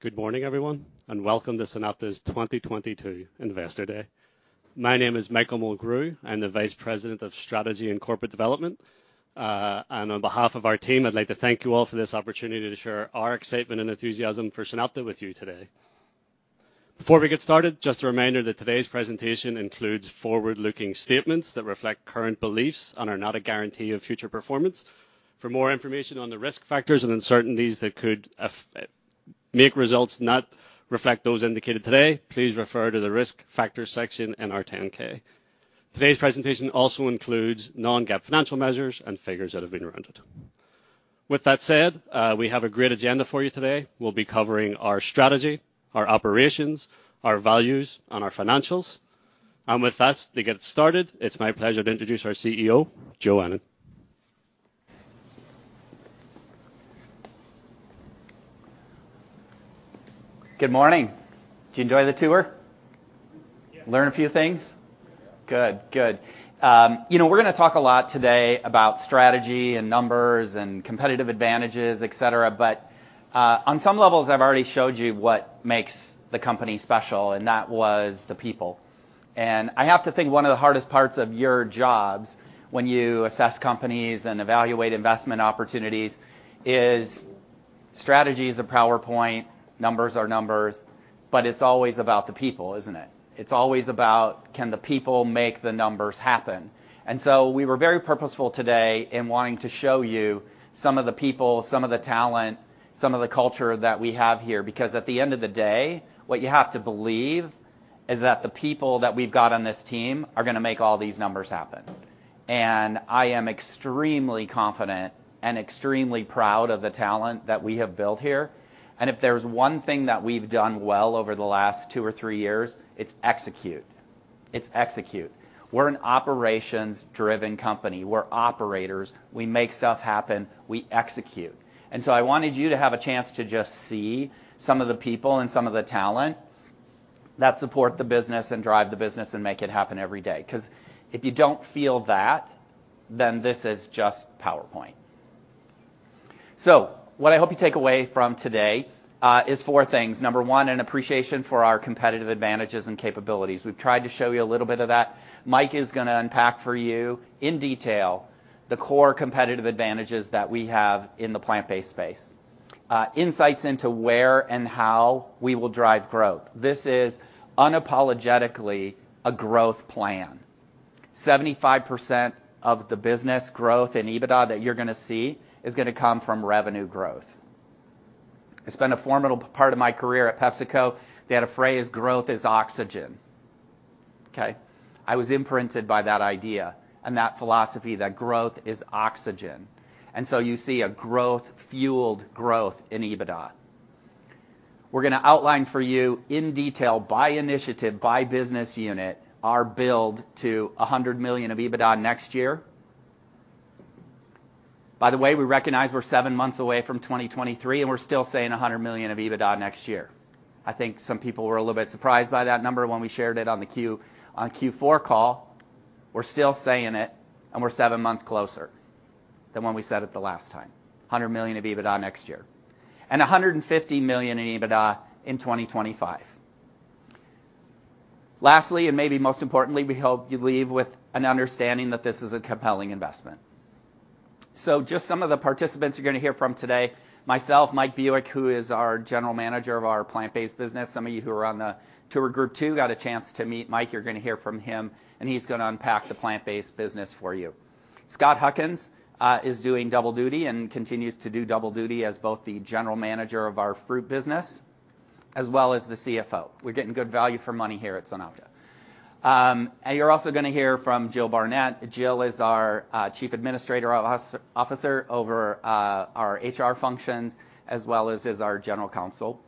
Good morning, everyone, and welcome to SunOpta's 2022 Investor Day. My name is Michael Mulgrew. I'm the Vice President of Strategy and Corporate Development. On behalf of our team, I'd like to thank you all for this opportunity to share our excitement and enthusiasm for SunOpta with you today. Before we get started, just a reminder that today's presentation includes forward-looking statements that reflect current beliefs and are not a guarantee of future performance. For more information on the risk factors and uncertainties that could make results not reflect those indicated today, please refer to the Risk Factors section in our 10-K. Today's presentation also includes non-GAAP financial measures and figures that have been rounded. With that said, we have a great agenda for you today. We'll be covering our strategy, our operations, our values, and our financials. With that, to get started, it's my pleasure to introduce or CEO, Joe Ennen. Good morning. Did you enjoy the tour? Learn a few things? Yeah. Good. Good. You know, we're gonna talk a lot today about strategy and numbers and competitive advantages, etc, but on some levels, I've already showed you what makes the company special, and that was the people. I have to think one of the hardest parts of your jobs when you assess companies and evaluate investment opportunities is strategy is a PowerPoint, numbers are numbers, but it's always about the people, isn't it? It's always about can the people make the numbers happen. We were very purposeful today in wanting to show you some of the people, some of the talent, some of the culture that we have here because at the end of the day, what you have to believe is that the people that we've got on this team are gonna make all these numbers happen. I am extremely confident and extremely proud of the talent that we have built here. If there's one thing that we've done well over the last two or three years, it's execute. We're an operations-driven company. We're operators. We make stuff happen. We execute. I wanted you to have a chance to just see some of the people and some of the talent that support the business and drive the business and make it happen every day 'cause if you don't feel that, then this is just PowerPoint. What I hope you take away from today is four things. Number one, an appreciation for our competitive advantages and capabilities. We've tried to show you a little bit of that. Mike is gonna unpack for you in detail the core competitive advantages that we have in the plant-based space. Insights into where and how we will drive growth. This is unapologetically a growth plan. 75% of the business growth and EBITDA that you're gonna see is gonna come from revenue growth. I spent a formidable part of my career at PepsiCo. They had a phrase, growth is oxygen. Okay? I was imprinted by that idea and that philosophy that growth is oxygen. You see a growth fueled growth in EBITDA. We're gonna outline for you in detail by initiative, by business unit, our build to $100 million of EBITDA next year. By the way, we recognize we're seven months away from 2023, and we're still saying $100 million of EBITDA next year. I think some people were a little bit surprised by that number when we shared it on the Q4 call. We're still saying it, and we're seven months closer than when we said it the last time. $100 million of EBITDA next year. 150 million in EBITDA in 2025. Lastly, and maybe most importantly, we hope you leave with an understanding that this is a compelling investment. Just some of the participants you're gonna hear from today, myself, Mike Buick, who is our general manager of our plant-based business. Some of you who are on the tour group two got a chance to meet Mike. You're gonna hear from him, and he's gonna unpack the plant-based business for you. Scott Huckins is doing double duty and continues to do double duty as both the general manager of our fruit business as well as the CFO. We're getting good value for money here at SunOpta. You're also gonna hear from Jill Barnett. Jill is our Chief Administrative Officer over our HR functions as well as is our General Counsel.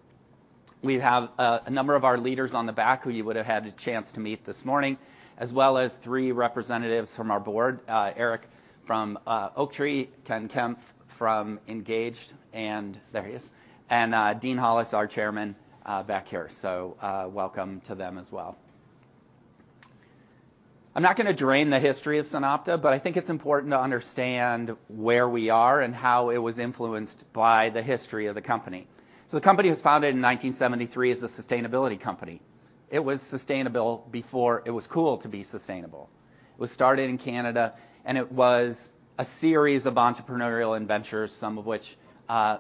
We have a number of our leaders on the back who you would have had a chance to meet this morning, as well as three representatives from our board, Eric from Oaktree, Ken Kempf from Engaged, and there he is, and Dean Hollis, our Chairman, back here. Welcome to them as well. I'm not gonna drain the history of SunOpta, but I think it's important to understand where we are and how it was influenced by the history of the company. The company was founded in 1973 as a sustainability company. It was sustainable before it was cool to be sustainable. It was started in Canada, and it was a series of entrepreneurial ventures, some of which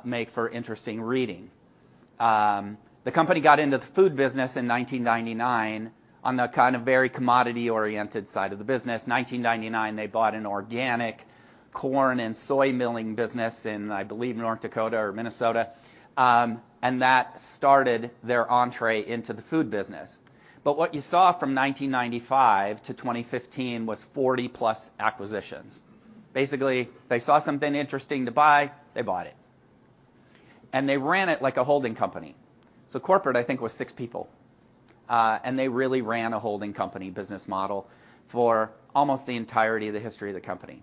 make for interesting reading. The company got into the food business in 1999 on the kind of very commodity-oriented side of the business. 1999, they bought an organic corn and soy milling business in, I believe, North Dakota or Minnesota, and that started their entree into the food business. What you saw from 1995 -2015 was 40+ acquisitions. Basically, they saw something interesting to buy, they bought it. They ran it like a holding company. Corporate, I think, was six people, and they really ran a holding company business model for almost the entirety of the history of the company.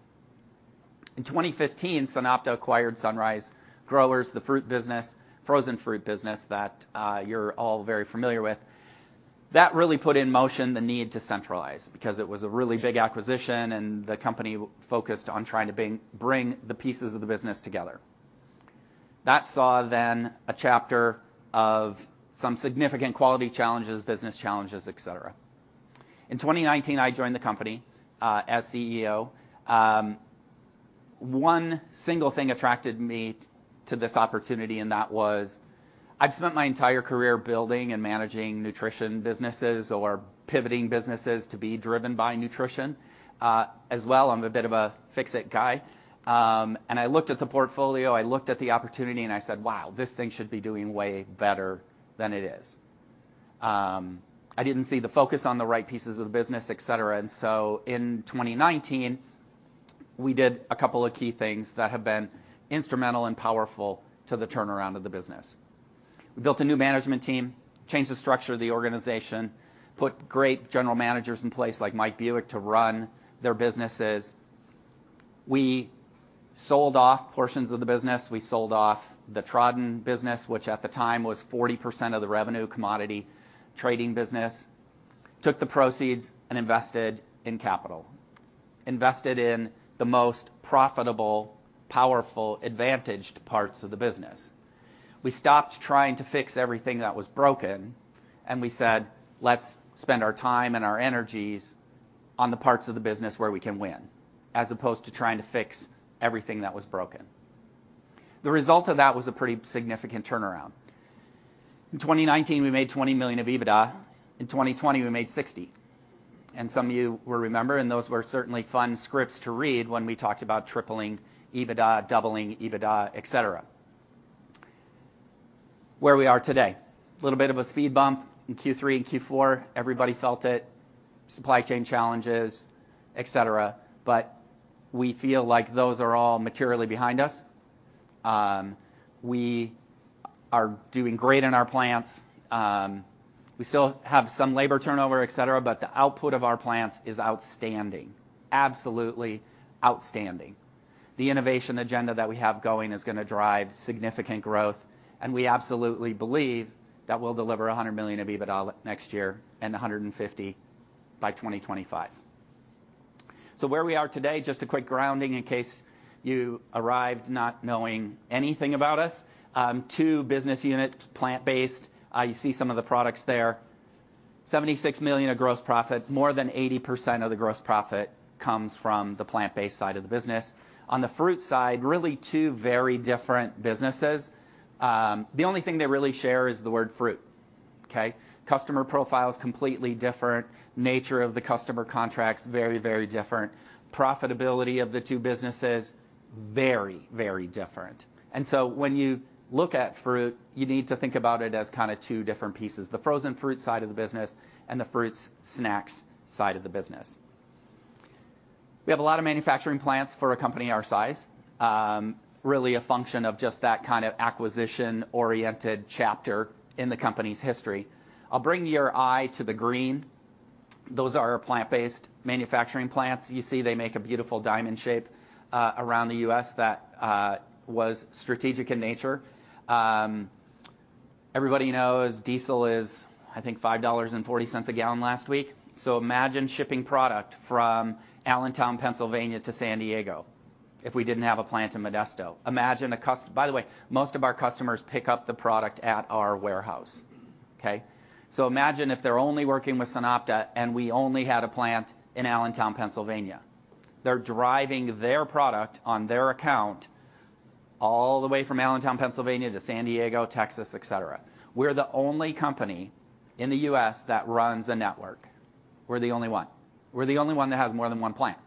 In 2015, SunOpta acquired Sunrise Growers, the fruit business, frozen fruit business that you're all very familiar with. That really put in motion the need to centralize because it was a really big acquisition, and the company focused on trying to bring the pieces of the business together. That saw then a chapter of some significant quality challenges, business challenges, etc. In 2019, I joined the company as CEO. One single thing attracted me to this opportunity, and that was I've spent my entire career building and managing nutrition businesses or pivoting businesses to be driven by nutrition. As well, I'm a bit of a fix-it guy. I looked at the portfolio, I looked at the opportunity, and I said, wow, this thing should be doing way better than it is. I didn't see the focus on the right pieces of the business, et cetera. In 2019, we did a couple of key things that have been instrumental and powerful to the turnaround of the business. We built a new management team, changed the structure of the organization, put great general managers in place like Mike Buick to run their businesses. We sold off portions of the business. We sold off the Tradin Organic business, which at the time was 40% of the revenue commodity trading business, took the proceeds and invested in capital, invested in the most profitable, powerful, advantaged parts of the business. We stopped trying to fix everything that was broken, and we said, let's spend our time and our energies on the parts of the business where we can win, as opposed to trying to fix everything that was broken. The result of that was a pretty significant turnaround. In 2019, we made $20 million of EBITDA. In 2020, we made $60 million. Some of you will remember, and those were certainly fun scripts to read when we talked about tripling EBITDA, doubling EBITDA, etc. Where we are today. A little bit of a speed bump in Q3 and Q4. Everybody felt it, supply chain challenges, etc. We feel like those are all materially behind us. We are doing great in our plants. We still have some labor turnover, etc, but the output of our plants is outstanding, absolutely outstanding. The innovation agenda that we have going is gonna drive significant growth, and we absolutely believe that we'll deliver $100 million of EBITDA next year and $150 million by 2025. Where we are today, just a quick grounding in case you arrived not knowing anything about us. Two business units, plant-based. You see some of the products there. $76 million of gross profit. More than 80% of the gross profit comes from the plant-based side of the business. On the fruit side, really two very different businesses. The only thing they really share is the word fruit. Okay. Customer profile is completely different. Nature of the customer contracts, very, very different. Profitability of the two businesses, very, very different. When you look at fruit, you need to think about it as kind of two different pieces, the frozen fruit side of the business and the fruit snacks side of the business. We have a lot of manufacturing plants for a company our size, really a function of just that kind of acquisition-oriented chapter in the company's history. I'll bring your eye to the green. Those are our plant-based manufacturing plants. You see they make a beautiful diamond shape around the U.S. that was strategic in nature. Everybody knows diesel is, I think, $5.40 a gallon last week. Imagine shipping product from Allentown, Pennsylvania to San Diego if we didn't have a plant in Modesto. By the way, most of our customers pick up the product at our warehouse. Okay? Imagine if they're only working with SunOpta and we only had a plant in Allentown, Pennsylvania. They're driving their product on their account all the way from Allentown, Pennsylvania to San Diego, Texas, etc. We're the only company in the U.S. that runs a network. We're the only one. We're the only one that has more than one plant.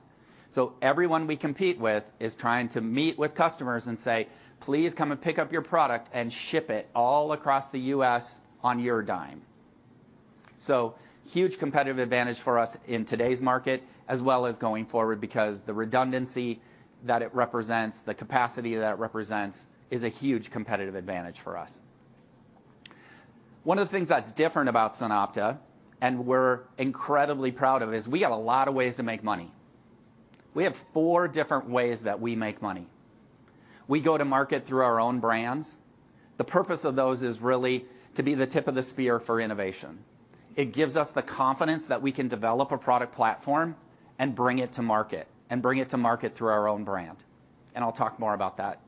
Everyone we compete with is trying to meet with customers and say, please come and pick up your product and ship it all across the U.S. on your dime. Huge competitive advantage for us in today's market as well as going forward because the redundancy that it represents, the capacity that it represents is a huge competitive advantage for us. One of the things that's different about SunOpta, and we're incredibly proud of, is we got a lot of ways to make money. We have four different ways that we make money. We go to market through our own brands. The purpose of those is really to be the tip of the spear for innovation. It gives us the confidence that we can develop a product platform and bring it to market, and bring it to market through our own brand, and I'll talk more about that.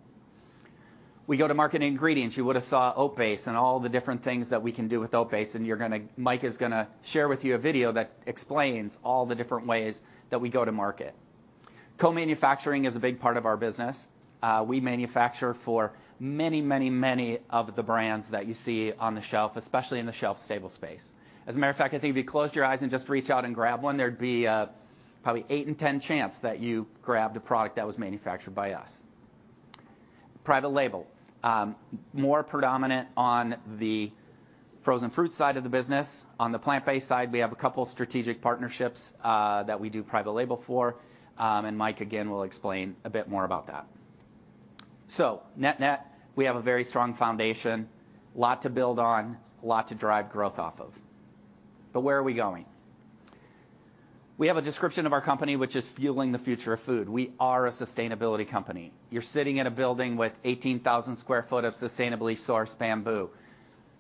We go to market ingredients. You would have saw oat base and all the different things that we can do with oat base, and you're gonna Mike is gonna share with you a video that explains all the different ways that we go to market. Co-manufacturing is a big part of our business. We manufacture for many, many, many of the brands that you see on the shelf, especially in the shelf stable space. As a matter of fact, I think if you closed your eyes and just reached out and grabbed one, there'd be a probably 8/10 chance that you grabbed a product that was manufactured by us. Private label. More predominant on the frozen fruit side of the business. On the plant-based side, we have a couple strategic partnerships that we do private label for, and Mike, again, will explain a bit more about that. Net-net, we have a very strong foundation, lot to build on, lot to drive growth off of. Where are we going? We have a description of our company which is fueling the future of food. We are a sustainability company. You're sitting in a building with 18,000 sq ft of sustainably sourced bamboo.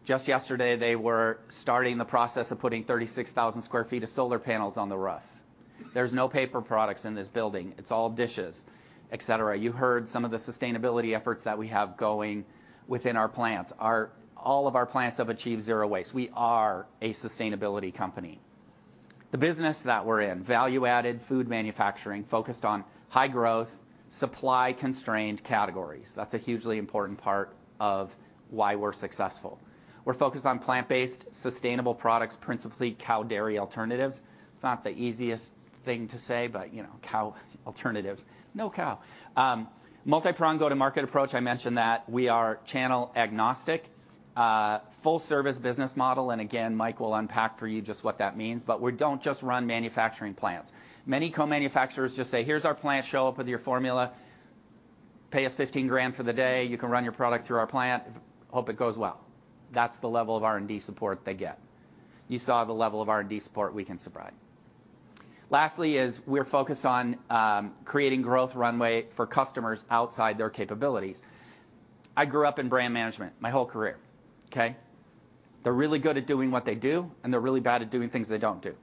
Just yesterday, they were starting the process of putting 36,000 sq ft of solar panels on the roof. There's no paper products in this building. It's all dishes, etc. You heard some of the sustainability efforts that we have going within our plants. All of our plants have achieved zero waste. We are a sustainability company. The business that we're in, value-added food manufacturing focused on high growth, supply constrained categories. That's a hugely important part of why we're successful. We're focused on plant-based sustainable products, principally cow dairy alternatives. It's not the easiest thing to say, but, you know, cow alternative. No cow. Multi-pronged go-to-market approach, I mentioned that. We are channel agnostic, full service business model, and again, Mike will unpack for you just what that means, but we don't just run manufacturing plants. Many co-manufacturers just say, here's our plant. Show up with your formula. Pay us $15,000 for the day. You can run your product through our plant. Hope it goes well. That's the level of R&D support they get. You saw the level of R&D support we can provide. Lastly is we're focused on creating growth runway for customers outside their capabilities. I grew up in brand management my whole career. Okay? They're really good at doing what they do, and they're really bad at doing things they don't do.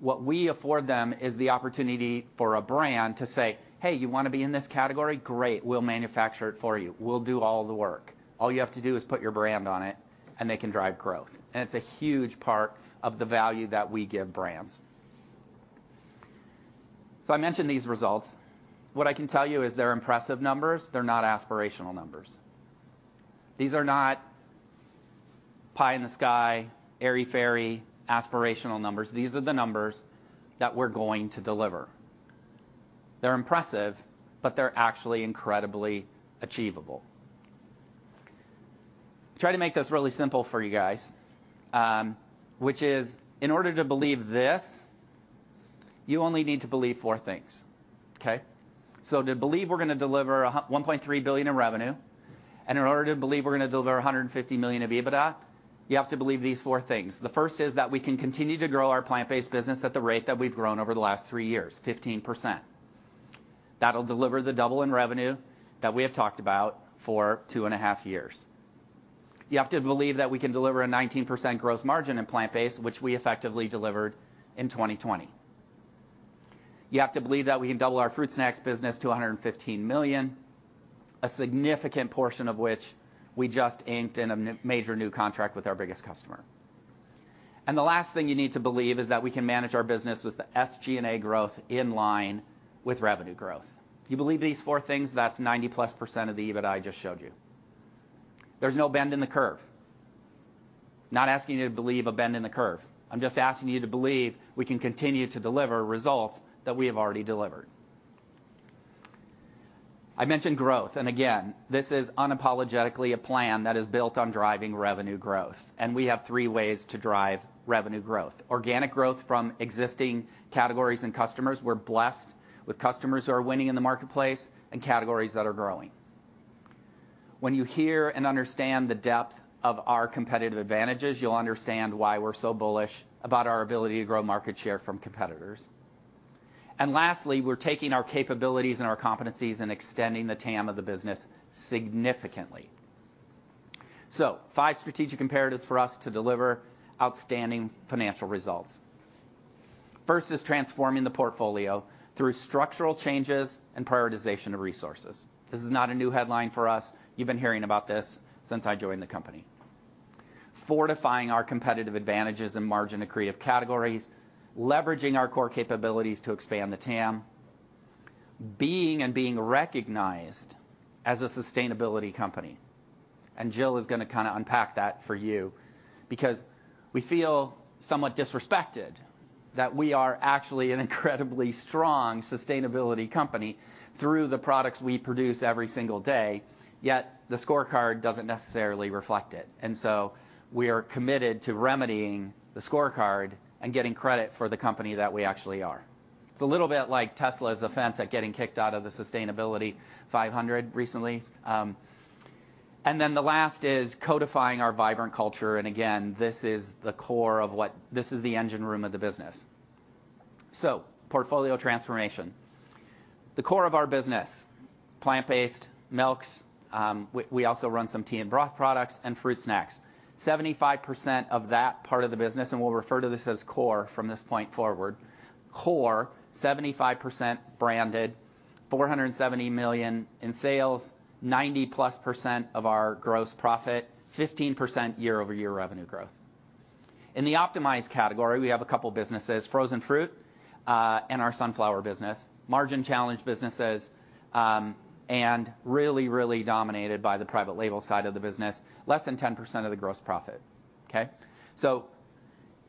What we afford them is the opportunity for a brand to say, hey, you wanna be in this category? Great. We'll manufacture it for you. We'll do all the work. All you have to do is put your brand on it, and they can drive growth. It's a huge part of the value that we give brands. I mentioned these results. What I can tell you is they're impressive numbers. They're not aspirational numbers. These are not pie in the sky, airy-fairy aspirational numbers. These are the numbers that we're going to deliver. They're impressive, but they're actually incredibly achievable. Try to make this really simple for you guys, which is in order to believe this, you only need to believe four things. Okay? To believe we're gonna deliver $1.3 billion in revenue, and in order to believe we're gonna deliver $150 million of EBITDA, you have to believe these four things. The first is that we can continue to grow our plant-based business at the rate that we've grown over the last three years, 15%. That'll deliver the double in revenue that we have talked about for 2.5 years. You have to believe that we can deliver a 19% gross margin in plant-based, which we effectively delivered in 2020. You have to believe that we can double our fruit snacks business to $115 million, a significant portion of which we just inked a major new contract with our biggest customer. The last thing you need to believe is that we can manage our business with the SG&A growth in line with revenue growth. If you believe these four things, that's 90%+ of the EBITDA I just showed you. There's no bend in the curve. Not asking you to believe a bend in the curve. I'm just asking you to believe we can continue to deliver results that we have already delivered. I mentioned growth, and again, this is unapologetically a plan that is built on driving revenue growth, and we have three ways to drive revenue growth. Organic growth from existing categories and customers. We're blessed with customers who are winning in the marketplace and categories that are growing. When you hear and understand the depth of our competitive advantages, you'll understand why we're so bullish about our ability to grow market share from competitors. Lastly, we're taking our capabilities and our competencies and extending the TAM of the business significantly. Five strategic imperatives for us to deliver outstanding financial results. First is transforming the portfolio through structural changes and prioritization of resources. This is not a new headline for us. You've been hearing about this since I joined the company. Fortifying our competitive advantages in margin-accretive categories, leveraging our core capabilities to expand the TAM, being recognized as a sustainability company, and Jill is gonna kinda unpack that for you because we feel somewhat disrespected that we are actually an incredibly strong sustainability company through the products we produce every single day, yet the scorecard doesn't necessarily reflect it. We are committed to remedying the scorecard and getting credit for the company that we actually are. It's a little bit like Tesla's offense at getting kicked out of the S&P 500 ESG Index recently, and then the last is codifying our vibrant culture, and again, this is the core of the engine room of the business. Portfolio transformation. The core of our business, plant-based milks, we also run some tea and broth products and fruit snacks. 75% of that part of the business, and we'll refer to this as core from this point forward, core, 75% branded, $470 million in sales, 90+% of our gross profit, 15% year-over-year revenue growth. In the optimized category, we have a couple businesses, frozen fruit, and our sunflower business. Margin-challenged businesses, and really, really dominated by the private label side of the business. Less than 10% of the gross profit.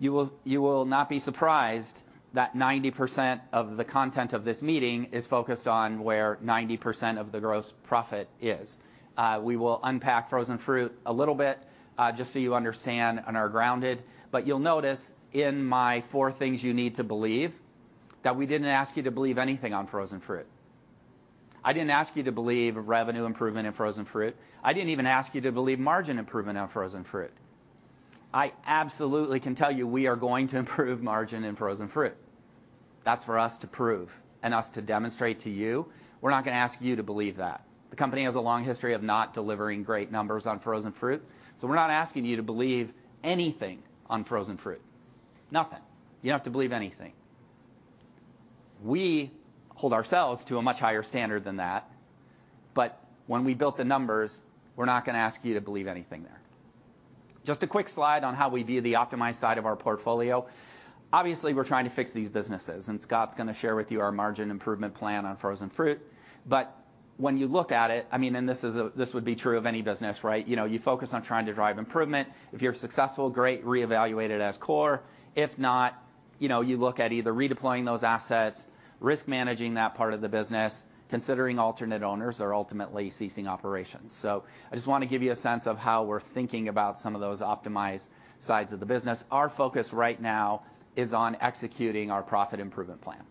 You will not be surprised that 90% of the content of this meeting is focused on where 90% of the gross profit is. We will unpack frozen fruit a little bit, just so you understand and are grounded, but you'll notice in my four things you need to believe that we didn't ask you to believe anything on frozen fruit. I didn't ask you to believe a revenue improvement in frozen fruit. I didn't even ask you to believe margin improvement on frozen fruit. I absolutely can tell you we are going to improve margin in frozen fruit. That's for us to prove and us to demonstrate to you. We're not gonna ask you to believe that. The company has a long history of not delivering great numbers on frozen fruit, so we're not asking you to believe anything on frozen fruit. Nothing. You don't have to believe anything. We hold ourselves to a much higher standard than that. When we built the numbers, we're not gonna ask you to believe anything there. Just a quick slide on how we view the optimized side of our portfolio. Obviously, we're trying to fix these businesses, and Scott's gonna share with you our margin improvement plan on frozen fruit. When you look at it, I mean, and this would be true of any business, right? You know, you focus on trying to drive improvement. If you're successful, great, reevaluate it as core. If not, you know, you look at either redeploying those assets, risk managing that part of the business, considering alternate owners or ultimately ceasing operations. I just wanna give you a sense of how we're thinking about some of those optimized sides of the business. Our focus right now is on executing our profit improvement plans.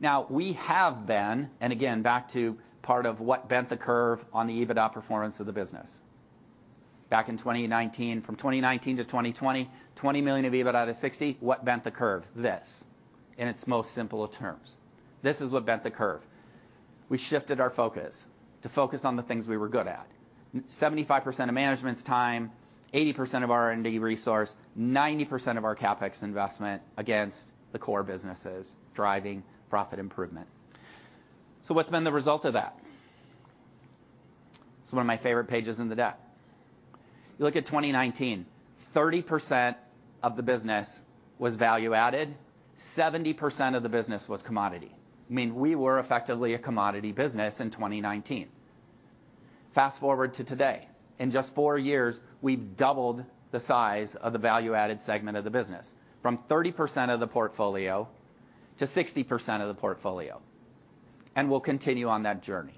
Now, we have been, and again, back to part of what bent the curve on the EBITDA performance of the business. Back in 2019, from 2019- 2020, $20 million of EBITDA to $60 million, what bent the curve? This, in its most simple of terms. This is what bent the curve. We shifted our focus to focus on the things we were good at. 75% of management's time, 80% of R&D resource, 90% of our CapEx investment against the core businesses driving profit improvement. What's been the result of that? It's one of my favorite pages in the deck. You look at 2019, 30% of the business was value added, 70% of the business was commodity. I mean, we were effectively a commodity business in 2019. Fast-forward to today. In just four years, we've doubled the size of the value-added segment of the business from 30% of the portfolio to 60% of the portfolio, and we'll continue on that journey.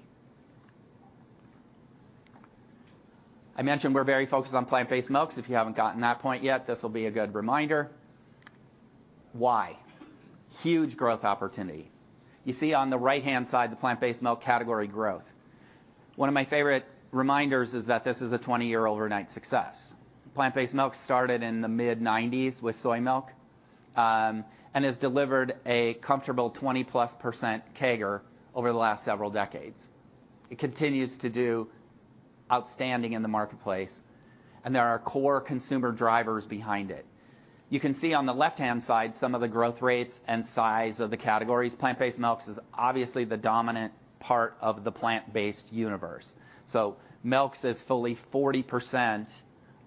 I mentioned we're very focused on plant-based milks. If you haven't gotten that point yet, this will be a good reminder. Why? Huge growth opportunity. You see on the right-hand side, the plant-based milk category growth. One of my favorite reminders is that this is a 20-year overnight success. Plant-based milk started in the mid-1990s with soy milk, and has delivered a comfortable 20%+ CAGR over the last several decades. It continues to do outstanding in the marketplace, and there are core consumer drivers behind it. You can see on the left-hand side some of the growth rates and size of the categories. Plant-based milks is obviously the dominant part of the plant-based universe. Milks is fully 40%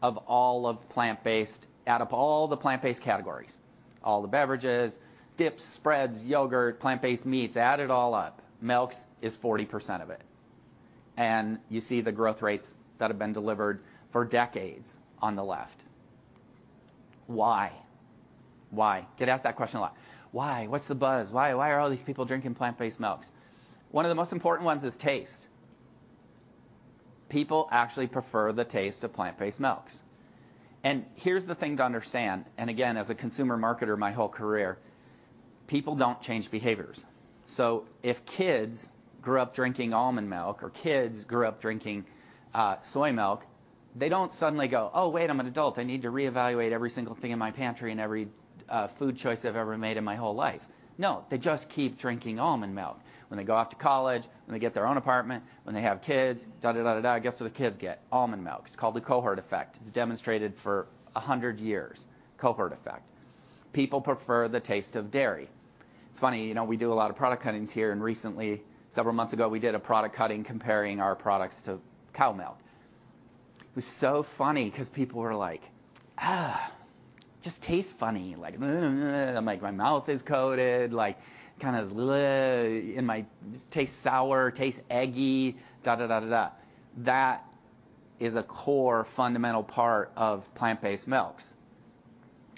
of all of plant-based, out of all the plant-based categories, all the beverages, dips, spreads, yogurt, plant-based meats, add it all up, milks is 40% of it. You see the growth rates that have been delivered for decades on the left. Why? Why? Get asked that question a lot. Why? What's the buzz? Why, why are all these people drinking plant-based milks? One of the most important ones is taste. People actually prefer the taste of plant-based milks. Here's the thing to understand, and again, as a consumer marketer my whole career, people don't change behaviors. If kids grew up drinking almond milk or kids grew up drinking soy milk, they don't suddenly go, ph, wait, I'm an adult. I need to reevaluate every single thing in my pantry and every food choice I've ever made in my whole life. No, they just keep drinking almond milk. When they go off to college, when they get their own apartment, when they have kids, da, da, da, guess what the kids get? Almond milk. It's called the cohort effect. It's demonstrated for 100 years. Cohort effect. People prefer the taste of dairy. It's funny, you know, we do a lot of product cuttings here, and recently, several months ago, we did a product cutting comparing our products to cow milk. It was so funny 'cause people were like, "Ah, just tastes funny. Like, ugh, ugh, I'm like my mouth is coated, like, kinda bleh. It tastes sour, tastes eggy, da, da, da. That is a core fundamental part of plant-based milks.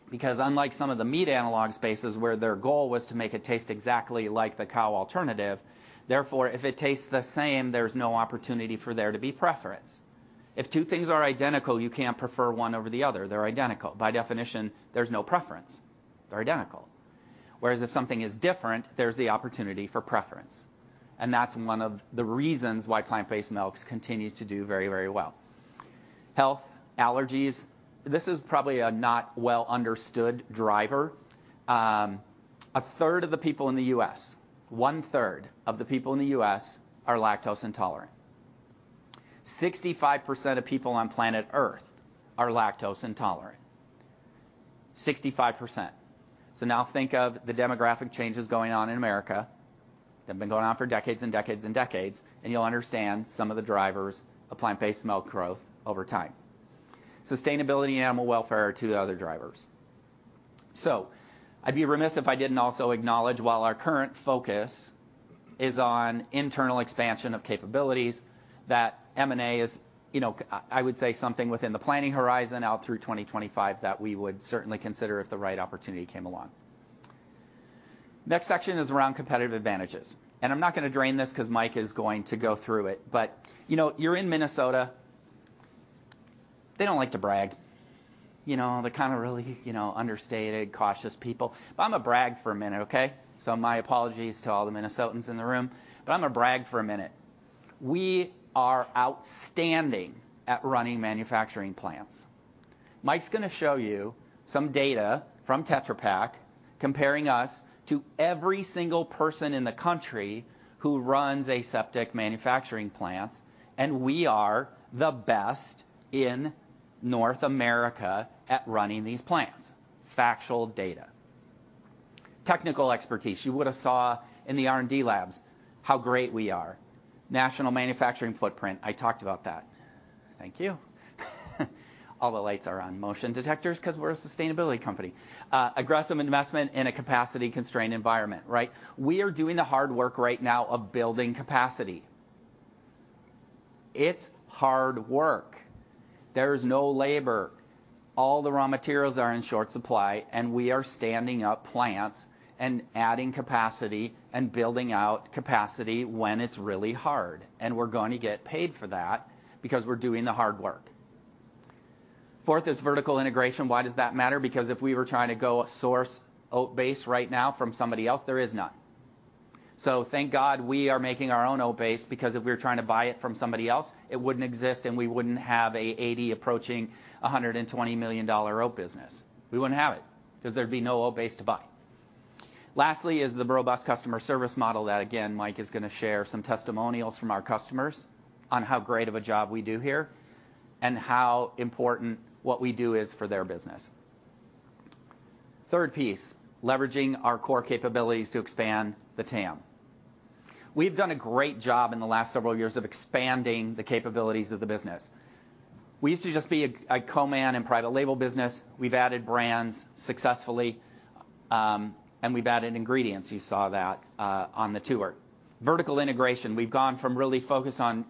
Because unlike some of the meat analog spaces where their goal was to make it taste exactly like the cow alternative, therefore, if it tastes the same, there's no opportunity for there to be preference. If two things are identical, you can't prefer one over the other. They're identical. By definition, there's no preference. They're identical. Whereas if something is different, there's the opportunity for preference, and that's one of the reasons why plant-based milks continue to do very, very well. Health, allergies, this is probably a not well-understood driver. A third of the people in the U.S., one-third of the people in the U.S. are lactose intolerant. 65% of people on planet Earth are lactose intolerant. 65%. Now think of the demographic changes going on in America that have been going on for decades and decades and decades, and you'll understand some of the drivers of plant-based milk growth over time. Sustainability and animal welfare are two other drivers. I'd be remiss if I didn't also acknowledge while our current focus is on internal expansion of capabilities, that M&A is, you know, I would say something within the planning horizon out through 2025 that we would certainly consider if the right opportunity came along. Next section is around competitive advantages, and I'm not gonna drill this 'cause Mike is going to go through it. You know, you're in Minnesota. They don't like to brag. You know, they're kind of really, you know, understated, cautious people. I'm gonna brag for a minute, okay. My apologies to all the Minnesotans in the room, but I'm gonna brag for a minute. We are outstanding at running manufacturing plants. Mike's gonna show you some data from Tetra Pak comparing us to every single person in the country who runs aseptic manufacturing plants, and we are the best in North America at running these plants. Factual data. Technical expertise. You would have saw in the R&D labs how great we are. National manufacturing footprint, I talked about that. Thank you. All the lights are on motion detectors 'cause we're a sustainability company. Aggressive investment in a capacity-constrained environment, right? We are doing the hard work right now of building capacity. It's hard work. There's no labor. All the raw materials are in short supply, and we are standing up plants and adding capacity and building out capacity when it's really hard. We're going to get paid for that because we're doing the hard work. Fourth is vertical integration. Why does that matter? Because if we were trying to go source oat base right now from somebody else, there is none. Thank God! We are making our own oat base because if we were trying to buy it from somebody else, it wouldn't exist, and we wouldn't have an $80 million-$120 million oat business. We wouldn't have it 'cause there'd be no oat base to buy. Lastly is the robust customer service model that, again, Mike is gonna share some testimonials from our customers on how great of a job we do here and how important what we do is for their business. Third piece, leveraging our core capabilities to expand the TAM. We've done a great job in the last several years of expanding the capabilities of the business. We used to just be a co-man and private label business. We've added brands successfully, and we've added ingredients. You saw that on the tour. Vertical integration. We've gone from really focused on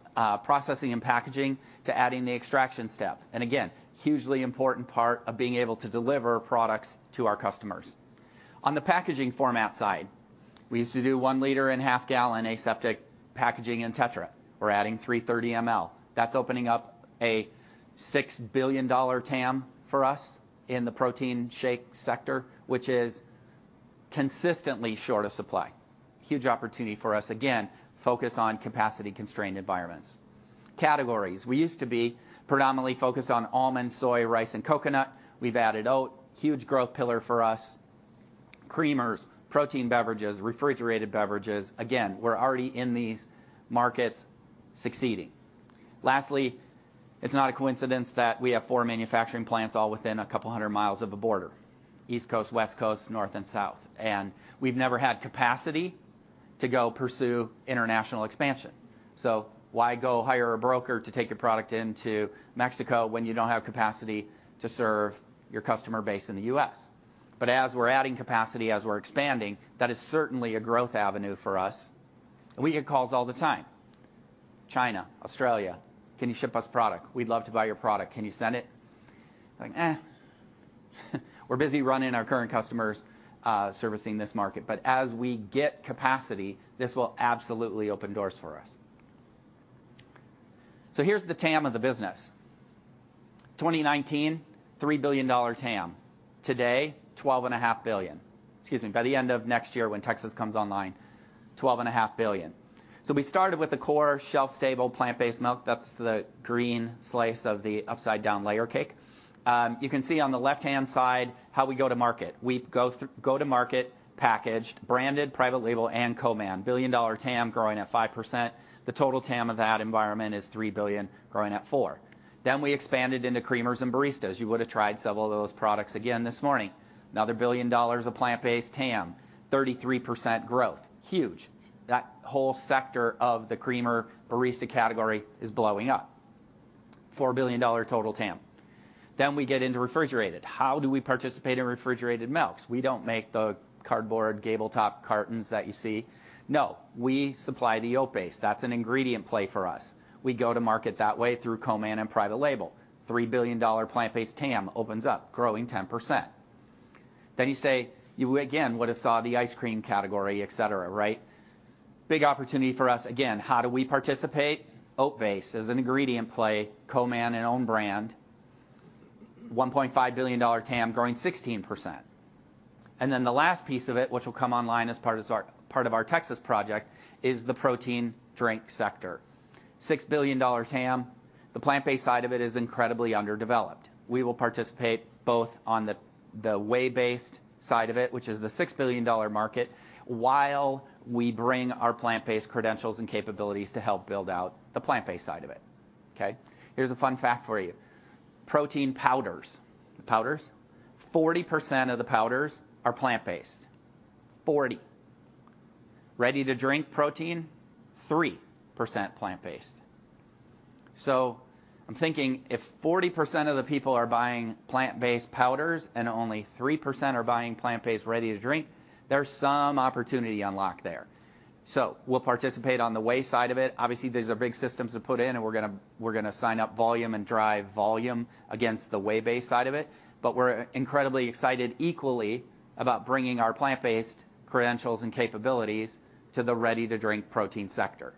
processing and packaging to adding the extraction step. Again, hugely important part of being able to deliver products to our customers. On the packaging format side, we used to do 1 L and half-gallon aseptic packaging in Tetra. We're adding 330 ml. That's opening up a $6 billion TAM for us in the protein shake sector, which is consistently short of supply. Huge opportunity for us. Again, focus on capacity-constrained environments. Categories. We used to be predominantly focused on almond, soy, rice, and coconut. We've added oat, huge growth pillar for us, creamers, protein beverages, refrigerated beverages. Again, we're already in these markets succeeding. Lastly, it's not a coincidence that we have four manufacturing plants all within a couple 100 mi of a border, east coast, west coast, north and south, and we've never had capacity to go pursue international expansion. Why go hire a broker to take your product into Mexico when you don't have capacity to serve your customer base in the U.S.? As we're adding capacity, as we're expanding, that is certainly a growth avenue for us, and we get calls all the time. China, Australia, can you ship us product? We'd love to buy your product. Can you send it? Like. We're busy running our current customers, servicing this market. As we get capacity, this will absolutely open doors for us. Here's the TAM of the business. 2019, $3 billion TAM. Today, $12.5 billion. Excuse me, by the end of next year, when Texas comes online, $12.5 billion. We started with the core shelf-stable plant-based milk. That's the green slice of the upside-down layer cake. You can see on the left-hand side how we go to market. We go to market packaged, branded, private label, and co-man. $1 billion TAM growing at 5%. The total TAM of that environment is $3 billion growing at 4%. We expanded into creamers and baristas. You would've tried several of those products again this morning. Another $1 billion of plant-based TAM, 33% growth. Huge. That whole sector of the creamer barista category is blowing up. $4 billion total TAM. We get into refrigerated. How do we participate in refrigerated milks? We don't make the cardboard gable top cartons that you see. No, we supply the oat base. That's an ingredient play for us. We go to market that way through co-man and private label. $3 billion plant-based TAM opens up, growing 10%. Then you say, you again would've saw the ice cream category, et cetera, right? Big opportunity for us. Again, how do we participate? Oat base as an ingredient play, co-man and own brand, $1.5 billion TAM growing 16%. The last piece of it, which will come online as part of our Texas project, is the protein drink sector. $6 billion TAM. The plant-based side of it is incredibly underdeveloped. We will participate both on the whey-based side of it, which is the $6 billion market, while we bring our plant-based credentials and capabilities to help build out the plant-based side of it. Okay? Here's a fun fact for you. Protein powders. The powders, 40% of the powders are plant based. 40%. Ready-to-drink protein, 3% plant based. I'm thinking if 40% of the people are buying plant-based powders and only 3% are buying plant-based ready-to-drink, there's some opportunity unlocked there. We'll participate on the whey side of it. Obviously, these are big systems to put in, and we're gonna sign up volume and drive volume against the whey-based side of it. We're incredibly excited equally about bringing our plant-based credentials and capabilities to the ready-to-drink protein sector.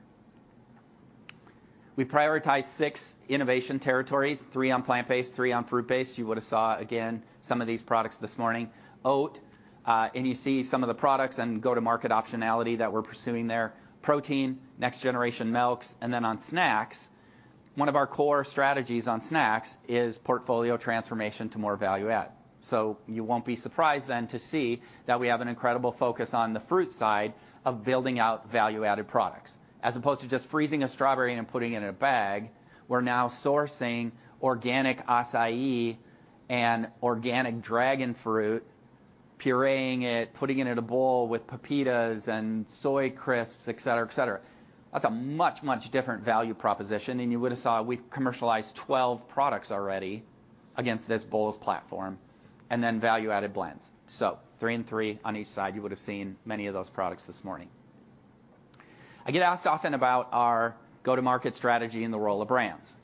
We prioritize six innovation territories, three on plant-based, three on fruit-based. You would've saw, again, some of these products this morning. Oat, and you see some of the products and go-to-market optionality that we're pursuing there. Protein, next generation milks, and then on snacks, one of our core strategies on snacks is portfolio transformation to more value add. You won't be surprised then to see that we have an incredible focus on the fruit side of building out value-added products. As opposed to just freezing a strawberry and putting it in a bag, we're now sourcing organic acai and organic dragon fruit, pureeing it, putting it in a bowl with pepitas and soy crisps, et cetera, et cetera. That's a much, much different value proposition, and you would've saw we've commercialized 12 products already against this bowls platform, and then value-added blends. Three and three on each side. You would've seen many of those products this morning. I get asked often about our go-to-market strategy and the role of brands.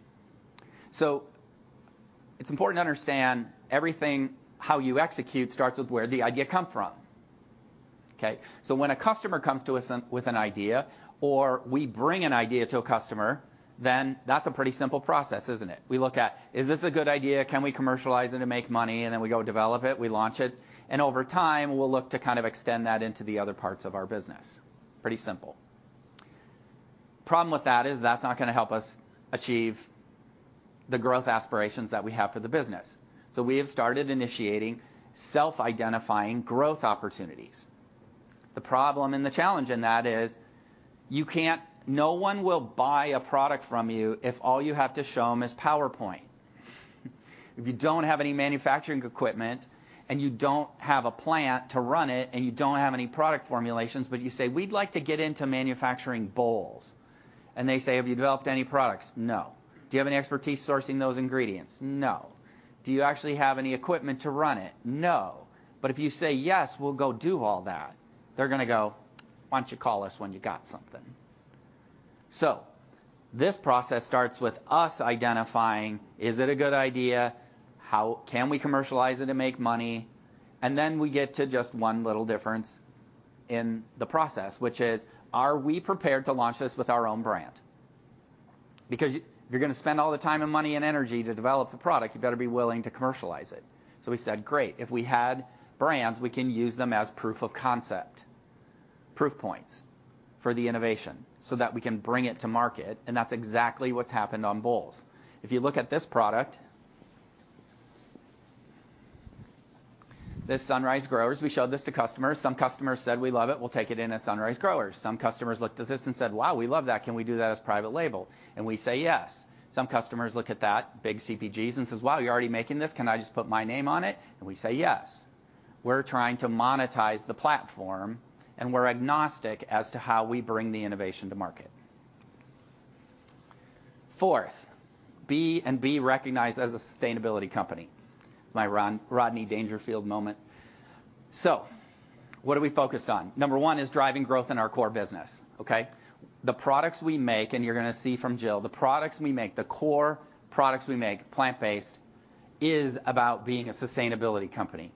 It's important to understand everything, how you execute starts with where the idea come from. Okay? When a customer comes to us with an idea or we bring an idea to a customer, then that's a pretty simple process, isn't it? We look at, is this a good idea? Can we commercialize it and make money? Then we go develop it, we launch it, and over time, we'll look to kind of extend that into the other parts of our business. Pretty simple. Problem with that is that's not gonna help us achieve the growth aspirations that we have for the business. We have started initiating self-identifying growth opportunities. The problem and the challenge in that is no one will buy a product from you if all you have to show them is PowerPoint. If you don't have any manufacturing equipment, and you don't have a plant to run it, and you don't have any product formulations, but you say, we'd like to get into manufacturing bowls. They say, have you developed any products? No. Do you have any expertise sourcing those ingredients? No. Do you actually have any equipment to run it? No. If you say, yes, we'll go do all that, they're gonna go, why don't you call us when you got something? This process starts with us identifying, is it a good idea? How can we commercialize it and make money? We get to just one little difference in the process, which is, are we prepared to launch this with our own brand? Because if you're gonna spend all the time and money and energy to develop the product, you better be willing to commercialize it. We said, great, if we had brands, we can use them as proof of concept, proof points for the innovation so that we can bring it to market, and that's exactly what's happened on bowls. If you look at this product, this Sunrise Growers, we showed this to customers. Some customers said, we love it. We'll take it in as Sunrise Growers. Some customers looked at this and said, wow, we love that. Can we do that as private label? We say, yes. Some customers look at that, big CPGs, and says, wow, you're already making this. Can I just put my name on it? We say, yes. We're trying to monetize the platform, and we're agnostic as to how we bring the innovation to market. Fourth, be and be recognized as a sustainability company. It's my Rodney Dangerfield moment. What are we focused on? Number one is driving growth in our core business, okay? The products we make, and you're gonna see from Jill, the products we make, the core products we make, plant-based, is about being a sustainability company.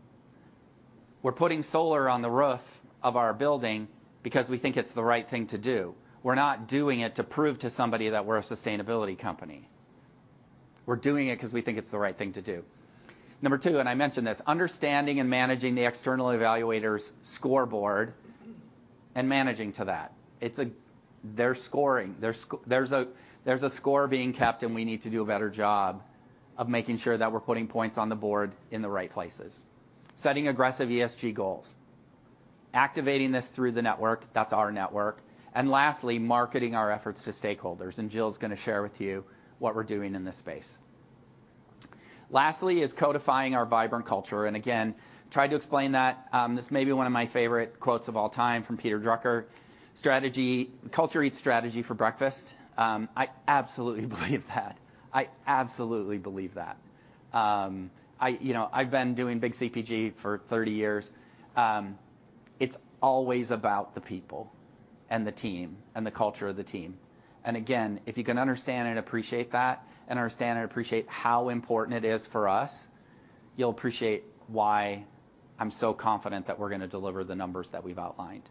We're putting solar on the roof of our building because we think it's the right thing to do. We're not doing it to prove to somebody that we're a sustainability company. We're doing it 'cause we think it's the right thing to do. Number two, I mentioned this, understanding and managing the external evaluator's scoreboard and managing to that. They're scoring. There's a score being kept, and we need to do a better job of making sure that we're putting points on the board in the right places. Setting aggressive ESG goals. Activating this through the network. That's our network. Lastly, marketing our efforts to stakeholders, and Jill's gonna share with you what we're doing in this space. Lastly is codifying our vibrant culture, and again, tried to explain that, this may be one of my favorite quotes of all time from Peter Drucker. Strategy. Culture eats strategy for breakfast. I absolutely believe that. You know, I've been doing big CPG for 30 years. It's always about the people and the team and the culture of the team. Again, if you can understand and appreciate that and understand and appreciate how important it is for us, you'll appreciate why I'm so confident that we're gonna deliver the numbers that we've outlined.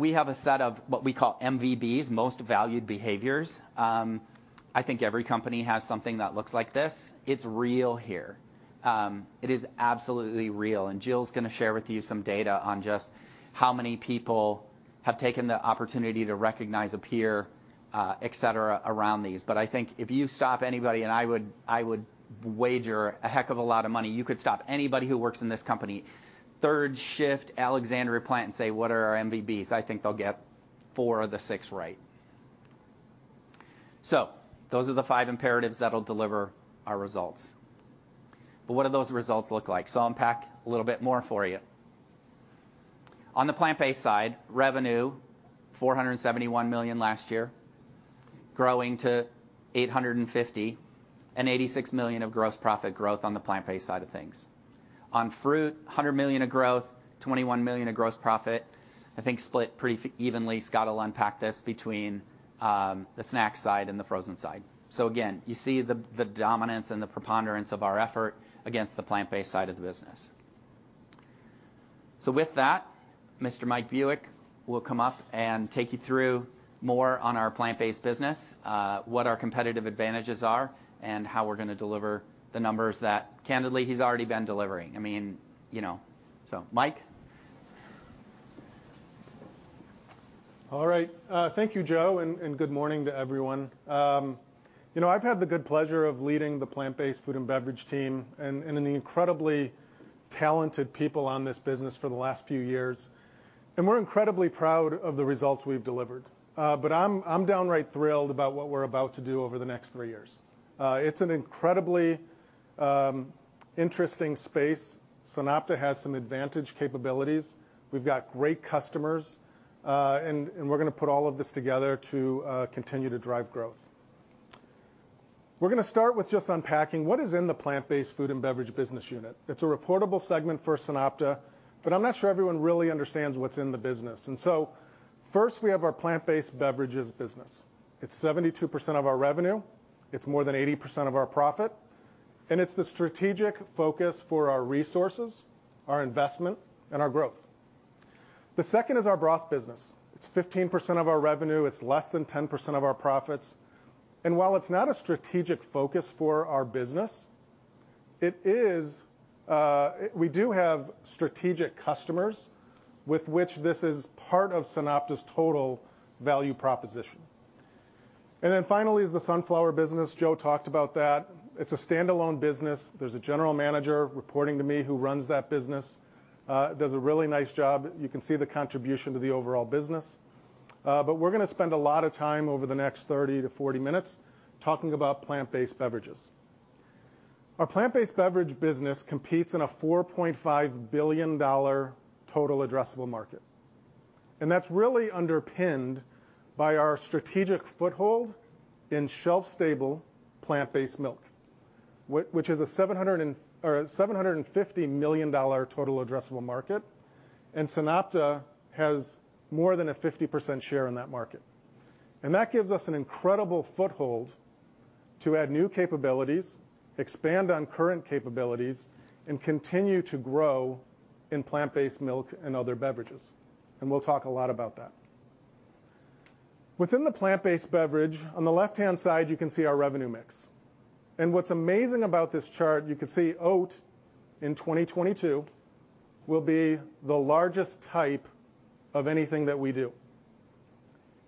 We have a set of what we call MVBs, Most Valued Behaviors. I think every company has something that looks like this. It's real here. It is absolutely real, and Jill's gonna share with you some data on just how many people have taken the opportunity to recognize a peer, et cetera, around these. I think if you stop anybody, and I would wager a heck of a lot of money, you could stop anybody who works in this company, third shift, Alexandria plant, and say, what are our MVBs? I think they'll get 4/6 right. Those are the five imperatives that'll deliver our results. What do those results look like? I'll unpack a little bit more for you. On the plant-based side, revenue $471 million last year, growing to $850 million, and $86 million of gross profit growth on the plant-based side of things. On fruit, $100 million of growth, $21 million of gross profit, I think split pretty evenly. Scott will unpack this, between the snack side and the frozen side. Again, you see the dominance and the preponderance of our effort against the plant-based side of the business. With that, Mr. Mike Buick will come up and take you through more on our plant-based business, what our competitive advantages are, and how we're gonna deliver the numbers that candidly he's already been delivering. I mean, you know, Mike. All right. Thank you, Joe, and good morning to everyone. You know, I've had the good pleasure of leading the plant-based food and beverage team and the incredibly talented people on this business for the last few years. We're incredibly proud of the results we've delivered. But I'm downright thrilled about what we're about to do over the next three years. It's an incredibly interesting space. SunOpta has some advantaged capabilities. We've got great customers, and we're gonna put all of this together to continue to drive growth. We're gonna start with just unpacking what is in the plant-based food and beverage business unit. It's a reportable segment for SunOpta, but I'm not sure everyone really understands what's in the business. First, we have our plant-based beverages business. It's 72% of our revenue, it's more than 80% of our profit, and it's the strategic focus for our resources, our investment, and our growth. The second is our broth business. It's 15% of our revenue, it's less than 10% of our profits. While it's not a strategic focus for our business, it is, we do have strategic customers with which this is part of SunOpta's total value proposition. Then finally is the sunflower business. Joe talked about that. It's a standalone business. There's a general manager reporting to me who runs that business, does a really nice job. You can see the contribution to the overall business. But we're gonna spend a lot of time over the next 30-40 minutes talking about plant-based beverages. Our plant-based beverage business competes in a $4.5 billion total addressable market, and that's really underpinned by our strategic foothold in shelf stable plant-based milk, which is a $750 million total addressable market, and SunOpta has more than a 50% share in that market. That gives us an incredible foothold to add new capabilities, expand on current capabilities, and continue to grow in plant-based milk and other beverages. We'll talk a lot about that. Within the plant-based beverage, on the left-hand side, you can see our revenue mix. What's amazing about this chart, you can see oat in 2022 will be the largest type of anything that we do.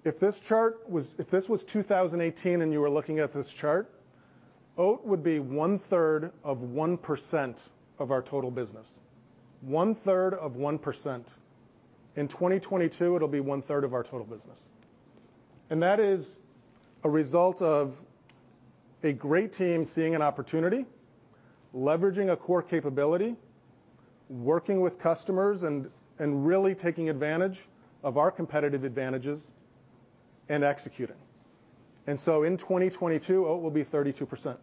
If this was 2018 and you were looking at this chart, oat would be 1/3 of 1% of our total business. 1/3 of 1%. In 2022, it'll be 1/3 of our total business. That is a result of a great team seeing an opportunity, leveraging a core capability, working with customers and really taking advantage of our competitive advantages, and executing. In 2022, oat will be 32%.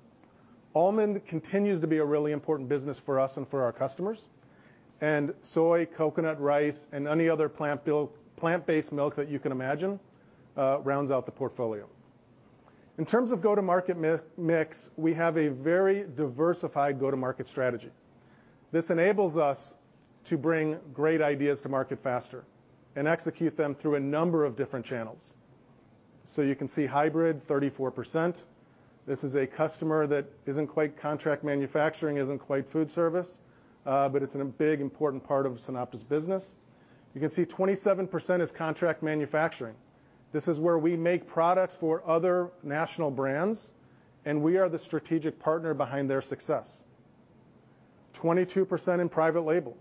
Almond continues to be a really important business for us and for our customers. Soy, coconut, rice, and any other plant-based milk that you can imagine rounds out the portfolio. In terms of go-to-market mix, we have a very diversified go-to-market strategy. This enables us to bring great ideas to market faster and execute them through a number of different channels. You can see hybrid, 34%. This is a customer that isn't quite contract manufacturing, isn't quite food service, but it's a big, important part of SunOpta's business. You can see 27% is contract manufacturing. This is where we make products for other national brands, and we are the strategic partner behind their success. 22% in private label.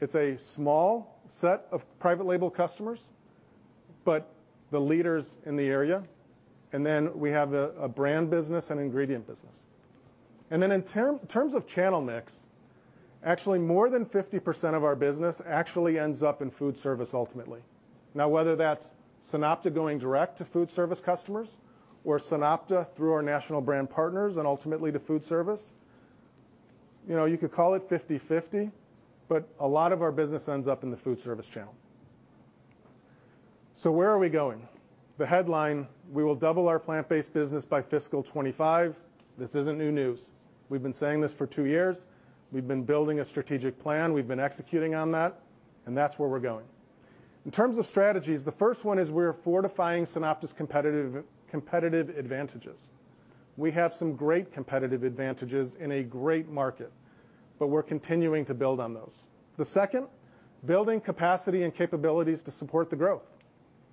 It's a small set of private label customers, but the leaders in the area. Then we have a brand business and ingredient business. Then in terms of channel mix, actually more than 50% of our business actually ends up in food service ultimately. Now, whether that's SunOpta going direct to food service customers or SunOpta through our national brand partners and ultimately to food service, you know, you could call it 50/50, but a lot of our business ends up in the food service channel. Where are we going? The headline, we will double our plant-based business by fiscal 2025. This isn't new news. We've been saying this for two years. We've been building a strategic plan. We've been executing on that, and that's where we're going. In terms of strategies, the first one is we're fortifying SunOpta's competitive advantages. We have some great competitive advantages in a great market, but we're continuing to build on those. The second, building capacity and capabilities to support the growth.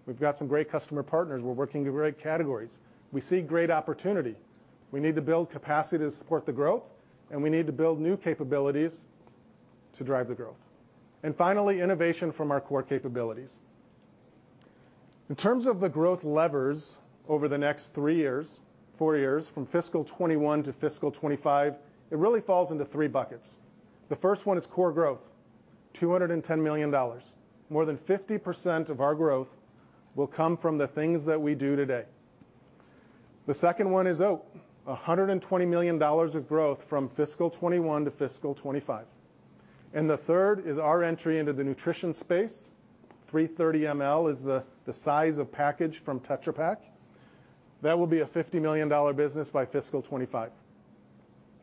We've got some great customer partners. We're working in great categories. We see great opportunity. We need to build capacity to support the growth, and we need to build new capabilities to drive the growth. Finally, innovation from our core capabilities. In terms of the growth levers over the next three years, four years, from fiscal 2021 to fiscal 2025, it really falls into three buckets. The first one is core growth, $210 million. More than 50% of our growth will come from the things that we do today. The second one is oat. $120 million of growth from fiscal 2021 to fiscal 2025. The third is our entry into the nutrition space. 330 ml is the size of package from Tetra Pak. That will be a $50 million business by fiscal 2025.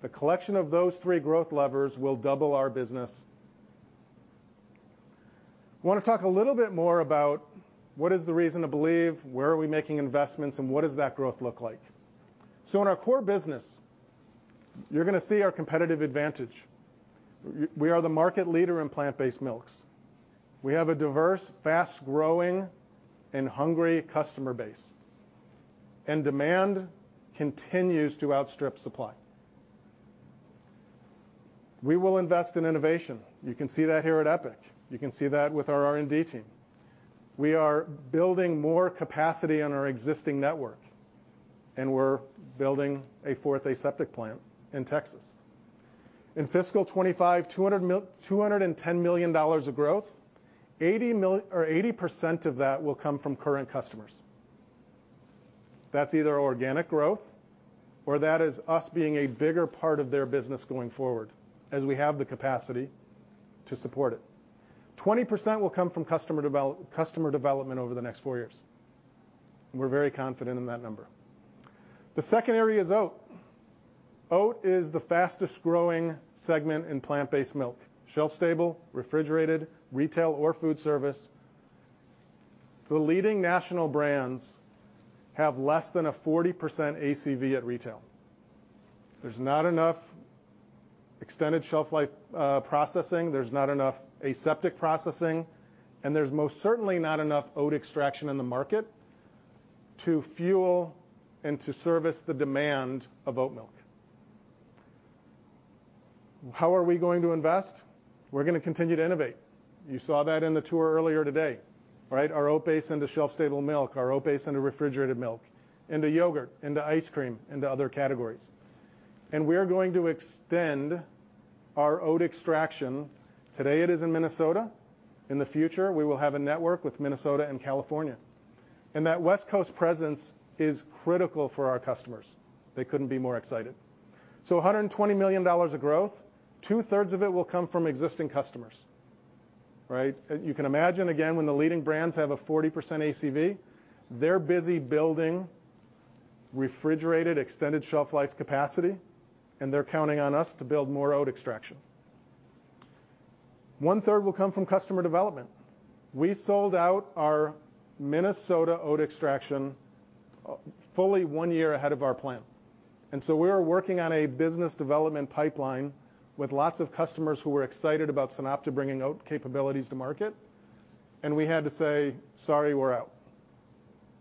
The collection of those three growth levers will double our business. I wanna talk a little bit more about what is the reason to believe, where are we making investments, and what does that growth look like? In our core business, you're gonna see our competitive advantage. We are the market leader in plant-based milks. We have a diverse, fast-growing, and hungry customer base, and demand continues to outstrip supply. We will invest in innovation. You can see that here at EPIC. You can see that with our R&D team. We are building more capacity on our existing network, and we're building a fourth aseptic plant in Texas. In fiscal 2025, $210 million of growth, 80% of that will come from current customers. That's either organic growth or that is us being a bigger part of their business going forward as we have the capacity to support it. 20% will come from customer development over the next four years. We're very confident in that number. The second area is oat. Oat is the fastest-growing segment in plant-based milk. Shelf-stable, refrigerated, retail or food service. The leading national brands have less than a 40% ACV at retail. There's not enough extended shelf life, processing, there's not enough aseptic processing, and there's most certainly not enough oat extraction in the market to fuel and to service the demand of oat milk. How are we going to invest? We're gonna continue to innovate. You saw that in the tour earlier today, right? Our oat-based into shelf-stable milk, our oat-based into refrigerated milk, into yogurt, into ice cream, into other categories. We're going to extend our oat extraction. Today it is in Minnesota. In the future, we will have a network with Minnesota and California. That West Coast presence is critical for our customers. They couldn't be more excited. A $120 million of growth, 2/3 of it will come from existing customers, right? You can imagine, again, when the leading brands have a 40% ACV, they're busy building refrigerated extended shelf life capacity, and they're counting on us to build more oat extraction. 1/3 will come from customer development. We sold out our Minnesota oat extraction fully one year ahead of our plan. We're working on a business development pipeline with lots of customers who were excited about SunOpta bringing oat capabilities to market, and we had to say, sorry, we're out.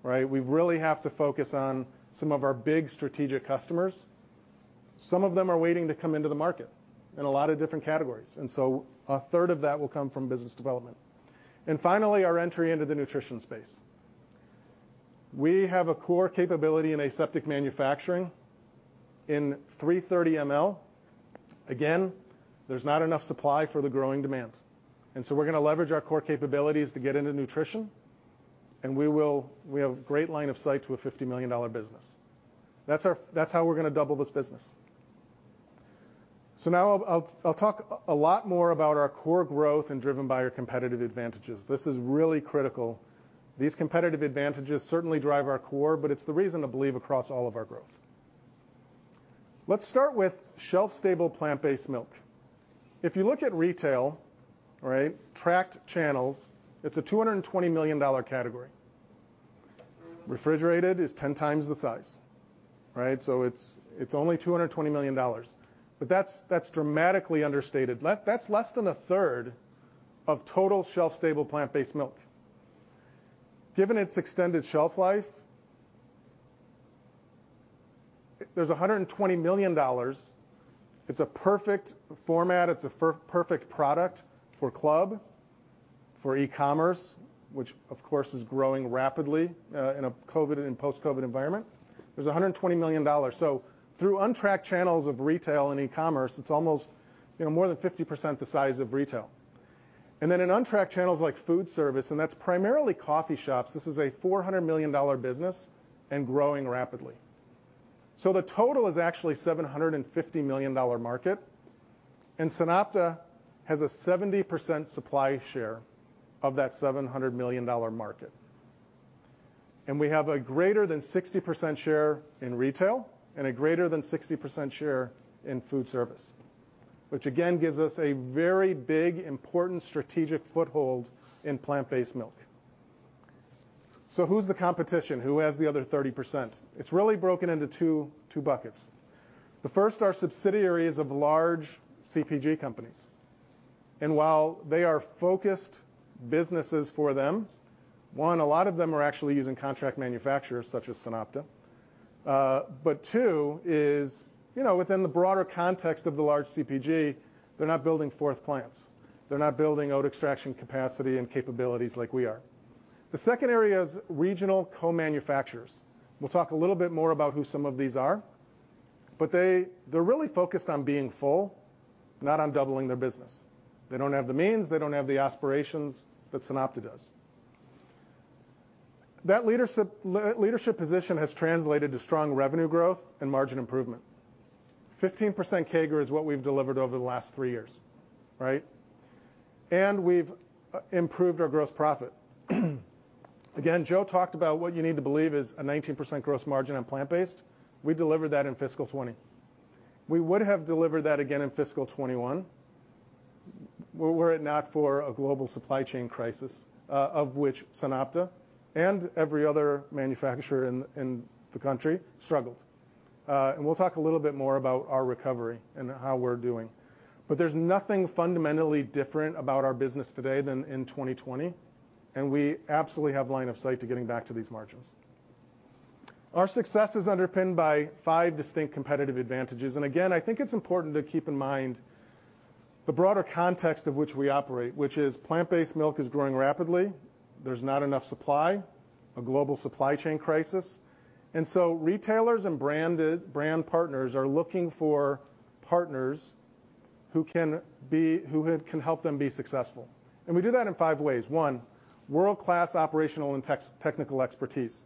Right? We really have to focus on some of our big strategic customers. Some of them are waiting to come into the market in a lot of different categories. 1/3 of that will come from business development. Finally, our entry into the nutrition space. We have a core capability in aseptic manufacturing in 330 ml. Again, there's not enough supply for the growing demand. We're gonna leverage our core capabilities to get into nutrition, and we have great line of sight to a $50 million business. That's how we're gonna double this business. Now I'll talk a lot more about our core growth driven by our competitive advantages. This is really critical. These competitive advantages certainly drive our core, but it's the reason to believe across all of our growth. Let's start with shelf-stable plant-based milk. If you look at retail, right, tracked channels, it's a $220 million category. Refrigerated is 10x the size, right? It's only $220 million, but that's dramatically understated. That's less than a third of total shelf-stable plant-based milk. Given its extended shelf life, there's $120 million. It's a perfect format. It's a perfect product for club, for e-commerce, which of course is growing rapidly in a COVID and post-COVID environment. There's $120 million. Through untracked channels of retail and e-commerce, it's almost, you know, more than 50% the size of retail. Then in untracked channels like food service, and that's primarily coffee shops, this is a $400 million business and growing rapidly. The total is actually a $750 million market, and SunOpta has a 70% supply share of that $700 million market. We have a greater than 60% share in retail and a greater than 60% share in food service, which again gives us a very big, important strategic foothold in plant-based milk. Who's the competition? Who has the other 30%? It's really broken into two buckets. The first are subsidiaries of large CPG companies, and while they are focused businesses for them, one, a lot of them are actually using contract manufacturers such as SunOpta. But two is, you know, within the broader context of the large CPG, they're not building more plants. They're not building oat extraction capacity and capabilities like we are. The second area is regional co-manufacturers. We'll talk a little bit more about who some of these are, but they're really focused on being full, not on doubling their business. They don't have the means, they don't have the aspirations that SunOpta does. That leadership position has translated to strong revenue growth and margin improvement. 15% CAGR is what we've delivered over the last three years, right? We've improved our gross profit. Again, Joe talked about what you need to believe is a 19% gross margin on plant-based. We delivered that in fiscal 2020. We would have delivered that again in fiscal 2021 were it not for a global supply chain crisis, of which SunOpta and every other manufacturer in the country struggled. We'll talk a little bit more about our recovery and how we're doing. There's nothing fundamentally different about our business today than in 2020, and we absolutely have line of sight to getting back to these margins. Our success is underpinned by five distinct competitive advantages, and again, I think it's important to keep in mind the broader context of which we operate, which is plant-based milk is growing rapidly, there's not enough supply, a global supply chain crisis, and so retailers and branded brand partners are looking for partners who can help them be successful. We do that in five ways. One, world-class operational and technical expertise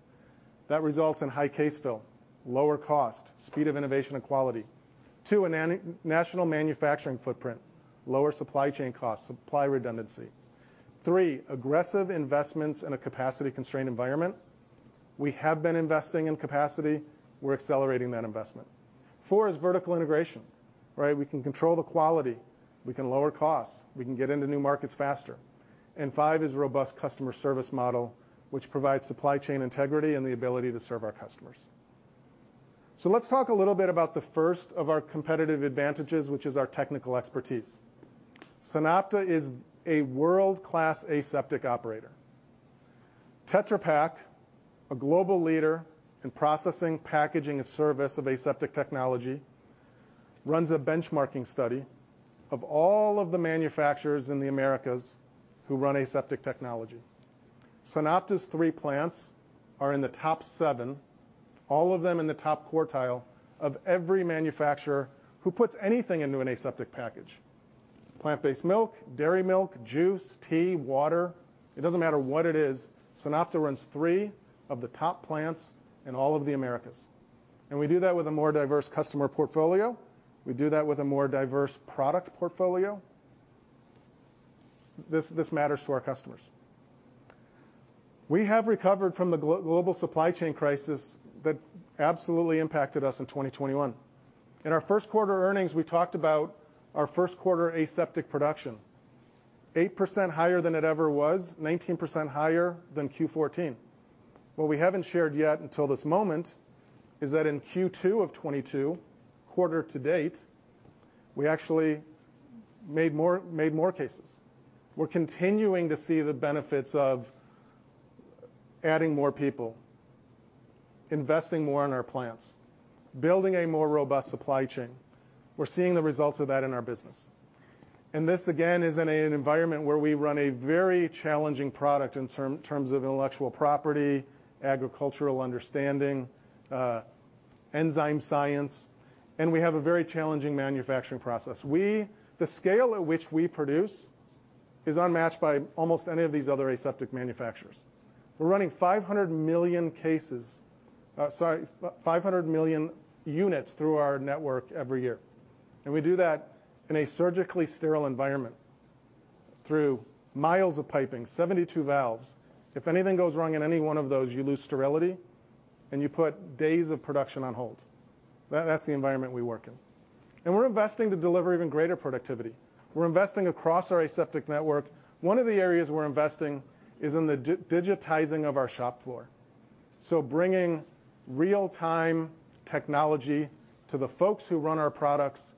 that results in high case fill, lower cost, speed of innovation, and quality. Two, a national manufacturing footprint, lower supply chain costs, supply redundancy. Three, aggressive investments in a capacity-constrained environment. We have been investing in capacity. We're accelerating that investment. Four is vertical integration, right? We can control the quality, we can lower costs, we can get into new markets faster. Five is robust customer service model, which provides supply chain integrity and the ability to serve our customers. Let's talk a little bit about the first of our competitive advantages, which is our technical expertise. SunOpta is a world-class aseptic operator. Tetra Pak, a global leader in processing, packaging, and service of aseptic technology, runs a benchmarking study of all of the manufacturers in the Americas who run aseptic technology. SunOpta's three plants are in the top seven, all of them in the top quartile of every manufacturer who puts anything into an aseptic package. Plant-based milk, dairy milk, juice, tea, water. It doesn't matter what it is, SunOpta runs three of the top plants in all of the Americas, and we do that with a more diverse customer portfolio. We do that with a more diverse product portfolio. This matters to our customers. We have recovered from the global supply chain crisis that absolutely impacted us in 2021. In our first quarter earnings, we talked about our first quarter aseptic production 8% higher than it ever was, 19% higher than Q1 2014. What we haven't shared yet until this moment is that in Q2 2022, quarter-to-date, we actually made more cases. We're continuing to see the benefits of adding more people, investing more in our plants, building a more robust supply chain. We're seeing the results of that in our business. This, again, is in an environment where we run a very challenging product in terms of intellectual property, agricultural understanding, enzyme science, and we have a very challenging manufacturing process. The scale at which we produce is unmatched by almost any of these other aseptic manufacturers. We're running 500 million units through our network every year, and we do that in a surgically sterile environment through miles of piping, 72 valves. If anything goes wrong in any one of those, you lose sterility, and you put days of production on hold. That's the environment we work in, and we're investing to deliver even greater productivity. We're investing across our aseptic network. One of the areas we're investing is in the digitizing of our shop floor, so bringing real-time technology to the folks who run our products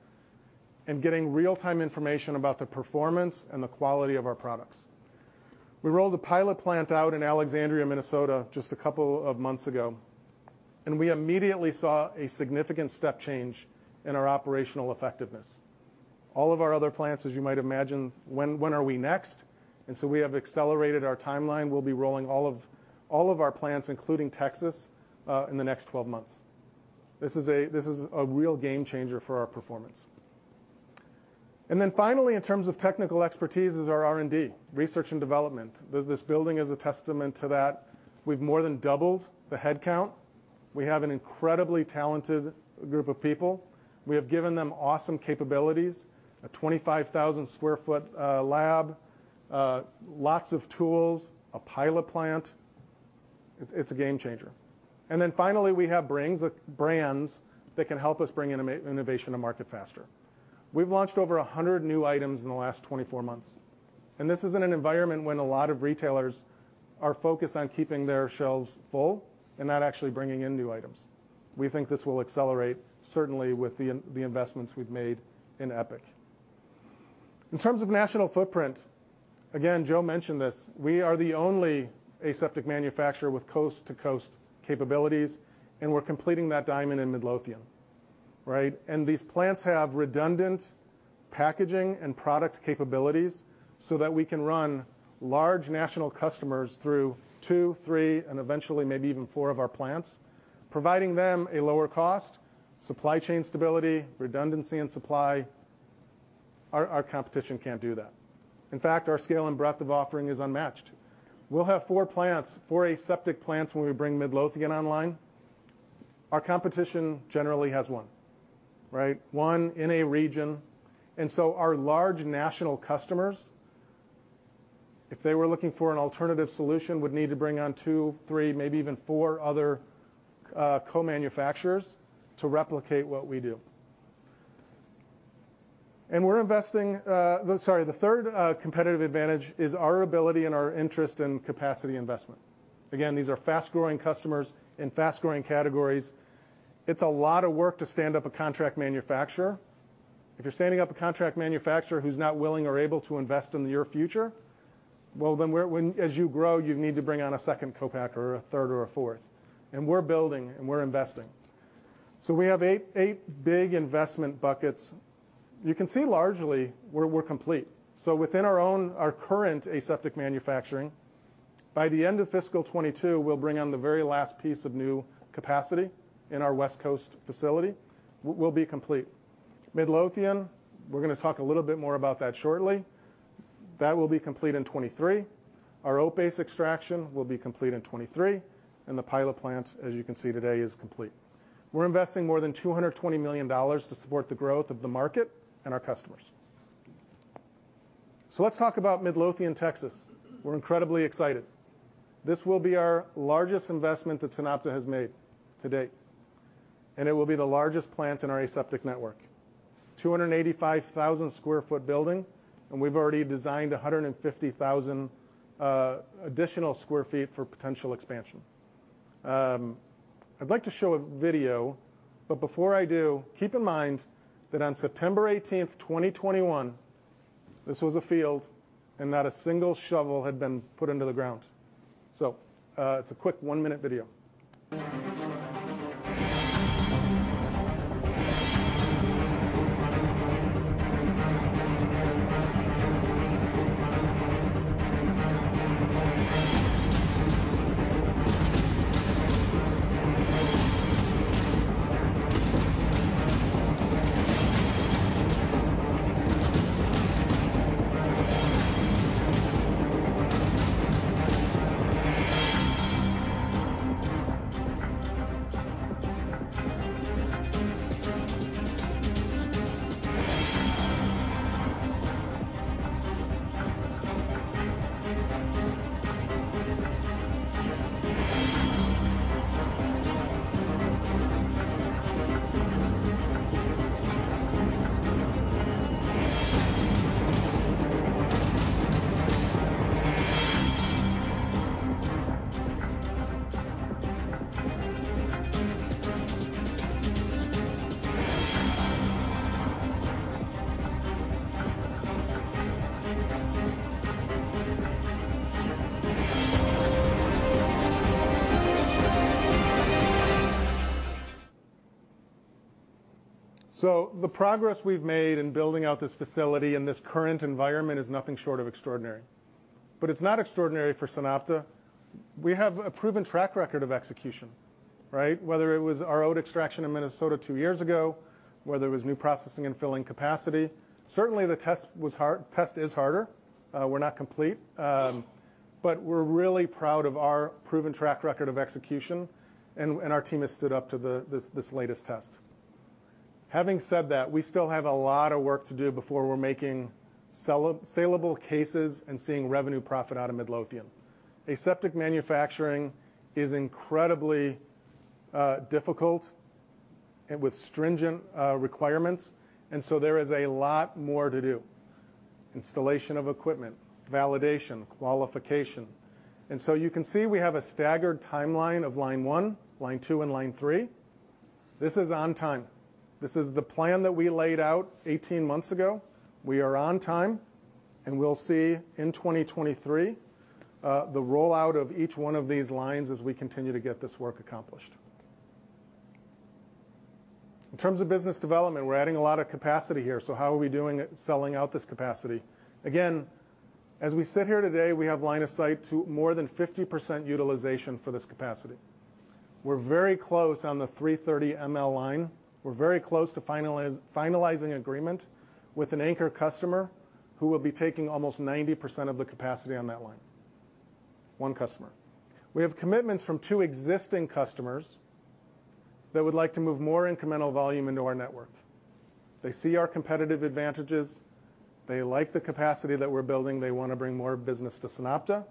and getting real-time information about the performance and the quality of our products. We rolled a pilot plant out in Alexandria, Minnesota, just a couple of months ago, and we immediately saw a significant step change in our operational effectiveness. All of our other plants, as you might imagine, when are we next? We have accelerated our timeline. We'll be rolling all of our plants, including Texas, in the next 12 months. This is a real game changer for our performance. Finally, in terms of technical expertise is our R&D, research and development. This building is a testament to that. We've more than doubled the headcount. We have an incredibly talented group of people. We have given them awesome capabilities, a 25,000 sq ft lab, lots of tools, a pilot plant. It's a game changer. Finally we have brands that can help us bring innovation to market faster. We've launched over 100 new items in the last 24 months, and this is in an environment when a lot of retailers are focused on keeping their shelves full and not actually bringing in new items. We think this will accelerate certainly with the investments we've made in EPIC. In terms of national footprint, again, Joe mentioned this, we are the only aseptic manufacturer with coast-to-coast capabilities, and we're completing that diamond in Midlothian, right? These plants have redundant packaging and product capabilities so that we can run large national customers through two, three, and eventually maybe even four of our plants, providing them a lower cost, supply chain stability, redundancy in supply. Our competition can't do that. In fact, our scale and breadth of offering is unmatched. We'll have four plants, four aseptic plants when we bring Midlothian online. Our competition generally has one, right? One in a region. Our large national customers, if they were looking for an alternative solution, would need to bring on two, three, maybe even four other co-manufacturers to replicate what we do. We're investing. Sorry, the third competitive advantage is our ability and our interest in capacity investment. Again, these are fast-growing customers in fast-growing categories. It's a lot of work to stand up a contract manufacturer. If you're standing up a contract manufacturer who's not willing or able to invest in your future, well, then as you grow, you need to bring on a second co-packer or a third or a fourth. We're building, and we're investing. We have eight big investment buckets. You can see largely we're complete. Within our own, our current aseptic manufacturing, by the end of fiscal 2022, we'll bring on the very last piece of new capacity in our West Coast facility. We'll be complete. Midlothian, we're gonna talk a little bit more about that shortly. That will be complete in 2023. Our oat-based extraction will be complete in 2023, and the pilot plant, as you can see today, is complete. We're investing more than $220 million to support the growth of the market and our customers. Let's talk about Midlothian, Texas. We're incredibly excited. This will be our largest investment that SunOpta has made to date, and it will be the largest plant in our aseptic network. 285,000 sq ft building, and we've already designed 150,000 additional sq ft for potential expansion. I'd like to show a video, but before I do, keep in mind that on September 18th, 2021, this was a field and not a single shovel had been put into the ground. It's a quick one-minute video. The progress we've made in building out this facility in this current environment is nothing short of extraordinary. But it's not extraordinary for SunOpta. We have a proven track record of execution, right? Whether it was our oat extraction in Minnesota two years ago, whether it was new processing and filling capacity. Certainly, the test is harder, we're not complete, but we're really proud of our proven track record of execution and our team has stood up to this latest test. Having said that, we still have a lot of work to do before we're making saleable cases and seeing revenue profit out of Midlothian. Aseptic manufacturing is incredibly difficult and with stringent requirements, and so there is a lot more to do. Installation of equipment, validation, qualification. You can see we have a staggered timeline of line one, line two, and line three. This is on time. This is the plan that we laid out 18 months ago. We are on time, and we'll see in 2023 the rollout of each one of these lines as we continue to get this work accomplished. In terms of business development, we're adding a lot of capacity here. How are we doing, selling out this capacity? Again, as we sit here today, we have line of sight to more than 50% utilization for this capacity. We're very close on the 330 ml line. We're very close to finalizing agreement with an anchor customer who will be taking almost 90% of the capacity on that line. One customer. We have commitments from two existing customers that would like to move more incremental volume into our network. They see our competitive advantages, they like the capacity that we're building, they wanna bring more business to SunOpta.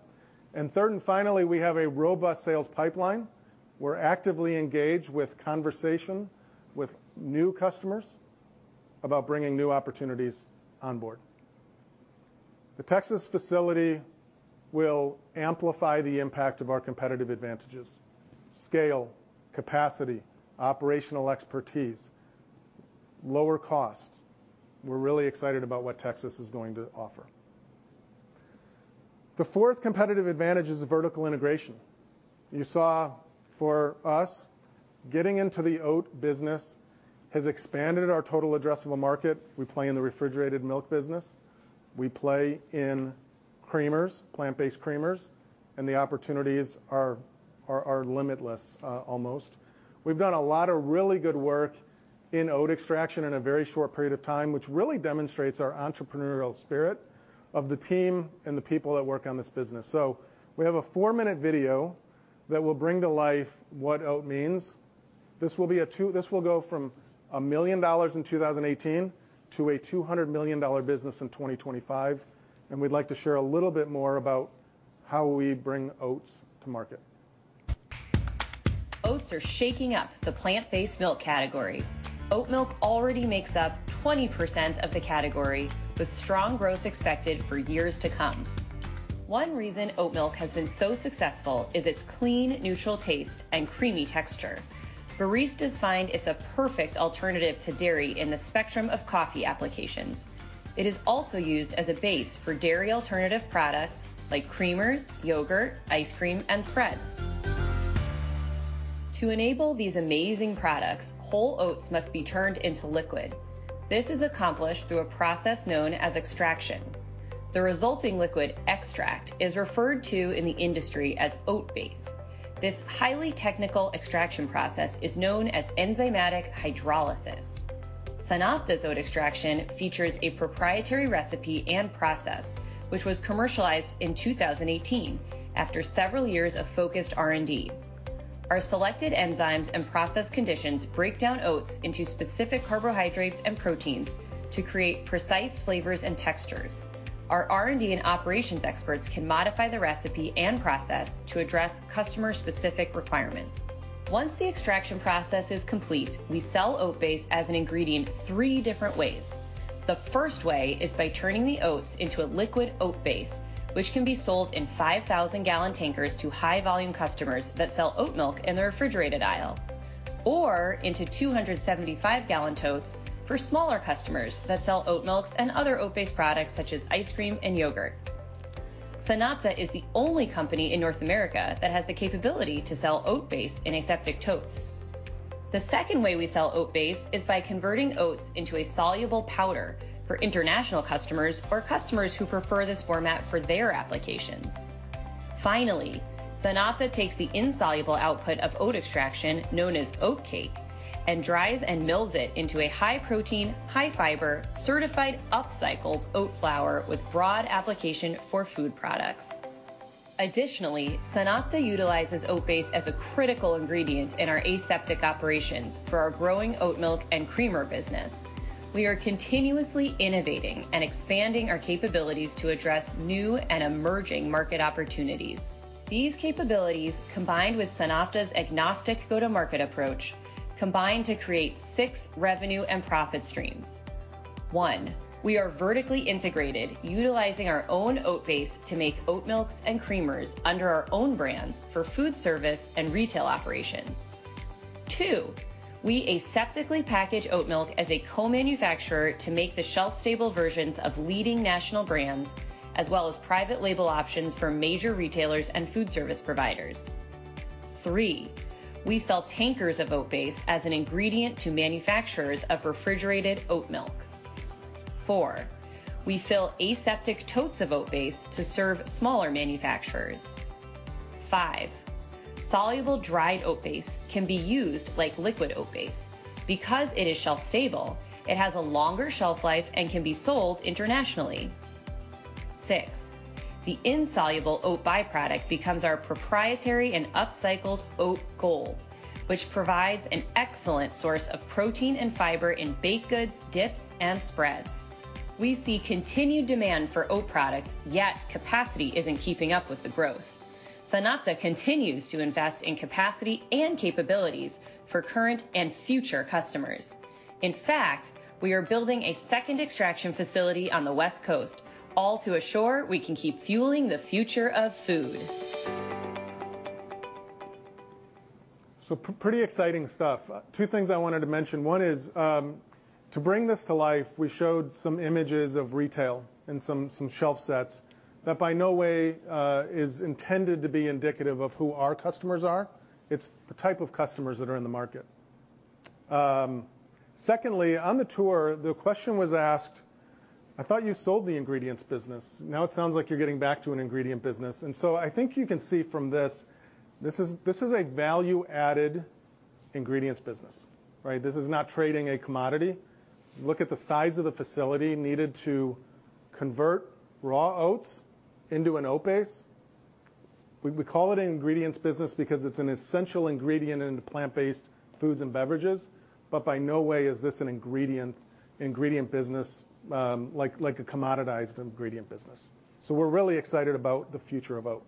Third and finally, we have a robust sales pipeline. We're actively engaged with conversation with new customers about bringing new opportunities on board. The Texas facility will amplify the impact of our competitive advantages, scale, capacity, operational expertise, lower cost. We're really excited about what Texas is going to offer. The fourth competitive advantage is vertical integration. You saw for us, getting into the oat business has expanded our total addressable market. We play in the refrigerated milk business. We play in creamers, plant-based creamers, and the opportunities are limitless, almost. We've done a lot of really good work in oat extraction in a very short period of time, which really demonstrates our entrepreneurial spirit of the team and the people that work on this business. We have a four-minute video that will bring to life what oat means. This will go from $1 million in 2018 to a $200 million business in 2025, and we'd like to share a little bit more about how we bring oats to market. Oats are shaking up the plant-based milk category. Oat milk already makes up 20% of the category, with strong growth expected for years to come. One reason oat milk has been so successful is its clean, neutral taste and creamy texture. Baristas find it's a perfect alternative to dairy in the spectrum of coffee applications. It is also used as a base for dairy alternative products like creamers, yogurt, ice cream, and spreads. To enable these amazing products, whole oats must be turned into liquid. This is accomplished through a process known as extraction. The resulting liquid extract is referred to in the industry as oat base. This highly technical extraction process is known as enzymatic hydrolysis. SunOpta's oat extraction features a proprietary recipe and process, which was commercialized in 2018 after several years of focused R&D. Our selected enzymes and process conditions break down oats into specific carbohydrates and proteins to create precise flavors and textures. Our R&D and operations experts can modify the recipe and process to address customer-specific requirements. Once the extraction process is complete, we sell oat base as an ingredient three different ways. The first way is by turning the oats into a liquid oat base, which can be sold in 5,000-gallon tankers to high-volume customers that sell oat milk in the refrigerated aisle. Into 275-gallon totes for smaller customers that sell oat milks and other oat-based products such as ice cream and yogurt. SunOpta is the only company in North America that has the capability to sell oat base in aseptic totes. The second way we sell oat base is by converting oats into a soluble powder for international customers or customers who prefer this format for their applications. Finally, SunOpta takes the insoluble output of oat extraction, known as oat cake, and dries and mills it into a high-protein, high-fiber, certified upcycled oat flour with broad application for food products. Additionally, SunOpta utilizes oat base as a critical ingredient in our aseptic operations for our growing oat milk and creamer business. We are continuously innovating and expanding our capabilities to address new and emerging market opportunities. These capabilities, combined with SunOpta's agnostic go-to-market approach, combine to create six revenue and profit streams. One, we are vertically integrated, utilizing our own oat base to make oat milks and creamers under our own brands for food service and retail operations. Two, we aseptically package oat milk as a co-manufacturer to make the shelf-stable versions of leading national brands, as well as private label options for major retailers and food service providers. Three, we sell tankers of oat base as an ingredient to manufacturers of refrigerated oat milk. Four, we fill aseptic totes of oat base to serve smaller manufacturers. Five, soluble dried oat base can be used like liquid oat base. Because it is shelf-stable, it has a longer shelf life and can be sold internationally. Six, the insoluble oat by-product becomes our proprietary and upcycled OatGold, which provides an excellent source of protein and fiber in baked goods, dips, and spreads. We see continued demand for oat products, yet capacity isn't keeping up with the growth. SunOpta continues to invest in capacity and capabilities for current and future customers. In fact, we are building a second extraction facility on the West Coast, all to assure we can keep fueling the future of food. Pretty exciting stuff. Two things I wanted to mention. One is to bring this to life, we showed some images of retail and some shelf sets that by no means is intended to be indicative of who our customers are. It's the type of customers that are in the market. Secondly, on the tour, the question was asked, I thought you sold the ingredients business. Now it sounds like you're getting back to an ingredient business. I think you can see from this is a value-added ingredients business, right? This is not trading a commodity. Look at the size of the facility needed to convert raw oats into an oat base. We call it an ingredients business because it's an essential ingredient in plant-based foods and beverages, but in no way is this an ingredient business, like a commoditized ingredient business. We're really excited about the future of oat.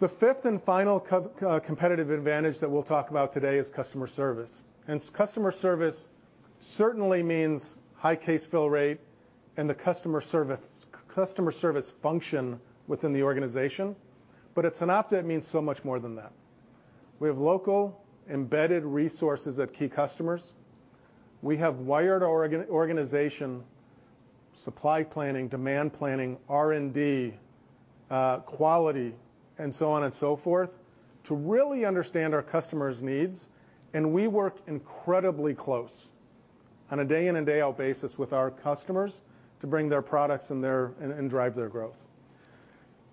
The fifth and final competitive advantage that we'll talk about today is customer service. Customer service certainly means high case fill rate and the customer service function within the organization, but at SunOpta, it means so much more than that. We have local embedded resources at key customers. We have wired organization, supply planning, demand planning, R&D, quality, and so on and so forth, to really understand our customers' needs, and we work incredibly close on a day in and day out basis with our customers to bring their products and drive their growth.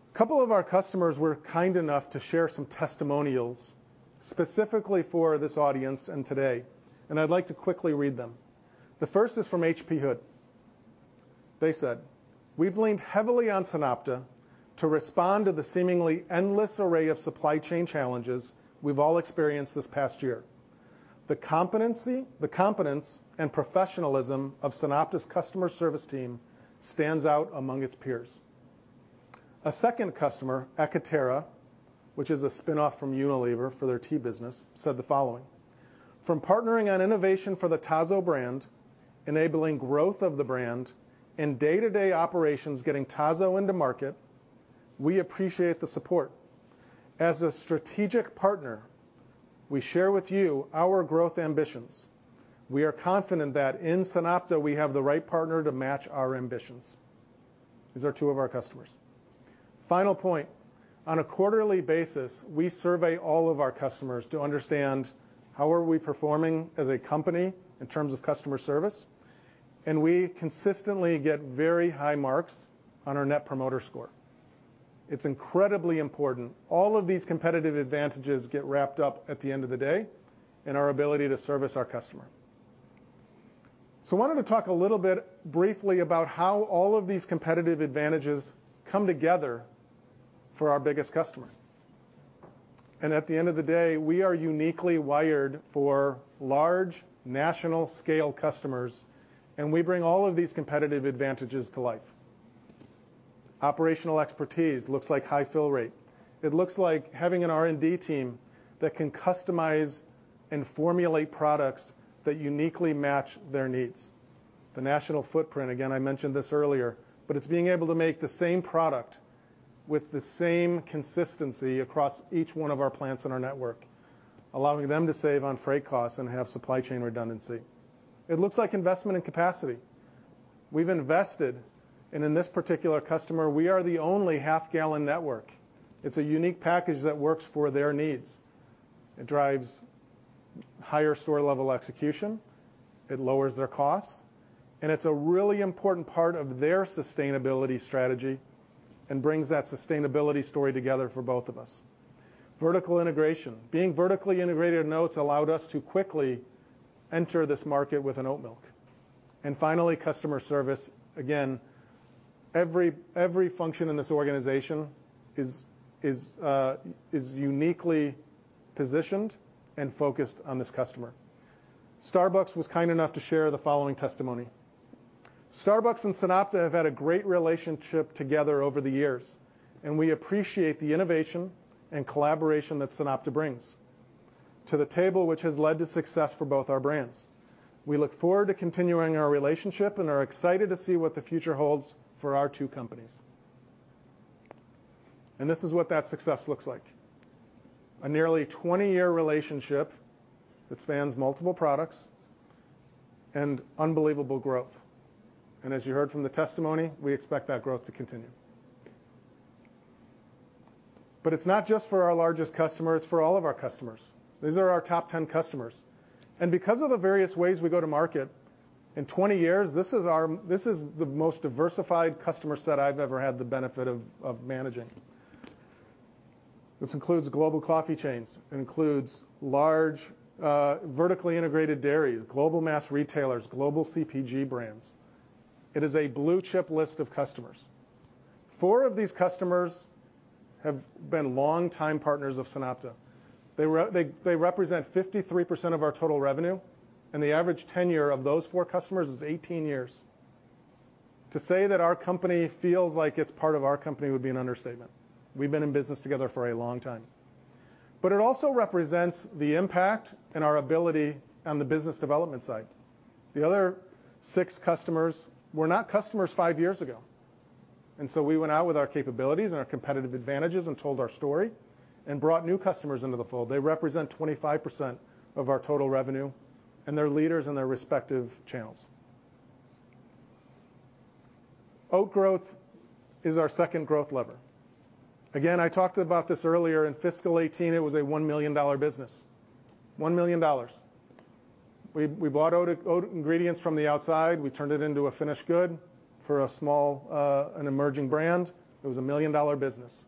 A couple of our customers were kind enough to share some testimonials specifically for this audience and today, and I'd like to quickly read them. The first is from HP Hood. They said, we've leaned heavily on SunOpta to respond to the seemingly endless array of supply chain challenges we've all experienced this past year. The competence, and professionalism of SunOpta's customer service team stands out among its peers. A second customer, ekaterra, which is a spin-off from Unilever for their tea business, said the following: From partnering on innovation for the Tazo brand, enabling growth of the brand in day-to-day operations getting Tazo into market, we appreciate the support. As a strategic partner, we share with you our growth ambitions. We are confident that in SunOpta, we have the right partner to match our ambitions. These are two of our customers. Final point. On a quarterly basis, we survey all of our customers to understand how are we performing as a company in terms of customer service, and we consistently get very high marks on our Net Promoter Score. It's incredibly important. All of these competitive advantages get wrapped up at the end of the day in our ability to service our customer. I wanted to talk a little bit briefly about how all of these competitive advantages come together for our biggest customer. At the end of the day, we are uniquely wired for large national scale customers, and we bring all of these competitive advantages to life. Operational expertise looks like high fill rate. It looks like having an R&D team that can customize and formulate products that uniquely match their needs. The national footprint, again, I mentioned this earlier, but it's being able to make the same product with the same consistency across each one of our plants in our network, allowing them to save on freight costs and have supply chain redundancy. It looks like investment and capacity. We've invested, and in this particular customer, we are the only half gallon network. It's a unique package that works for their needs. It drives higher store level execution, it lowers their costs, and it's a really important part of their sustainability strategy and brings that sustainability story together for both of us. Vertical integration. Being vertically integrated in oats allowed us to quickly enter this market with an oat milk. Finally, customer service, again, every function in this organization is uniquely positioned and focused on this customer. Starbucks was kind enough to share the following testimony. "Starbucks and SunOpta have had a great relationship together over the years, and we appreciate the innovation and collaboration that SunOpta brings to the table which has led to success for both our brands. We look forward to continuing our relationship and are excited to see what the future holds for our two companies. This is what that success looks like. A nearly 20-year relationship that spans multiple products and unbelievable growth. As you heard from the testimony, we expect that growth to continue. It's not just for our largest customer, it's for all of our customers. These are our top 10 customers. Because of the various ways we go to market, in 20 years, this is the most diversified customer set I've ever had the benefit of managing. This includes global coffee chains, it includes large, vertically integrated dairies, global mass retailers, global CPG brands. It is a blue chip list of customers. Four of these customers have been long-time partners of SunOpta. They represent 53% of our total revenue, and the average tenure of those four customers is 18 years. To say that our company feels like it's part of our company would be an understatement. We've been in business together for a long time. It also represents the impact and our ability on the business development side. The other six customers were not customers five years ago, so we went out with our capabilities and our competitive advantages and told our story and brought new customers into the fold. They represent 25% of our total revenue and they're leaders in their respective channels. Oat growth is our second growth lever. Again, I talked about this earlier. In fiscal 2018, it was a $1 million business. $1 million. We bought oat ingredients from the outside. We turned it into a finished good for a small, an emerging brand. It was a $1 million-dollar business.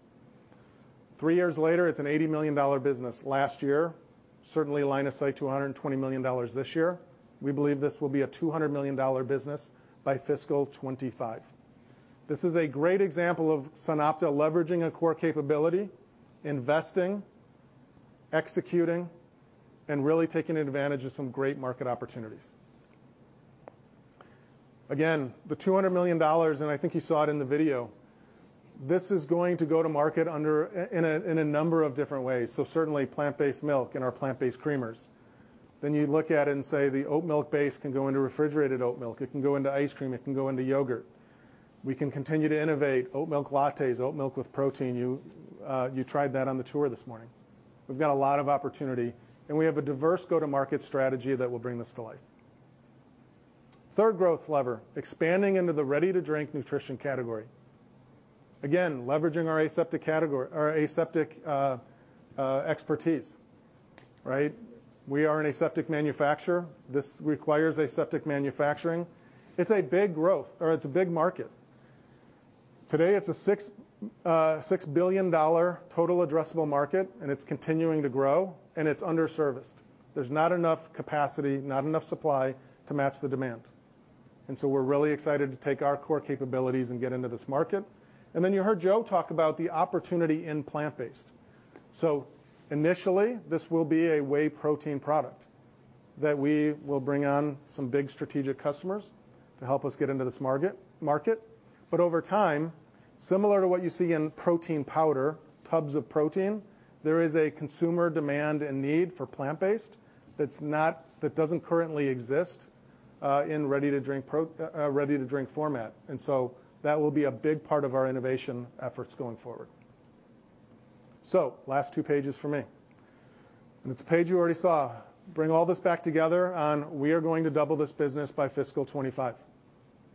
Three years later, it's an $80 million dollar business last year. Certainly line of sight to a $120 million dollars this year. We believe this will be a $200 million dollar business by fiscal 2025. This is a great example of SunOpta leveraging a core capability, investing, executing, and really taking advantage of some great market opportunities. Again, the $200 million dollars, and I think you saw it in the video, this is going to go to market in a number of different ways. Certainly plant-based milk and our plant-based creamers. Then you look at it and say the oat milk base can go into refrigerated oat milk, it can go into ice cream, it can go into yogurt. We can continue to innovate oat milk lattes, oat milk with protein. You tried that on the tour this morning. We've got a lot of opportunity, and we have a diverse go-to-market strategy that will bring this to life. Third growth lever, expanding into the ready-to-drink nutrition category. Again, leveraging our aseptic category, our aseptic expertise. Right? We are an aseptic manufacturer. This requires aseptic manufacturing. It's a big growth or it's a big market. Today, it's a $6 billion total addressable market, and it's continuing to grow, and it's under-serviced. There's not enough capacity, not enough supply to match the demand. We're really excited to take our core capabilities and get into this market. You heard Joe talk about the opportunity in plant-based. Initially, this will be a whey protein product that we will bring on some big strategic customers to help us get into this market. Over time, similar to what you see in protein powder, tubs of protein, there is a consumer demand and need for plant-based that doesn't currently exist in ready-to-drink format. That will be a big part of our innovation efforts going forward. Last two pages for me, and it's a page you already saw. Bring all this back together on we are going to double this business by fiscal 2025.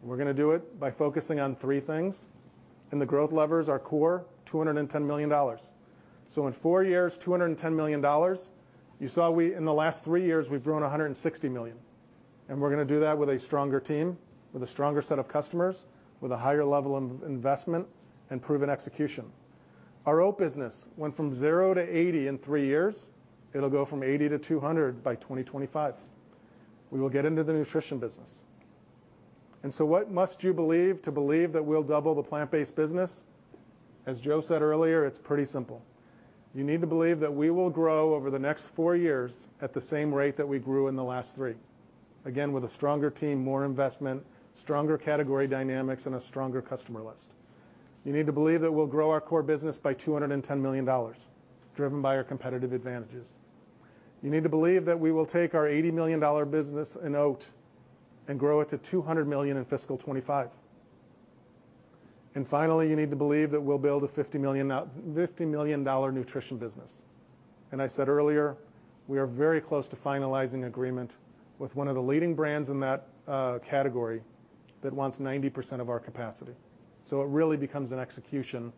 We're gonna do it by focusing on three things, and the growth levers, our core, $210 million. In four years, $210 million. In the last three years, we've grown $160 million, and we're gonna do that with a stronger team, with a stronger set of customers, with a higher level of investment and proven execution. Our oat business went from zero to $80 million in three years. It'll go from $80 million-$200 million by 2025. We will get into the nutrition business. What must you believe to believe that we'll double the plant-based business? As Joe said earlier, it's pretty simple. You need to believe that we will grow over the next four years at the same rate that we grew in the last three, again, with a stronger team, more investment, stronger category dynamics, and a stronger customer list. You need to believe that we'll grow our core business by $210 million, driven by our competitive advantages. You need to believe that we will take our $80 million business in oat and grow it to $200 million in fiscal 2025. Finally, you need to believe that we'll build a $50 million nutrition business. I said earlier, we are very close to finalizing agreement with one of the leading brands in that category that wants 90% of our capacity. It really becomes an execution,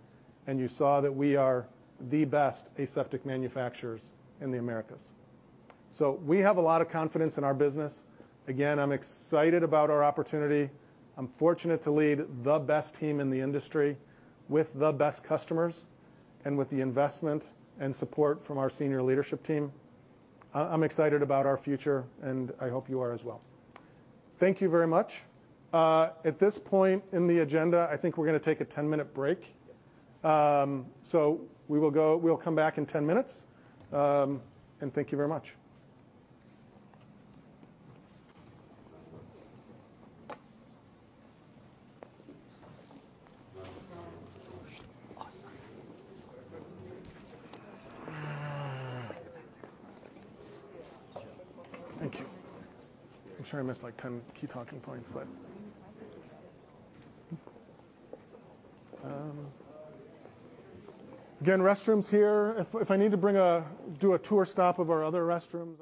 and you saw that we are the best aseptic manufacturers in the Americas. We have a lot of confidence in our business. Again, I'm excited about our opportunity. I'm fortunate to lead the best team in the industry with the best customers and with the investment and support from our senior leadership team. I'm excited about our future, and I hope you are as well. Thank you very much. At this point in the agenda, I think we're gonna take a 10-minute break. We'll come back in 10 minutes, and thank you very much. Awesome. Thank you. I'm sure I missed, like, 10 key talking points, but. Again, restrooms here. If I need to do a tour stop of our other restrooms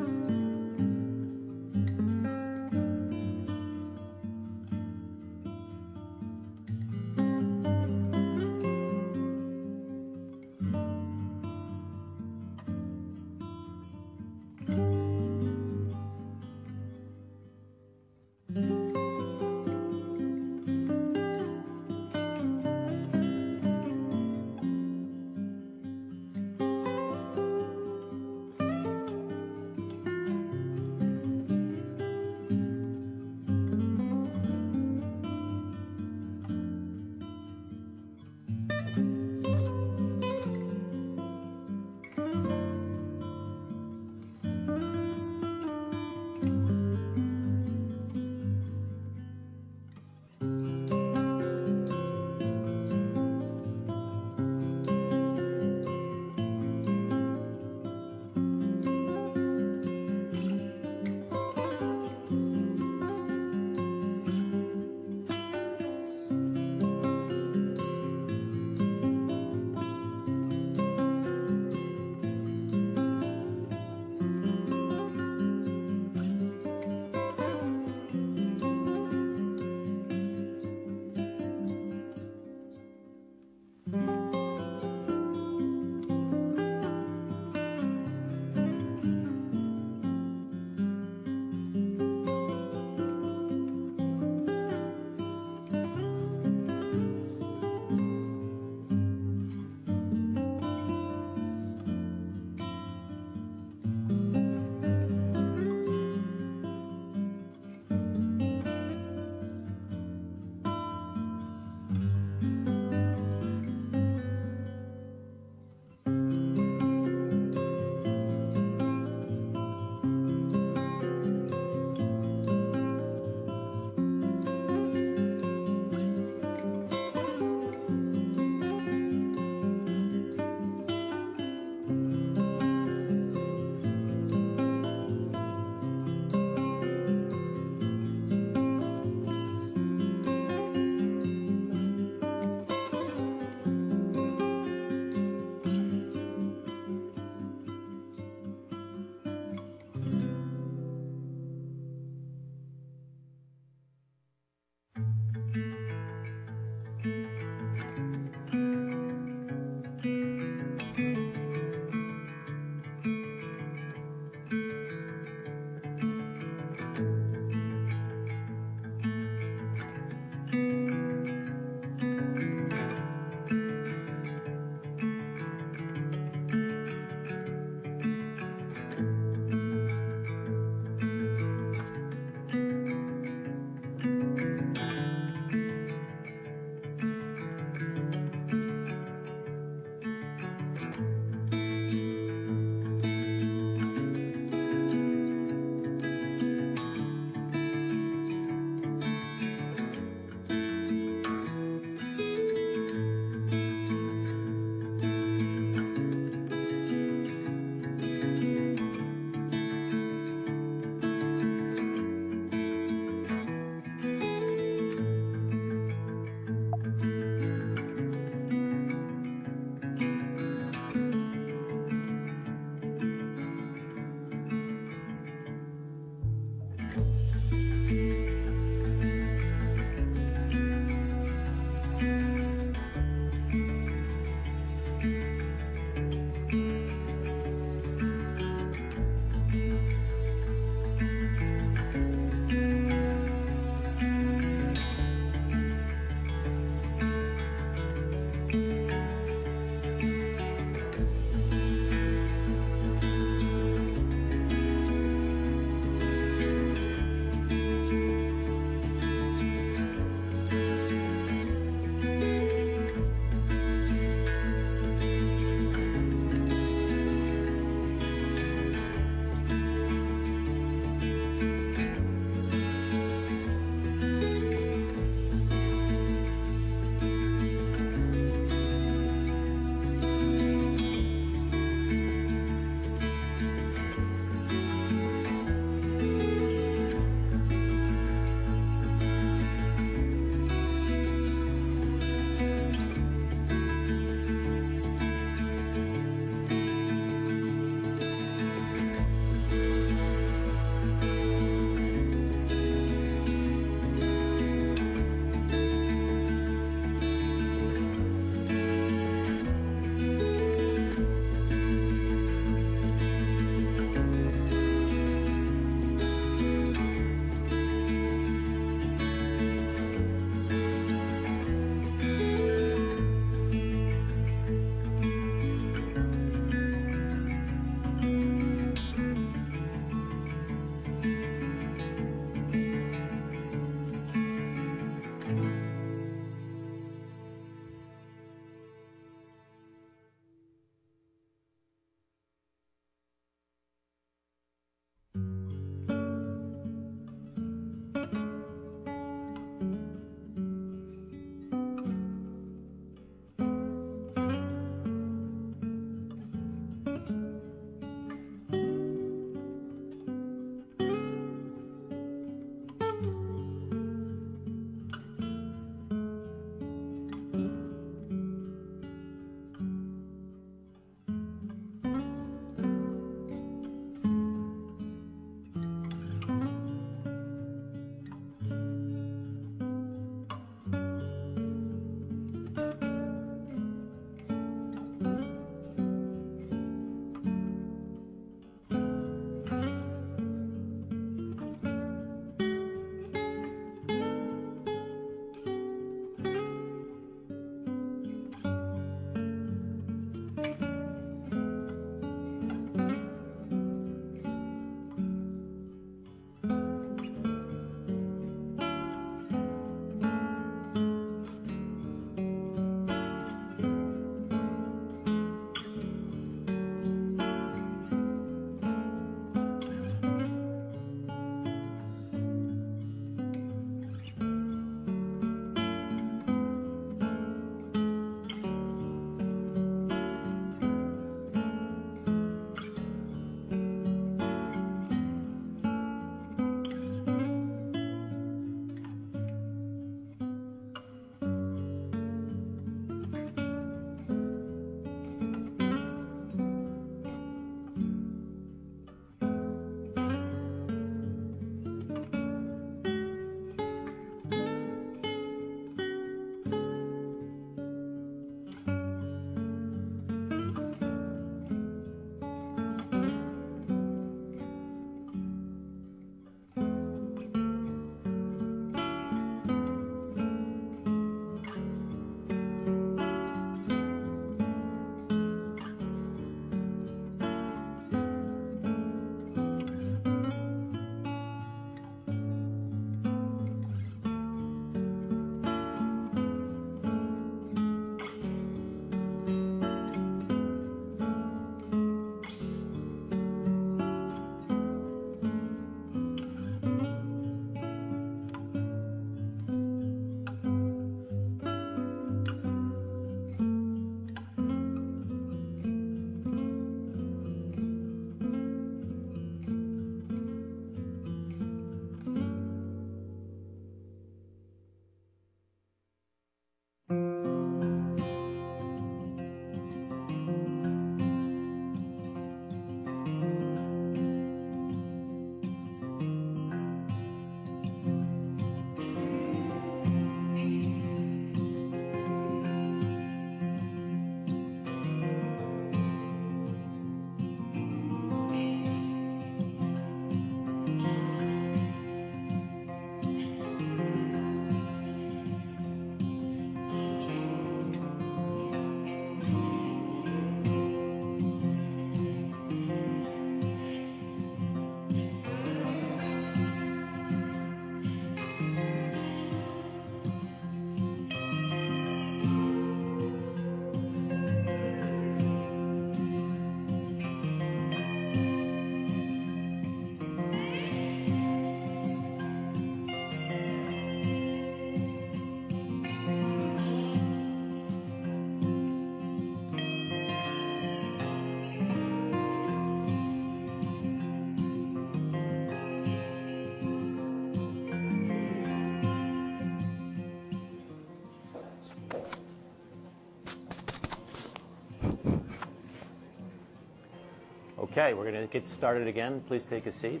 on the other side. Okay, we're gonna get started again. Please take a seat.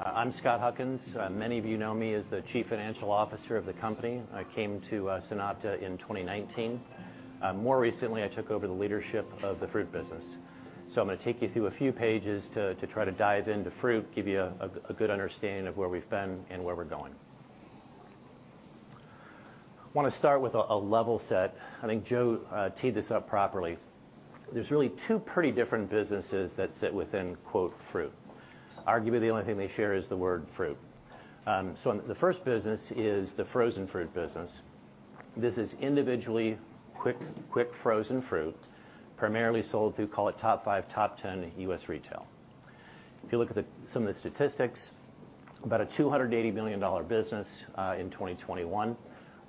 I'm Scott Huckins. Many of you know me as the Chief Financial Officer of the company. I came to SunOpta in 2019. More recently, I took over the leadership of the fruit business. I'm gonna take you through a few pages to try to dive into fruit, give you a good understanding of where we've been and where we're going. Want to start with a level set. I think Joe teed this up properly. There's really two pretty different businesses that sit within, quote, fruit. Arguably, the only thing they share is the word fruit. The first business is the frozen fruit business. This is individually quick frozen fruit, primarily sold through call it top five, top 10 U.S. retail. If you look at some of the statistics, about a $280 million business in 2021.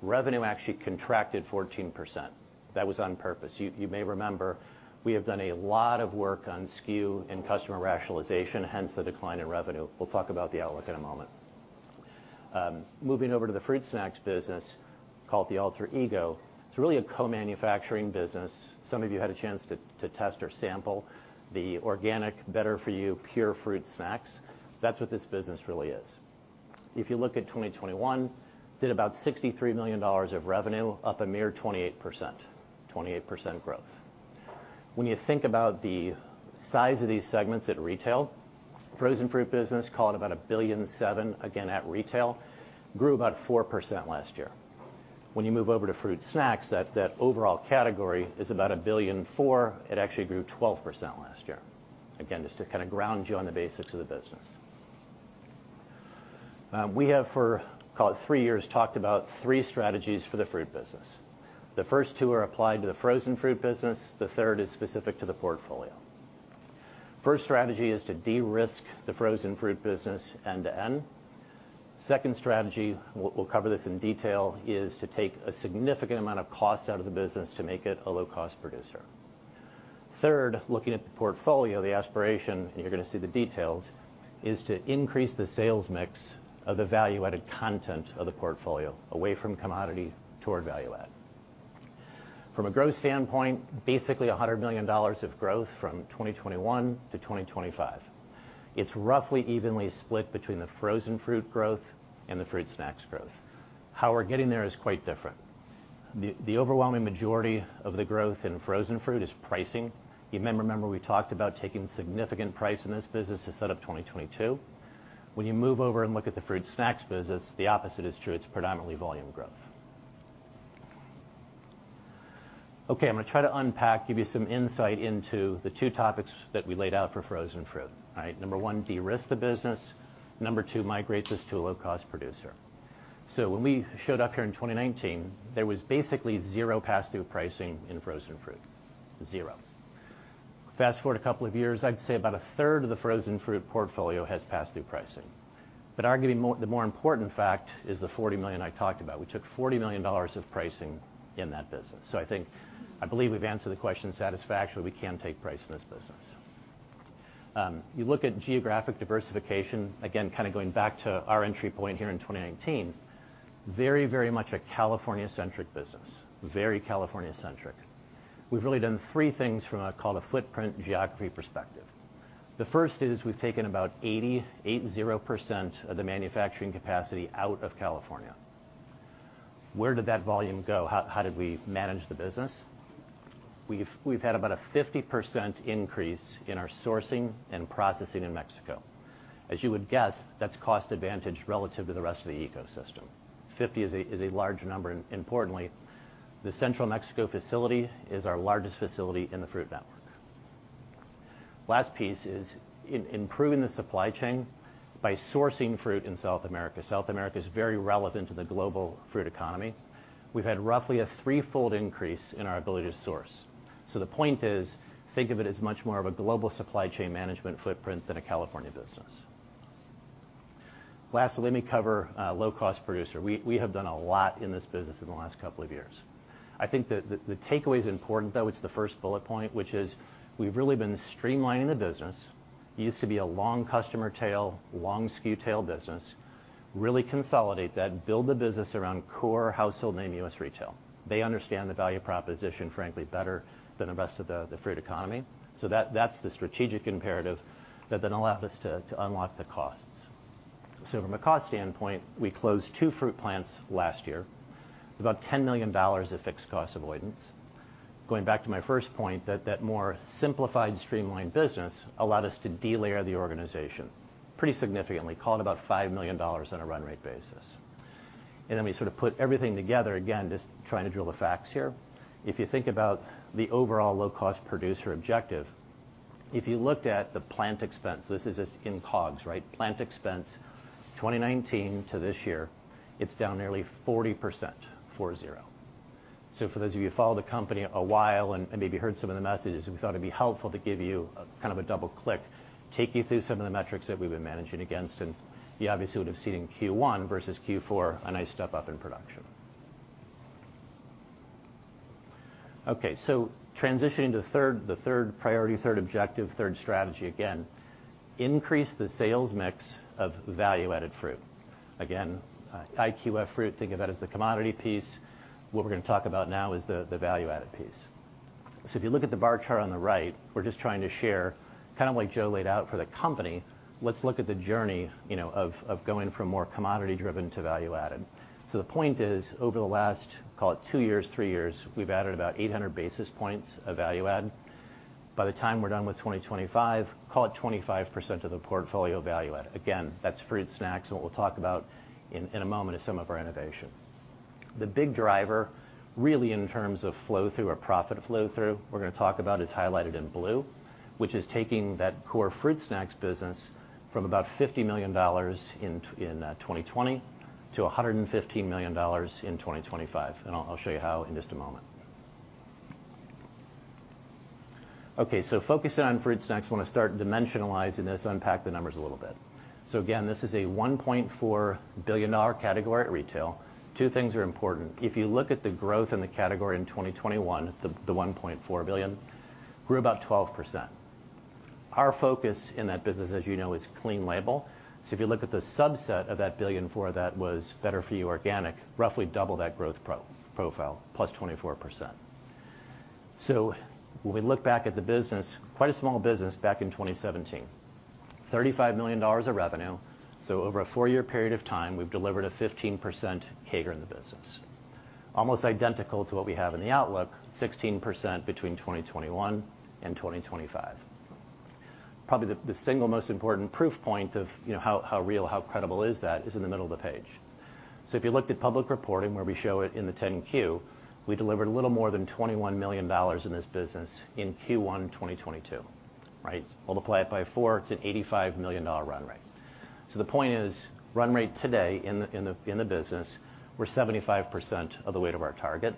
Revenue actually contracted 14%. That was on purpose. You may remember we have done a lot of work on SKU and customer rationalization, hence the decline in revenue. We'll talk about the outlook in a moment. Moving over to the fruit snacks business, called the alter ego. It's really a co-manufacturing business. Some of you had a chance to test or sample the organic, better for you, pure fruit snacks. That's what this business really is. If you look at 2021, did about $63 million of revenue, up a mere 28%. 28% growth. When you think about the size of these segments at retail, frozen fruit business, call it about $1.007 billion, again, at retail, grew about 4% last year. When you move over to fruit snacks, that overall category is about $1.004 billion. It actually grew 12% last year. Again, just to kind of ground you on the basics of the business. We have for, call it three years, talked about three strategies for the fruit business. The first two are applied to the frozen fruit business, the third is specific to the portfolio. First strategy is to de-risk the frozen fruit business end-to-end. Second strategy, we'll cover this in detail, is to take a significant amount of cost out of the business to make it a low-cost producer. Third, looking at the portfolio, the aspiration, and you're gonna see the details, is to increase the sales mix of the value-added content of the portfolio away from commodity toward value add. From a growth standpoint, basically $100 million of growth from 2021-2025. It's roughly evenly split between the frozen fruit growth and the fruit snacks growth. How we're getting there is quite different. The overwhelming majority of the growth in frozen fruit is pricing. You may remember we talked about taking significant price in this business to set up 2022. When you move over and look at the fruit snacks business, the opposite is true. It's predominantly volume growth. Okay, I'm gonna try to unpack, give you some insight into the two topics that we laid out for frozen fruit. All right. Number one, de-risk the business. Number two, migrate this to a low-cost producer. When we showed up here in 2019, there was basically zero pass-through pricing in frozen fruit. Zero. Fast-forward a couple of years, I'd say about a third of the frozen fruit portfolio has pass-through pricing. Arguably more, the more important fact is the $40 million I talked about. We took $40 million of pricing in that business. I believe we've answered the question satisfactorily. We can take price in this business. You look at geographic diversification, again, kind of going back to our entry point here in 2019, very, very much a California-centric business. Very California-centric. We've really done three things from a, call it a footprint geography perspective. The first is we've taken about 80% of the manufacturing capacity out of California. Where did that volume go? How did we manage the business? We've had about a 50% increase in our sourcing and processing in Mexico. As you would guess, that's cost advantage relative to the rest of the ecosystem. 50 is a large number, and importantly, the Central Mexico facility is our largest facility in the fruit network. Last piece is improving the supply chain by sourcing fruit in South America. South America is very relevant to the global fruit economy. We've had roughly a threefold increase in our ability to source. So the point is, think of it as much more of a global supply chain management footprint than a California business. Lastly, let me cover low cost producer. We have done a lot in this business in the last couple of years. I think the takeaway is important, though. It's the first bullet point, which is we've really been streamlining the business. Used to be a long customer tail, long SKU tail business. Really consolidate that, build the business around core household name U.S. retail. They understand the value proposition, frankly, better than the rest of the fruit economy. That's the strategic imperative that then allowed us to unlock the costs. From a cost standpoint, we closed two fruit plants last year. It's about $10 million of fixed cost avoidance. Going back to my first point, that more simplified, streamlined business allowed us to de-layer the organization pretty significantly, call it about $5 million on a run rate basis. We sort of put everything together, again, just trying to drill the facts here. If you think about the overall low-cost producer objective, if you looked at the plant expense, this is just in COGS, right? Plant expense, 2019 to this year, it's down nearly 40%, 40%. For those of you who followed the company a while and maybe heard some of the messages, we thought it'd be helpful to give you a kind of a double-click, take you through some of the metrics that we've been managing against, and you obviously would have seen in Q1 versus Q4 a nice step up in production. Okay, transitioning to third, the third priority, third objective, third strategy. Again, increase the sales mix of value-added fruit. Again, IQF fruit, think of that as the commodity piece. What we're gonna talk about now is the value-added piece. If you look at the bar chart on the right, we're just trying to share, kind of like Joe laid out for the company, let's look at the journey, you know, of going from more commodity-driven to value-added. The point is, over the last, call it two years, three years, we've added about 800 basis points of value add. By the time we're done with 2025, call it 25% of the portfolio value add. Again, that's fruit snacks, and what we'll talk about in a moment is some of our innovation. The big driver, really in terms of flow-through or profit flow-through, we're gonna talk about is highlighted in blue, which is taking that core fruit snacks business from about $50 million in 2020 to $115 million in 2025. I'll show you how in just a moment. Okay, focusing on fruit snacks, wanna start dimensionalizing this, unpack the numbers a little bit. Again, this is a $1.4 billion category at retail. Two things are important. If you look at the growth in the category in 2021, the $1.4 billion grew about 12%. Our focus in that business, as you know, is clean label. If you look at the subset of that billion four that was better for you organic, roughly double that growth profile, +24%. When we look back at the business, quite a small business back in 2017. $35 million of revenue, so over a four-year period of time, we've delivered a 15% CAGR in the business. Almost identical to what we have in the outlook, 16% between 2021 and 2025. Probably the single most important proof point of, you know, how real, how credible that is in the middle of the page. If you looked at public reporting, where we show it in the 10-Q, we delivered a little more than $21 million in this business in Q1 2022, right? Multiply it by four, it's an $85 million run rate. The point is, run rate today in the business, we're 75% of the way to our target.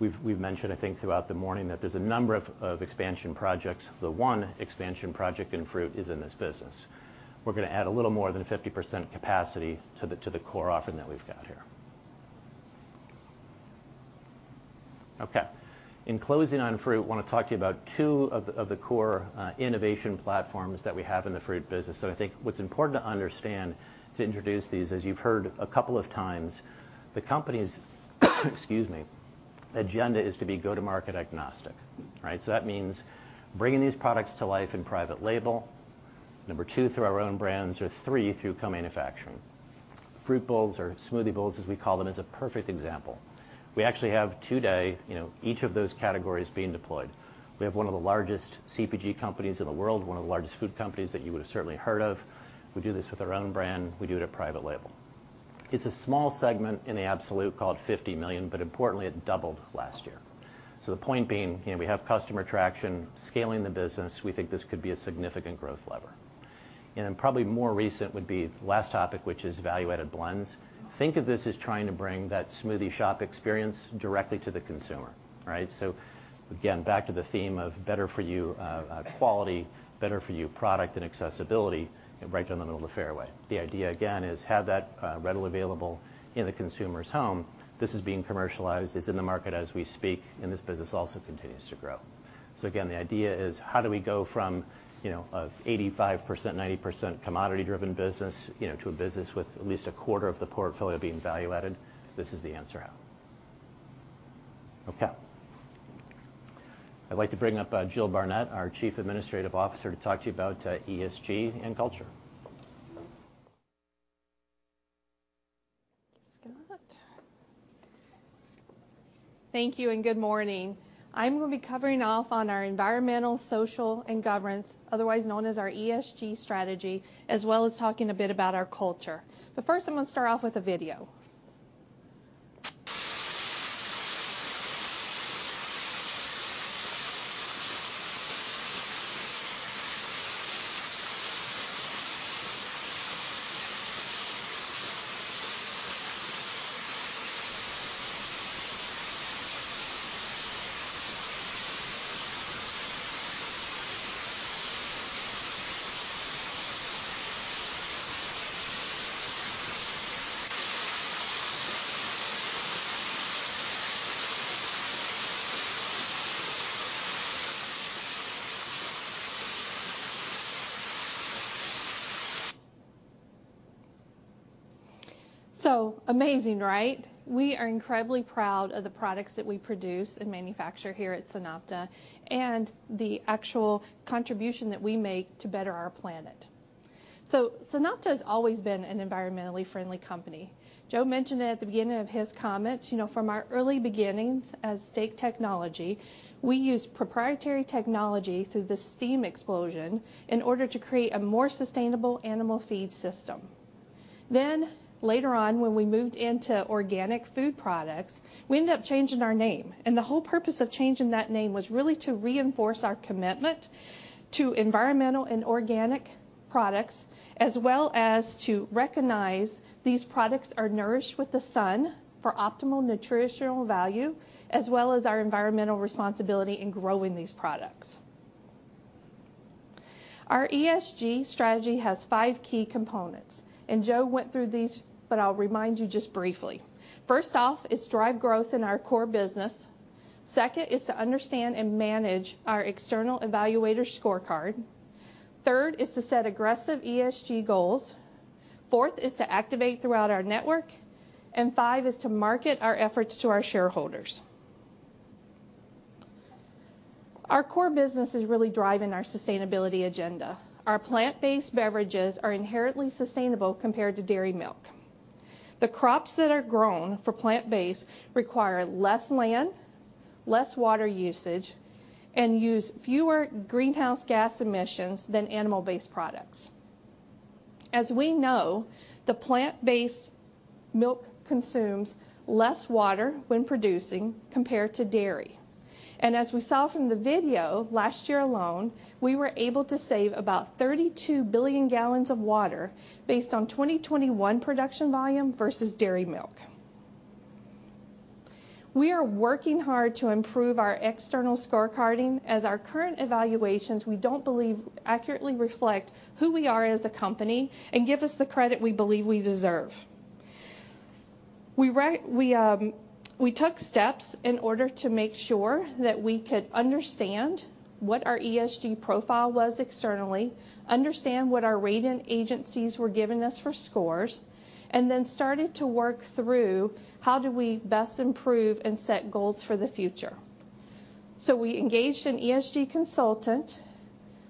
We've mentioned, I think, throughout the morning that there's a number of expansion projects. The one expansion project in fruit is in this business. We're gonna add a little more than 50% capacity to the core offering that we've got here. Okay. In closing on fruit, I want to talk to you about two of the core innovation platforms that we have in the fruit business. I think what's important to understand to introduce these, as you've heard a couple of times, the company's agenda is to be go-to-market agnostic, right? That means bringing these products to life in private label, number two, through our own brands, or three, through co-manufacturing. Fruit bowls or smoothie bowls, as we call them, is a perfect example. We actually have today, you know, each of those categories being deployed. We have one of the largest CPG companies in the world, one of the largest food companies that you would have certainly heard of. We do this with our own brand. We do it at private label. It's a small segment in the absolute called $50 million, but importantly, it doubled last year. The point being, you know, we have customer traction, scaling the business. We think this could be a significant growth lever. Then probably more recent would be the last topic, which is value-added blends. Think of this as trying to bring that smoothie shop experience directly to the consumer, right? Again, back to the theme of better for you quality, better for you product and accessibility right down the middle of the fairway. The idea again is have that readily available in the consumer's home. This is being commercialized. It's in the market as we speak, and this business also continues to grow. Again, the idea is how do we go from, you know, a 85%, 90% commodity-driven business, you know, to a business with at least a quarter of the portfolio being value added? This is the answer how. Okay. I'd like to bring up Jill Barnett, our Chief Administrative Officer, to talk to you about ESG and culture. Thanks, Scott. Thank you and good morning. I'm going to be covering off on our Environmental, Social, and Governance, otherwise known as our ESG strategy, as well as talking a bit about our culture. First, I'm going to start off with a video. Amazing, right? We are incredibly proud of the products that we produce and manufacture here at SunOpta, and the actual contribution that we make to better our planet. SunOpta has always been an environmentally friendly company. Joe mentioned it at the beginning of his comments. You know, from our early beginnings as Stake Technology, we used proprietary technology through the steam explosion in order to create a more sustainable animal feed system. Later on, when we moved into organic food products, we ended up changing our name, and the whole purpose of changing that name was really to reinforce our commitment to environmental and organic products, as well as to recognize these products are nourished with the sun for optimal nutritional value, as well as our environmental responsibility in growing these products. Our ESG strategy has five key components, and Joe went through these, but I'll remind you just briefly. First off, it's drive growth in our core business. Second is to understand and manage our external evaluator scorecard. Third is to set aggressive ESG goals. Fourth is to activate throughout our network, and five is to market our efforts to our shareholders. Our core business is really driving our sustainability agenda. Our plant-based beverages are inherently sustainable compared to dairy milk. The crops that are grown for plant-based require less land, less water usage, and use fewer greenhouse gas emissions than animal-based products. As we know, the plant-based milk consumes less water when producing compared to dairy. As we saw from the video, last year alone, we were able to save about 32 billion gallons of water based on 2021 production volume versus dairy milk. We are working hard to improve our external scorecarding, as our current evaluations, we don't believe accurately reflect who we are as a company and give us the credit we believe we deserve. We took steps in order to make sure that we could understand what our ESG profile was externally, understand what our rating agencies were giving us for scores, and then started to work through how do we best improve and set goals for the future. We engaged an ESG consultant,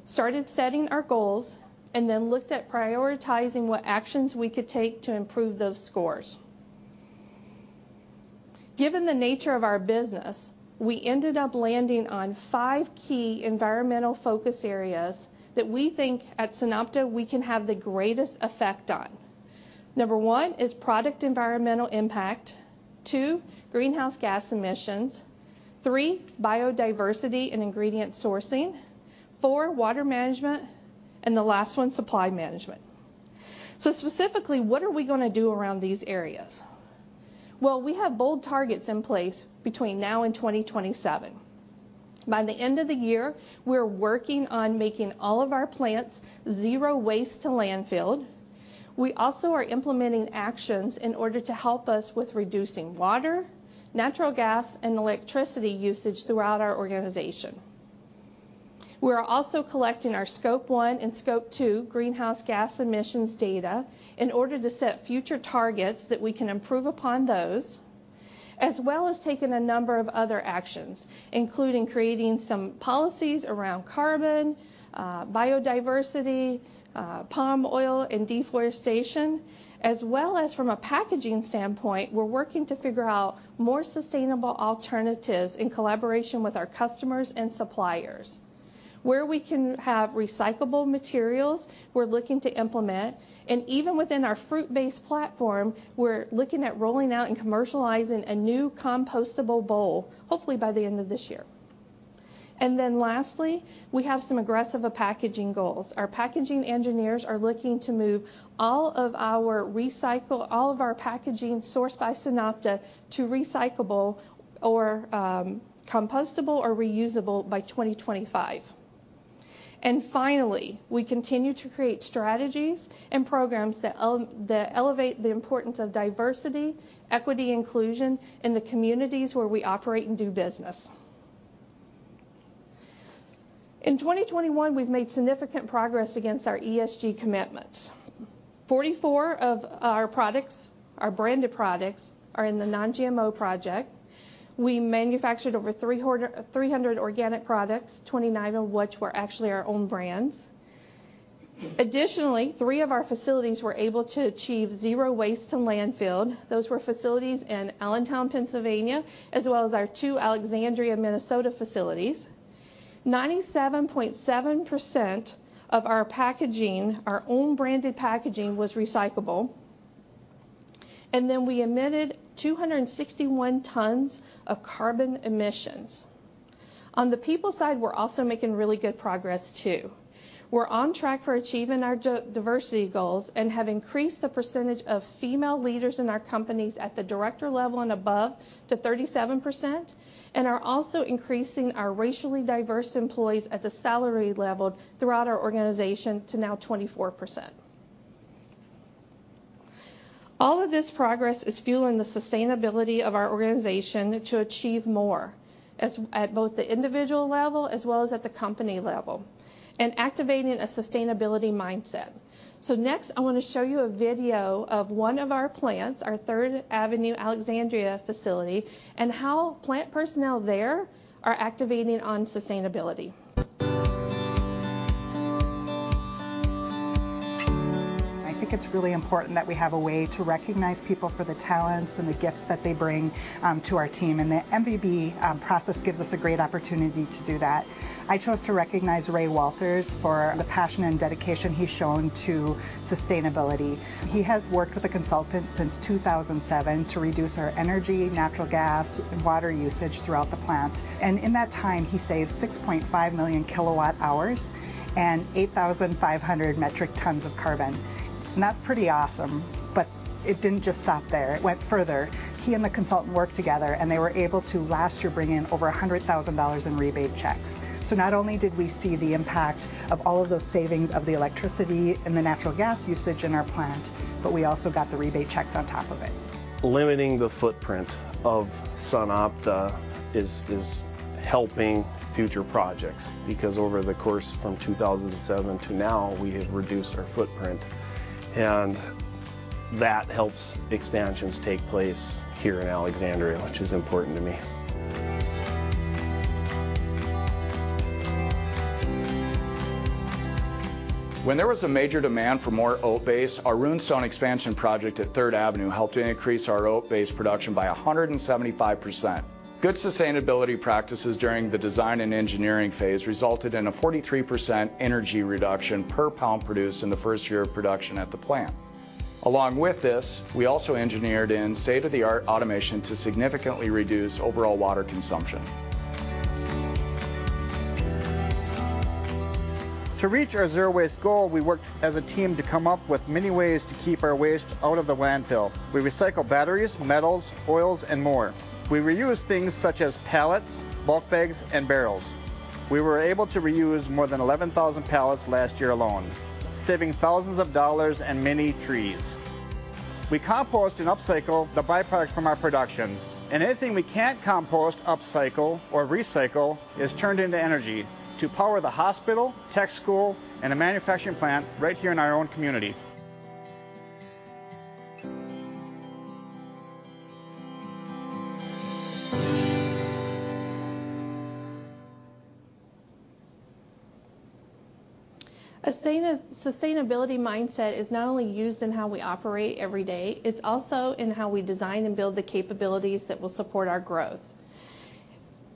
started setting our goals, and then looked at prioritizing what actions we could take to improve those scores. Given the nature of our business, we ended up landing on 5 key environmental focus areas that we think at SunOpta we can have the greatest effect on. Number one is product environmental impact. Two, greenhouse gas emissions. Three, biodiversity and ingredient sourcing. Four, water management. And the last one, supply management. Specifically, what are we gonna do around these areas? Well, we have bold targets in place between now and 2027. By the end of the year, we're working on making all of our plants zero waste to landfill. We also are implementing actions in order to help us with reducing water, natural gas, and electricity usage throughout our organization. We are also collecting our Scope 1 and Scope 2 greenhouse gas emissions data in order to set future targets that we can improve upon those, as well as taking a number of other actions, including creating some policies around carbon, biodiversity, palm oil and deforestation, as well as from a packaging standpoint, we're working to figure out more sustainable alternatives in collaboration with our customers and suppliers. Where we can have recyclable materials, we're looking to implement, and even within our fruit-based platform, we're looking at rolling out and commercializing a new compostable bowl, hopefully by the end of this year. Lastly, we have some aggressive packaging goals. Our packaging engineers are looking to move all of our packaging sourced by SunOpta to recyclable or, compostable or reusable by 2025. Finally, we continue to create strategies and programs that that elevate the importance of diversity, equity, inclusion in the communities where we operate and do business. In 2021, we've made significant progress against our ESG commitments. 44 of our products, our branded products, are in the Non-GMO Project. We manufactured over 300 organic products, 29 of which were actually our own brands. Additionally, three of our facilities were able to achieve zero waste to landfill. Those were facilities in Allentown, Pennsylvania, as well as our two Alexandria, Minnesota facilities. 97.7% of our packaging, our own branded packaging, was recyclable. We emitted 261 tons of carbon emissions. On the people side, we're also making really good progress too. We're on track for achieving our diversity goals and have increased the percentage of female leaders in our companies at the director level and above to 37%, and are also increasing our racially diverse employees at the salary level throughout our organization to now 24%. All of this progress is fueling the sustainability of our organization to achieve more, as at both the individual level as well as at the company level, and activating a sustainability mindset. Next, I wanna show you a video of one of our plants, our Third Avenue, Alexandria facility, and how plant personnel there are activating on sustainability. I think it's really important that we have a way to recognize people for the talents and the gifts that they bring to our team, and the MVB process gives us a great opportunity to do that. I chose to recognize Ray Walters for the passion and dedication he's shown to sustainability. He has worked with a consultant since 2007 to reduce our energy, natural gas, and water usage throughout the plant. In that time, he saved 6.5 million kWh and 8,500 metric tons of carbon. That's pretty awesome. It didn't just stop there. It went further. He and the consultant worked together, and they were able to last year bring in over $100,000 in rebate checks. Not only did we see the impact of all of those savings of the electricity and the natural gas usage in our plant, but we also got the rebate checks on top of it. Limiting the footprint of SunOpta is helping future projects because over the course from 2007 to now, we have reduced our footprint, and that helps expansions take place here in Alexandria, which is important to me. When there was a major demand for more oat base, our Runestone expansion project at Third Avenue helped to increase our oat base production by 175%. Good sustainability practices during the design and engineering phase resulted in a 43% energy reduction per pound produced in the first year of production at the plant. Along with this, we also engineered in state-of-the-art automation to significantly reduce overall water consumption. To reach our zero waste goal, we worked as a team to come up with many ways to keep our waste out of the landfill. We recycle batteries, metals, oils, and more. We reuse things such as pallets, bulk bags, and barrels. We were able to reuse more than 11,000 pallets last year alone, saving thousands of dollars and many trees. We compost and upcycle the byproducts from our production, and anything we can't compost, upcycle, or recycle is turned into energy to power the hospital, tech school, and a manufacturing plant right here in our own community. A sustainability mindset is not only used in how we operate every day, it's also in how we design and build the capabilities that will support our growth.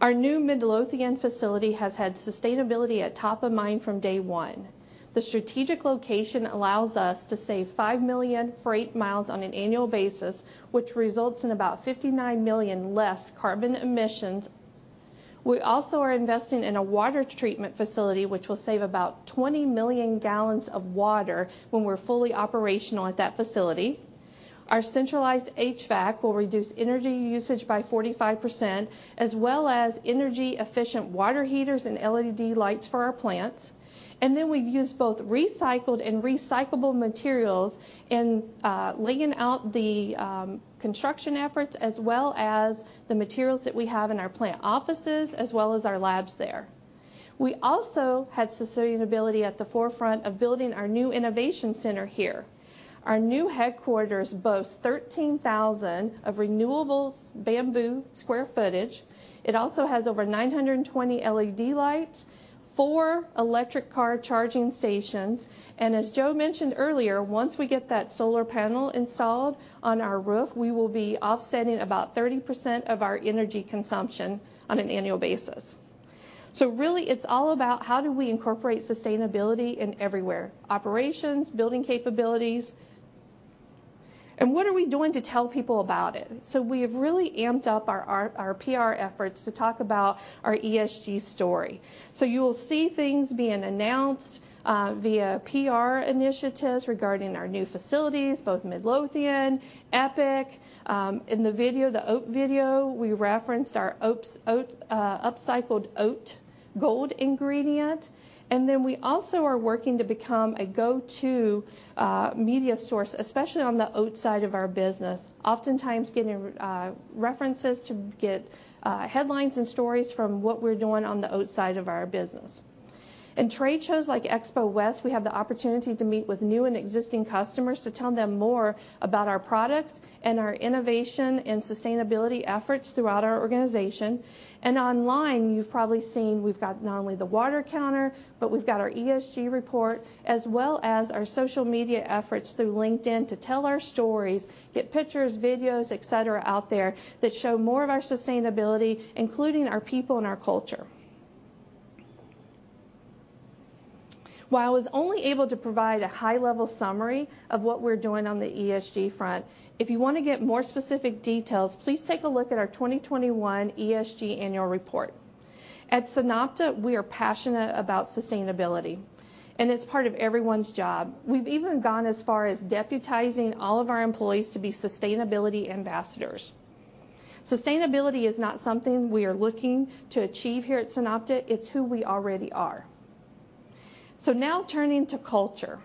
Our new Midlothian facility has had sustainability at top of mind from day one. The strategic location allows us to save 5 million freight miles on an annual basis, which results in about 59 million less carbon emissions. We also are investing in a water treatment facility, which will save about 20 million gallons of water when we're fully operational at that facility. Our centralized HVAC will reduce energy usage by 45%, as well as energy-efficient water heaters and LED lights for our plants. We've used both recycled and recyclable materials in laying out the construction efforts as well as the materials that we have in our plant offices as well as our labs there. We also had sustainability at the forefront of building our new innovation center here. Our new headquarters boasts 13,000 square feet of renewable bamboo. It also has over 920 LED lights, four electric car charging stations, and as Joe mentioned earlier, once we get that solar panel installed on our roof, we will be offsetting about 30% of our energy consumption on an annual basis. Really it's all about how do we incorporate sustainability in everywhere, operations, building capabilities. What are we doing to tell people about it? We have really amped up our PR efforts to talk about our ESG story. You will see things being announced via PR initiatives regarding our new facilities, both Midlothian, EPIC. In the video, the oat video, we referenced our oat upcycled OatGold ingredient. We also are working to become a go-to media source, especially on the oat side of our business. Oftentimes getting references to get headlines and stories from what we're doing on the oat side of our business. In trade shows like Expo West, we have the opportunity to meet with new and existing customers to tell them more about our products and our innovation and sustainability efforts throughout our organization. Online, you've probably seen we've got not only the water counter, but we've got our ESG report, as well as our social media efforts through LinkedIn to tell our stories, get pictures, videos, etc, out there that show more of our sustainability, including our people and our culture. While I was only able to provide a high-level summary of what we're doing on the ESG front, if you wanna get more specific details, please take a look at our 2021 ESG annual report. At SunOpta, we are passionate about sustainability, and it's part of everyone's job. We've even gone as far as deputizing all of our employees to be sustainability ambassadors. Sustainability is not something we are looking to achieve here at SunOpta, it's who we already are. Now turning to culture.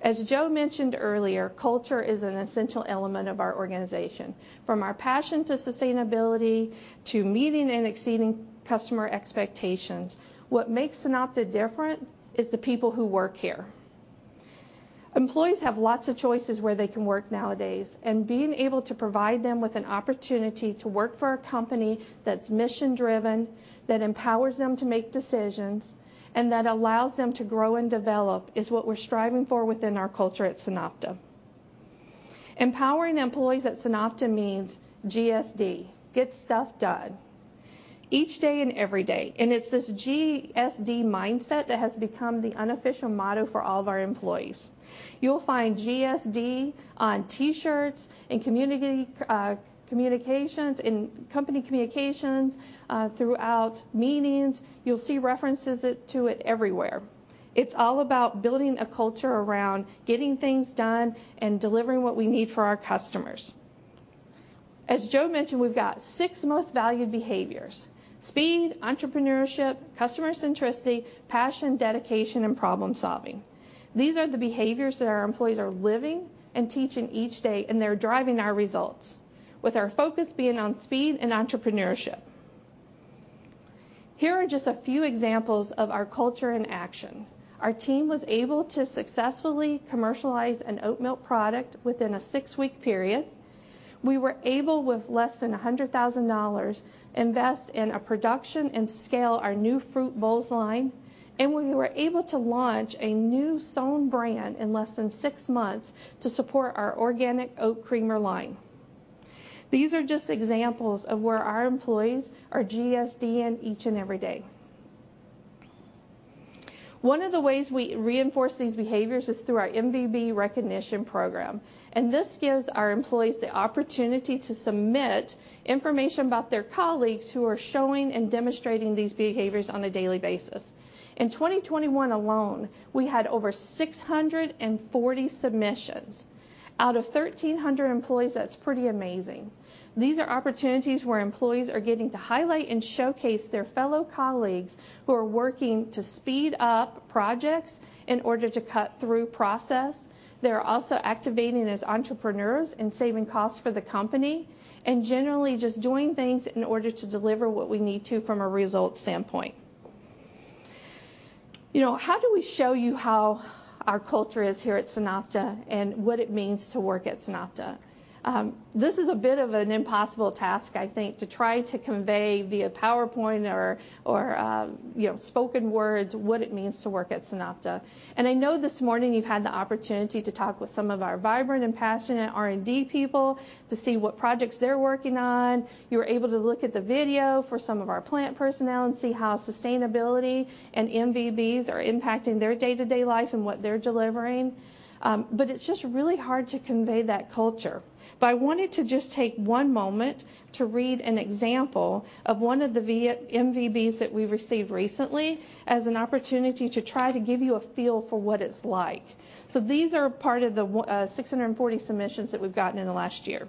As Joe mentioned earlier, culture is an essential element of our organization. From our passion to sustainability to meeting and exceeding customer expectations, what makes SunOpta different is the people who work here. Employees have lots of choices where they can work nowadays, and being able to provide them with an opportunity to work for a company that's mission-driven, that empowers them to make decisions, and that allows them to grow and develop is what we're striving for within our culture at SunOpta. Empowering employees at SunOpta means GSD, Get Stuff Done, each day and every day, and it's this GSD mindset that has become the unofficial motto for all of our employees. You'll find GSD on T-shirts, in company communications, throughout meetings. You'll see references to it everywhere. It's all about building a culture around getting things done and delivering what we need for our customers. As Joe mentioned, we've got six most valued behaviors, speed, entrepreneurship, customer centricity, passion, dedication, and problem-solving. These are the behaviors that our employees are living and teaching each day, and they're driving our results, with our focus being on speed and entrepreneurship. Here are just a few examples of our culture in action. Our team was able to successfully commercialize an oat milk product within a six-week period. We were able, with less than $100,000, invest in a production and scale our new fruit bowls line, and we were able to launch a new SOWN brand in less than six months to support our organic oat creamer line. These are just examples of where our employees are GSD-ing each and every day. One of the ways we reinforce these behaviors is through our MVB recognition program, and this gives our employees the opportunity to submit information about their colleagues who are showing and demonstrating these behaviors on a daily basis. In 2021 alone, we had over 640 submissions. Out of 1,300 employees, that's pretty amazing. These are opportunities where employees are getting to highlight and showcase their fellow colleagues who are working to speed up projects in order to cut through process. They're also activating as entrepreneurs and saving costs for the company, and generally just doing things in order to deliver what we need to from a result standpoint. You know, how do we show you how our culture is here at SunOpta and what it means to work at SunOpta? This is a bit of an impossible task, I think, to try to convey via PowerPoint or you know spoken words what it means to work at SunOpta. I know this morning you've had the opportunity to talk with some of our vibrant and passionate R&D people to see what projects they're working on. You were able to look at the video for some of our plant personnel and see how sustainability and MVBs are impacting their day-to-day life and what they're delivering. It's just really hard to convey that culture. I wanted to just take one moment to read an example of one of the MVBs that we received recently as an opportunity to try to give you a feel for what it's like. These are part of the 640 submissions that we've gotten in the last year.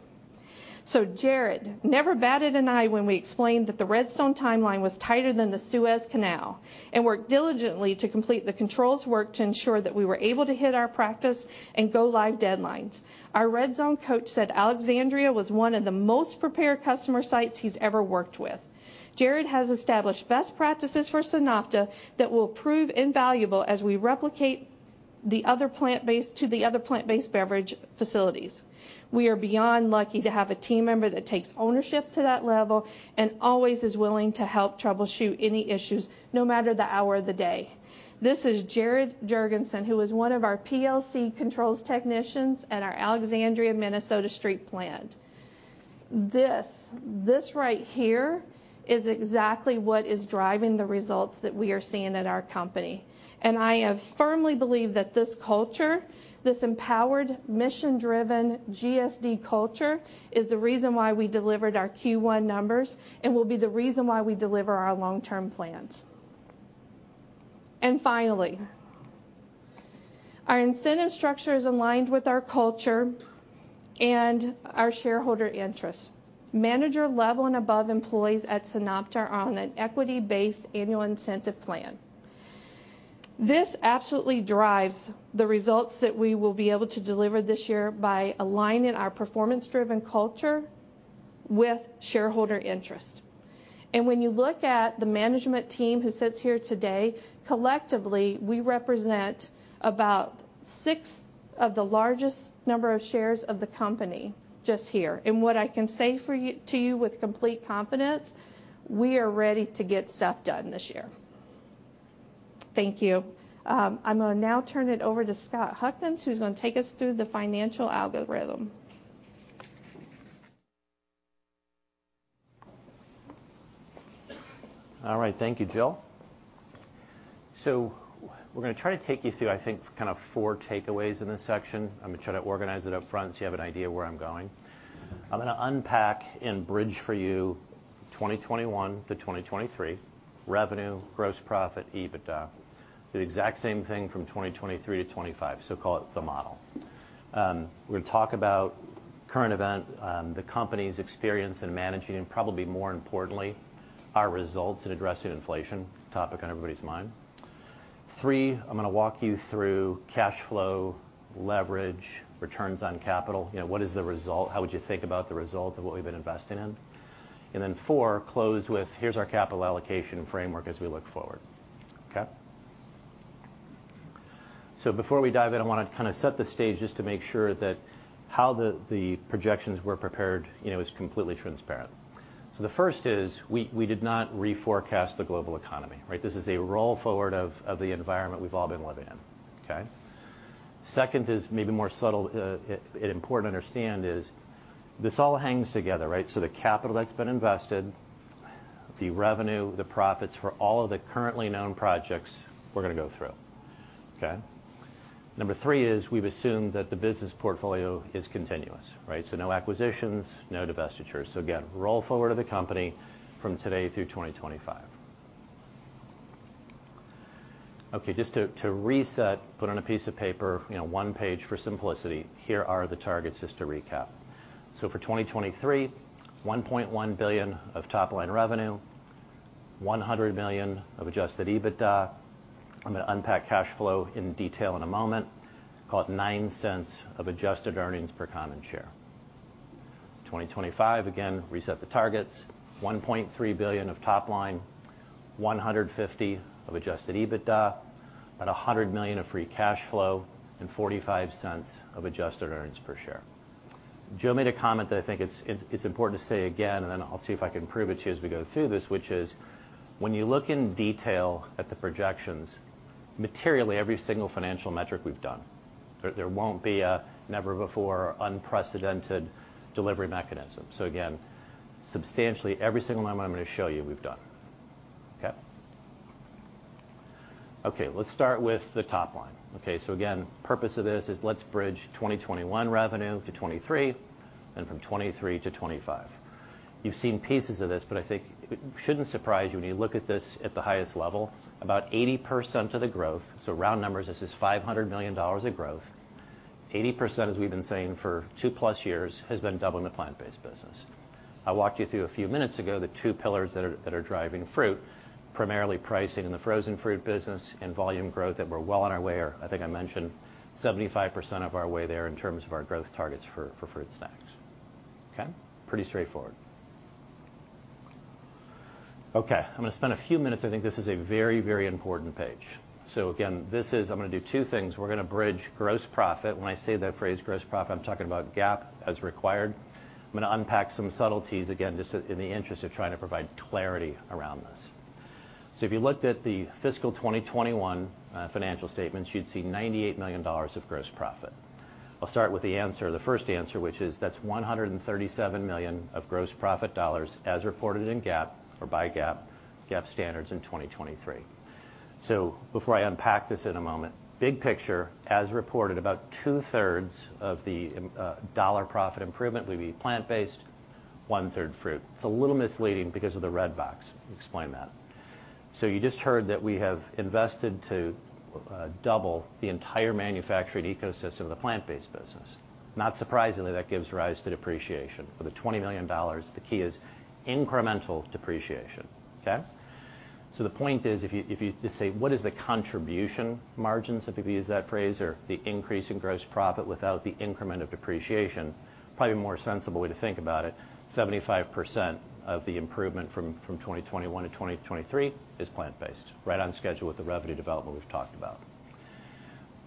Jared never batted an eye when we explained that the Runestone timeline was tighter than the Suez Canal and worked diligently to complete the controls work to ensure that we were able to hit our practice and go live deadlines. Our RedZone coach said Alexandria was one of the most prepared customer sites he's ever worked with. Jared has established best practices for SunOpta that will prove invaluable as we replicate to the other plant-based beverage facilities. We are beyond lucky to have a team member that takes ownership to that level and always is willing to help troubleshoot any issues, no matter the hour of the day. Thi`s is Jared Jorgensen, who is one of our PLC controls technicians at our Alexandria, Minnesota plant. This right here is exactly what is driving the results that we are seeing at our company. I firmly believe that this culture, this empowered, mission-driven GSD culture, is the reason why we delivered our Q1 numbers and will be the reason why we deliver our long-term plans. Finally, our incentive structure is aligned with our culture and our shareholder interests. Manager-level and above employees at SunOpta are on an equity-based annual incentive plan. This absolutely drives the results that we will be able to deliver this year by aligning our performance-driven culture with shareholder interest. When you look at the management team who sits here today, collectively, we represent about six of the largest number of shares of the company just here. What I can say to you with complete confidence, we are ready to get stuff done this year. Thank you. I'm gonna now turn it over to Scott Huckins, who's gonna take us through the financial algorithm. All right. Thank you, Jill. We're gonna try to take you through, I think, kind of four takeaways in this section. I'm gonna try to organize it up front so you have an idea where I'm going. I'm gonna unpack and bridge for you 2021 to 2023 revenue, gross profit, EBITDA. The exact same thing from 2023 to 2025. Call it the model. We're gonna talk about current events, the company's experience in managing and probably more importantly, our results in addressing inflation, topic on everybody's mind. Three, I'm gonna walk you through cash flow, leverage, returns on capital. You know, what is the result? How would you think about the result of what we've been investing in? And then four, close with here's our capital allocation framework as we look forward. Okay? Before we dive in, I wanna kind of set the stage just to make sure that how the projections were prepared, you know, is completely transparent. The first is we did not reforecast the global economy, right? This is a roll forward of the environment we've all been living in. Okay? Second is maybe more subtle, and important to understand is this all hangs together, right? The capital that's been invested, the revenue, the profits for all of the currently known projects we're gonna go through. Okay? Number three is we've assumed that the business portfolio is continuous, right? No acquisitions, no divestitures. Again, roll forward of the company from today through 2025. Okay, just to reset, put on a piece of paper, you know, one page for simplicity. Here are the targets just to recap. For 2023, $1.1 billion of top-line revenue, $100 million of adjusted EBITDA. I'm gonna unpack cash flow in detail in a moment. Call it $0.09 of adjusted earnings per common share. 2025, again, reset the targets. $1.3 billion of top line, $150 million of adjusted EBITDA, about $100 million of free cash flow, and $0.45 of adjusted earnings per share. Jill made a comment that I think it's important to say again, and then I'll see if I can prove it to you as we go through this, which is when you look in detail at the projections, materially every single financial metric we've done. There won't be a never before unprecedented delivery mechanism. Again, substantially every single number I'm gonna show you we've done. Okay, let's start with the top line. Okay, again, purpose of this is let's bridge 2021 revenue to 2023 and from 2023 to 2025. You've seen pieces of this, but I think it shouldn't surprise you when you look at this at the highest level. About 80% of the growth, so round numbers, this is $500 million of growth. 80%, as we've been saying for 2+ years, has been doubling the plant-based business. I walked you through a few minutes ago the two pillars that are driving fruit, primarily pricing in the frozen fruit business and volume growth, and we're well on our way, or I think I mentioned 75% of our way there in terms of our growth targets for fruit snacks. Okay. Pretty straightforward. Okay, I'm gonna spend a few minutes. I think this is a very, very important page. I'm gonna do two things. We're gonna bridge gross profit. When I say the phrase gross profit, I'm talking about GAAP as required. I'm gonna unpack some subtleties again, just in the interest of trying to provide clarity around this. If you looked at the fiscal 2021 financial statements, you'd see $98 million of gross profit. I'll start with the answer, the first answer, which is that's $137 million of gross profit dollars as reported in GAAP or by GAAP standards in 2023. Before I unpack this in a moment, big picture, as reported, about two-thirds of the dollar profit improvement will be plant-based, 1/3 fruit. It's a little misleading because of the red box. Explain that. You just heard that we have invested to double the entire manufacturing ecosystem of the plant-based business. Not surprisingly, that gives rise to depreciation. For the $20 million, the key is incremental depreciation. Okay. The point is, if you just say what is the contribution margins, if we could use that phrase, or the increase in gross profit without the increment of depreciation, probably a more sensible way to think about it, 75% of the improvement from 2021 to 2023 is plant-based. Right on schedule with the revenue development we've talked about.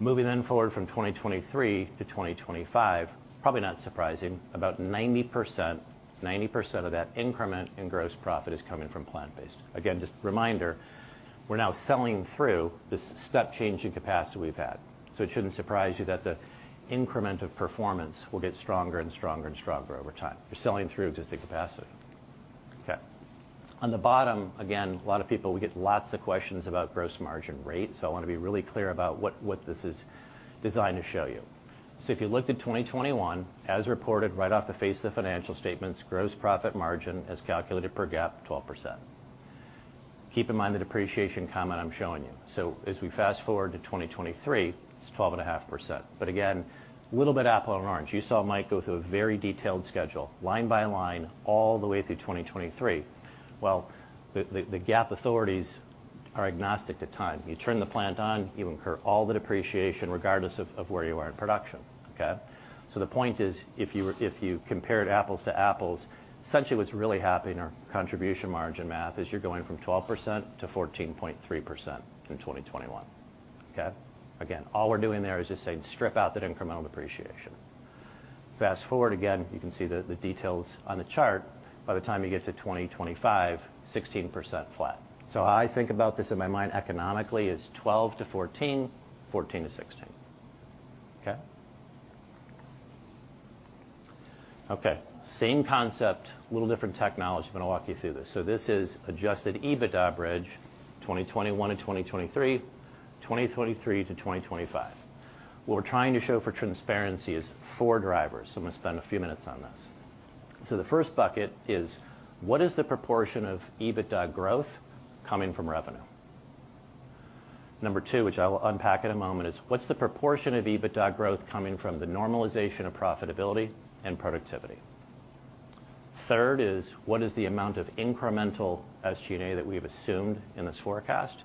Moving forward from 2023 to 2025, probably not surprising, about 90% of that increment in gross profit is coming from plant-based. Again, just a reminder, we're now selling through this step change in capacity we've had. It shouldn't surprise you that the increment of performance will get stronger and stronger and stronger over time. You're selling through existing capacity. Okay. On the bottom, again, a lot of people, we get lots of questions about gross margin rate, so I wanna be really clear about what this is designed to show you. If you looked at 2021, as reported right off the face of the financial statements, gross profit margin as calculated per GAAP, 12%. Keep in mind the depreciation comment I'm showing you. As we fast-forward to 2023, it's 12.5%. But again, a little bit apples and oranges. You saw Mike go through a very detailed schedule, line by line, all the way through 2023. Well, the GAAP authorities are agnostic to time. You turn the plant on, you incur all the depreciation regardless of where you are in production, okay? The point is, if you compared apples to apples, essentially what's really happening in our contribution margin math is you're going from 12%-14.3% from 2021, okay? Again, all we're doing there is just saying strip out that incremental depreciation. Fast-forward again, you can see the details on the chart. By the time you get to 2025, 16% flat. I think about this in my mind economically as 12%-14%, 14%-16%. Okay? Okay. Same concept, a little different technology. I'm gonna walk you through this. This is adjusted EBITDA bridge, 2021-2023, 2023-2025. What we're trying to show for transparency is four drivers, so I'm gonna spend a few minutes on this. The first bucket is what is the proportion of EBITDA growth coming from revenue? Two, which I will unpack in a moment, is what's the proportion of EBITDA growth coming from the normalization of profitability and productivity? Third is what is the amount of incremental SG&A that we have assumed in this forecast?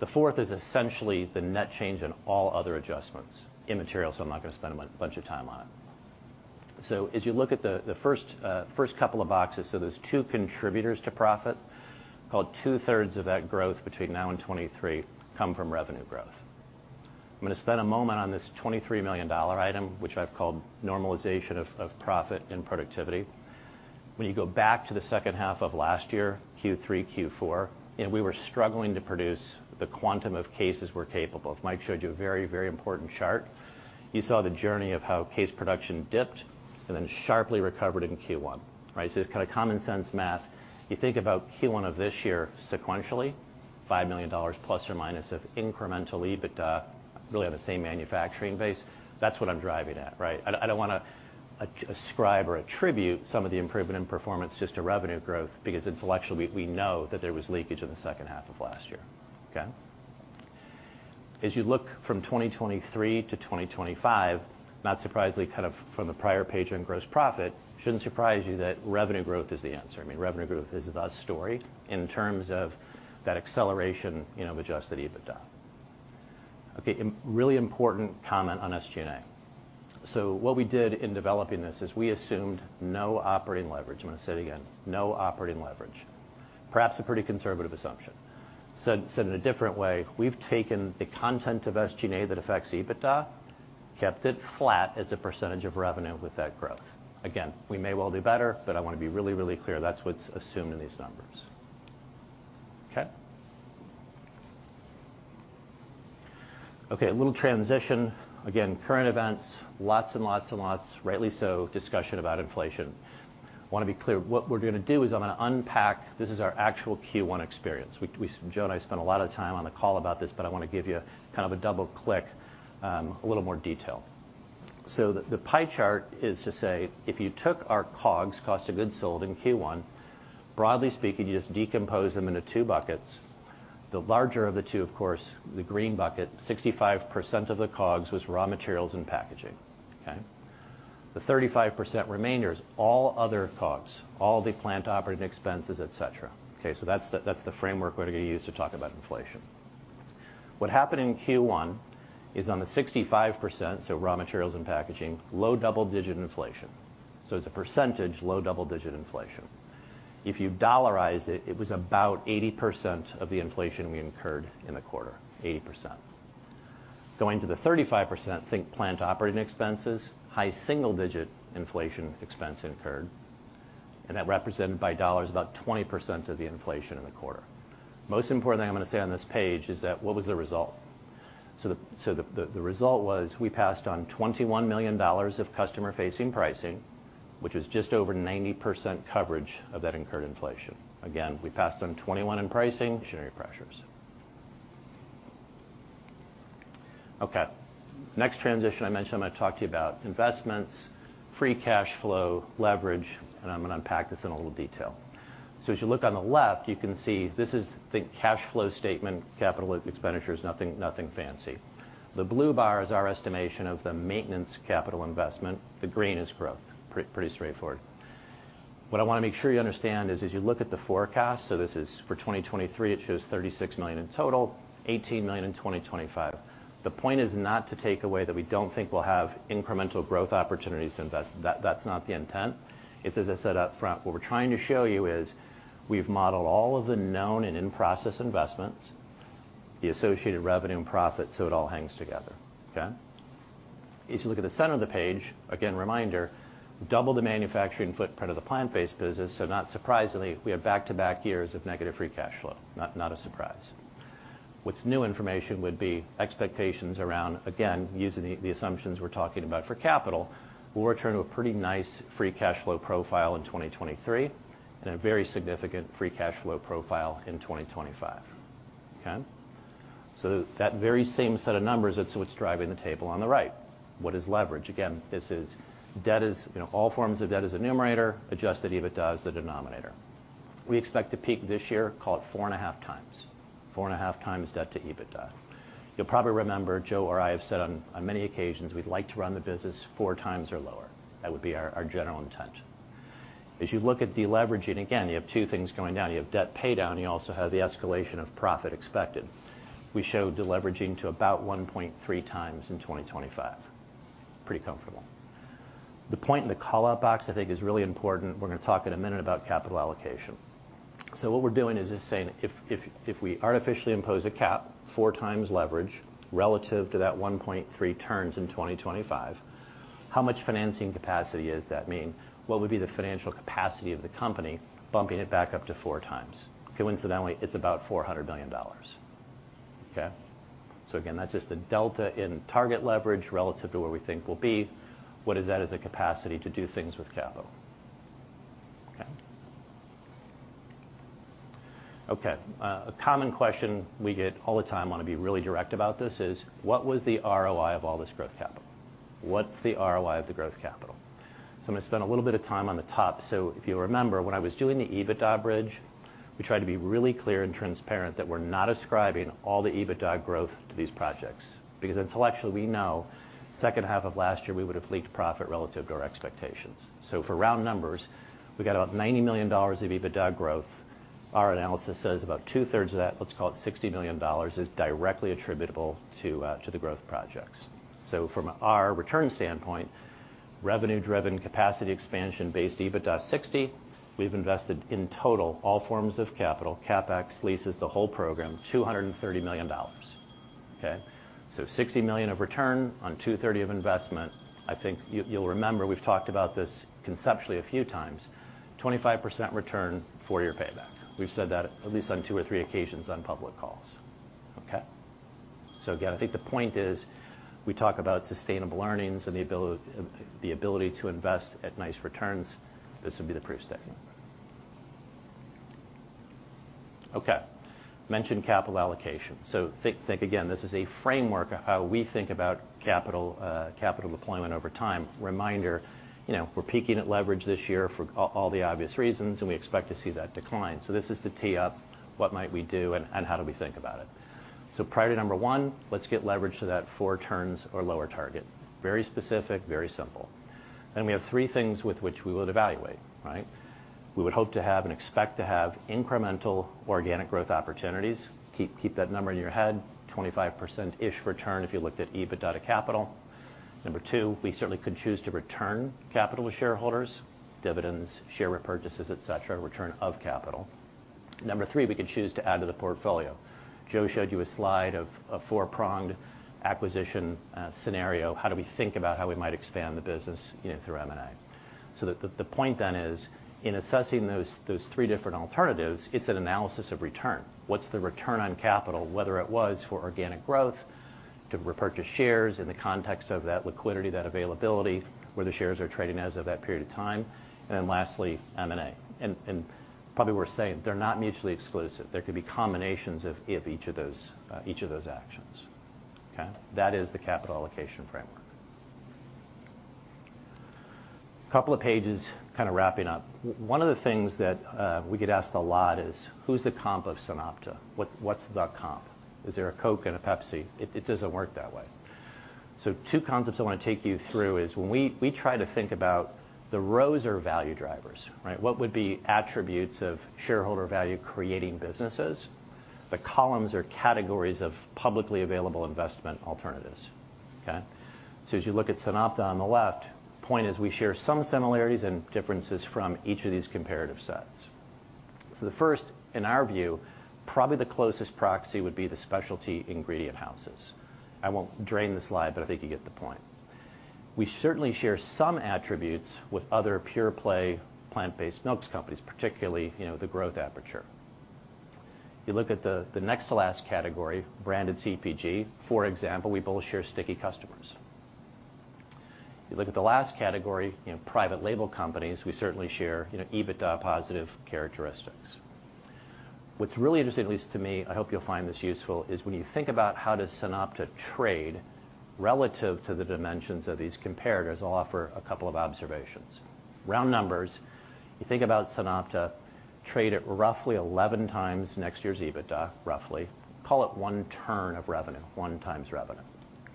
The fourth is essentially the net change in all other adjustments. Immaterial, so I'm not gonna spend a bunch of time on it. As you look at the first couple of boxes, so there's two contributors to profit. Call it 2/3 of that growth between now and 2023 come from revenue growth. I'm gonna spend a moment on this $23 million item, which I've called normalization of profit and productivity. When you go back to the second half of last year, Q3, Q4, and we were struggling to produce the quantum of cases we're capable of. Mike showed you a very, very important chart. You saw the journey of how case production dipped and then sharply recovered in Q1, right? Just kinda common sense math. You think about Q1 of this year sequentially, $5 million± of incremental EBITDA, really on the same manufacturing base. That's what I'm driving at, right? I don't wanna ascribe or attribute some of the improvement in performance just to revenue growth because intellectually we know that there was leakage in the second half of last year, okay? As you look from 2023 to 2025, not surprisingly, kind of from the prior page on gross profit, shouldn't surprise you that revenue growth is the answer. I mean, revenue growth is the story in terms of that acceleration, you know, of adjusted EBITDA. Okay. A really important comment on SG&A. What we did in developing this is we assumed no operating leverage. I'm gonna say it again. No operating leverage. Perhaps a pretty conservative assumption. Said in a different way, we've taken the content of SG&A that affects EBITDA, kept it flat as a percentage of revenue with that growth. Again, we may well do better, but I wanna be really, really clear, that's what's assumed in these numbers. Okay. A little transition. Again, current events, lots and lots and lots, rightly so, discussion about inflation. Wanna be clear, what we're gonna do is I'm gonna unpack. This is our actual Q1 experience. Joe and I spent a lot of time on the call about this, but I wanna give you kind of a double click, a little more detail. The pie chart is to say if you took our COGS, cost of goods sold, in Q1, broadly speaking, you just decompose them into two buckets. The larger of the two, of course, the green bucket, 65% of the COGS was raw materials and packaging, okay? The 35% remainder is all other COGS, all the plant operating expenses, etc. Okay? That's the framework we're gonna use to talk about inflation. What happened in Q1 is on the 65%, so raw materials and packaging, low double-digit inflation. As a percentage, low double-digit inflation. If you dollarize it was about 80% of the inflation we incurred in the quarter. 80%. Going to the 35%, think plant operating expenses, high single-digit inflation expense incurred, and that represented by dollars about 20% of the inflation in the quarter. Most important thing I'm gonna say on this page is that what was the result? The result was we passed on $21 million of customer-facing pricing, which was just over 90% coverage of that incurred inflation. Again, we passed on $21 million in pricing pressures. Okay. Next transition I mentioned, I'm gonna talk to you about investments, free cash flow, leverage, and I'm gonna unpack this in a little detail. As you look on the left, you can see this is the cash flow statement, capital expenditures, nothing fancy. The blue bar is our estimation of the maintenance capital investment. The green is growth. Pretty straightforward. What I wanna make sure you understand is as you look at the forecast, so this is for 2023, it shows $36 million in total, $18 million in 2025. The point is not to take away that we don't think we'll have incremental growth opportunities to invest. That's not the intent. It's as I said up front, what we're trying to show you is we've modeled all of the known and in-process investments, the associated revenue and profit, so it all hangs together. Okay? If you look at the center of the page, again, reminder, double the manufacturing footprint of the plant-based business, so not surprisingly, we have back-to-back years of negative free cash flow. Not a surprise. What new information would be expectations around, again, using the assumptions we're talking about for capital, we'll return to a pretty nice free cash flow profile in 2023 and a very significant free cash flow profile in 2025. Okay? That very same set of numbers, that's what's driving the table on the right. What is leverage? Again, this is debt, you know, all forms of debt is the numerator, adjusted EBITDA is the denominator. We expect to peak this year, call it 4.5x. 4.5x debt to EBITDA. You'll probably remember Joe or I have said on many occasions we'd like to run the business 4x or lower. That would be our general intent. As you look at deleveraging, again, you have two things going down. You have debt paydown, you also have the escalation of profit expected. We show deleveraging to about 1.3x in 2025. Pretty comfortable. The point in the call-out box I think is really important. We're gonna talk in a minute about capital allocation. What we're doing is just saying if we artificially impose a cap 4x leverage relative to that 1.3 turns in 2025, how much financing capacity does that mean? What would be the financial capacity of the company bumping it back up to 4x? Coincidentally, it's about $400 million. Okay? Again, that's just a delta in target leverage relative to where we think we'll be. What is that as a capacity to do things with capital? Okay. Okay. A common question we get all the time, wanna be really direct about this, is what was the ROI of all this growth capital? What's the ROI of the growth capital? I'm gonna spend a little bit of time on the topic. If you remember, when I was doing the EBITDA bridge, we tried to be really clear and transparent that we're not ascribing all the EBITDA growth to these projects because intellectually, we know second half of last year, we would have leaked profit relative to our expectations. For round numbers, we got about $90 million of EBITDA growth. Our analysis says about 2/3, of that, let's call it $60 million, is directly attributable to the growth projects. From our return standpoint, revenue-driven capacity expansion-based EBITDA 60, we've invested in total all forms of capital, CapEx, leases, the whole program, $230 million. Okay? $60 million of return on 230 of investment. I think you'll remember we've talked about this conceptually a few times. 25% return, four-year payback. We've said that at least on two or three occasions on public calls. Okay. Again, I think the point is we talk about sustainable earnings and the ability to invest at nice returns. This would be the proof statement. Okay. Mentioned capital allocation. Think again, this is a framework of how we think about capital deployment over time. Reminder, you know, we're peaking at leverage this year for all the obvious reasons, and we expect to see that decline. This is to tee up what might we do and how do we think about it. Priority one, let's get leverage to that four turns or lower target. Very specific, very simple. We have three things with which we would evaluate, right? We would hope to have and expect to have incremental organic growth opportunities. Keep that number in your head. 25%-ish return if you looked at EBITDA to capital. Number two, we certainly could choose to return capital to shareholders, dividends, share repurchases, etc, return of capital. Number three, we could choose to add to the portfolio. Joe showed you a slide of a four-pronged acquisition scenario. How do we think about how we might expand the business, you know, through M&A? The point then is in assessing those three different alternatives, it's an analysis of return. What's the return on capital, whether it was for organic growth, to repurchase shares in the context of that liquidity, that availability, where the shares are trading as of that period of time, and then lastly, M&A. Probably worth saying, they're not mutually exclusive. There could be combinations of each of those actions. Okay. That is the capital allocation framework. Couple of pages kinda wrapping up. One of the things that we get asked a lot is, "Who's the comp of SunOpta? What's the comp? Is there a Coke and a Pepsi?" It doesn't work that way. Two concepts I wanna take you through is when we try to think about those are value drivers, right? What would be attributes of shareholder value-creating businesses? The columns are categories of publicly available investment alternatives. Okay? As you look at SunOpta on the left, point is we share some similarities and differences from each of these comparative sets. The first, in our view, probably the closest proxy would be the specialty ingredient houses. I won't drone on the slide, but I think you get the point. We certainly share some attributes with other pure-play plant-based milks companies, particularly, you know, the growth opportunity. You look at the next to last category, branded CPG, for example, we both share sticky customers. You look at the last category, you know, private label companies, we certainly share, you know, EBITDA positive characteristics. What's really interesting, at least to me, I hope you'll find this useful, is when you think about how does SunOpta trade relative to the dimensions of these comparators, I'll offer a couple of observations. Round numbers, you think about SunOpta trade at roughly 11x next year's EBITDA, roughly. Call it one turn of revenue, 1x revenue,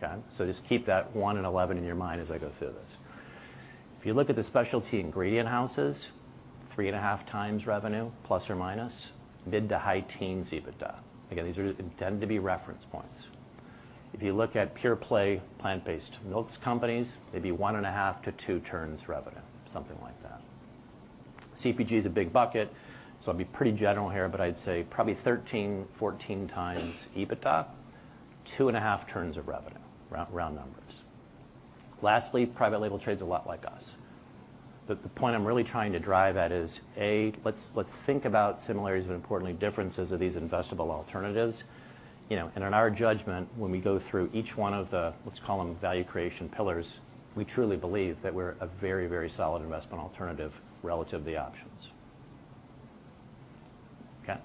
okay? Just keep that 1 and 11 in your mind as I go through this. If you look at the specialty ingredient houses, 3.5x revenue, plus or minus, mid- to high-teens EBITDA. Again, these are intended to be reference points. If you look at pure-play plant-based milks companies, maybe 1.5-two turns revenue, something like that. CPG is a big bucket, so I'll be pretty general here, but I'd say probably 13x-14x EBITDA, 2.5x revenue, round numbers. Lastly, private label trades a lot like us. The point I'm really trying to drive at is, A, let's think about similarities and importantly differences of these investable alternatives. You know, in our judgment, when we go through each one of the, let's call them value creation pillars, we truly believe that we're a very, very solid investment alternative relative to the options. Okay.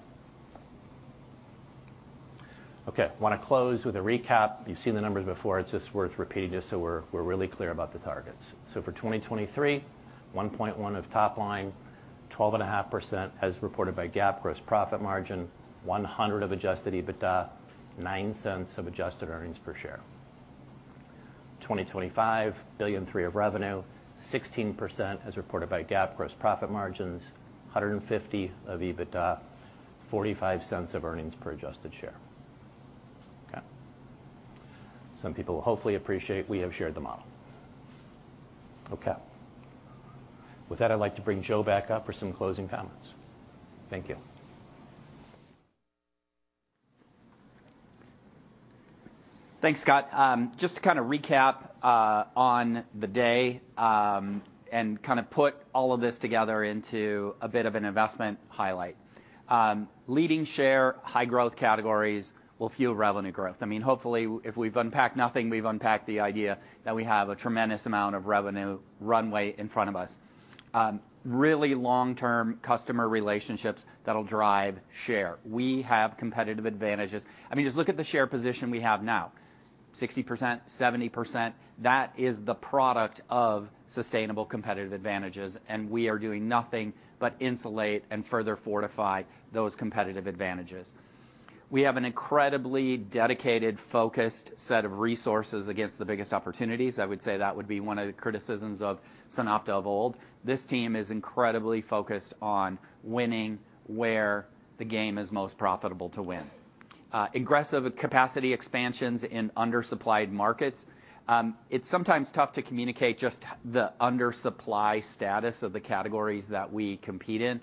Okay, wanna close with a recap. You've seen the numbers before. It's just worth repeating just so we're really clear about the targets. For 2023, $1.1 billion top line, 12.5% as reported by GAAP gross profit margin, $100 million adjusted EBITDA, $0.09 adjusted earnings per share. 2025, $3 billion revenue, 16% as reported by GAAP gross profit margins, $150 million EBITDA, $0.45 earnings per adjusted share. Okay. Some people will hopefully appreciate we have shared the model. Okay. With that, I'd like to bring Joe back up for some closing comments. Thank you. Thanks, Scott. Just to kind of recap on the day and kind of put all of this together into a bit of an investment highlight. Leading share, high growth categories will fuel revenue growth. I mean, hopefully, if we've unpacked nothing, we've unpacked the idea that we have a tremendous amount of revenue runway in front of us. Really long-term customer relationships that'll drive share. We have competitive advantages. I mean, just look at the share position we have now, 60%, 70%. That is the product of sustainable competitive advantages, and we are doing nothing but insulate and further fortify those competitive advantages. We have an incredibly dedicated, focused set of resources against the biggest opportunities. I would say that would be one of the criticisms of SunOpta of old. This team is incredibly focused on winning where the game is most profitable to win. Aggressive capacity expansions in undersupplied markets. It's sometimes tough to communicate just the undersupply status of the categories that we compete in.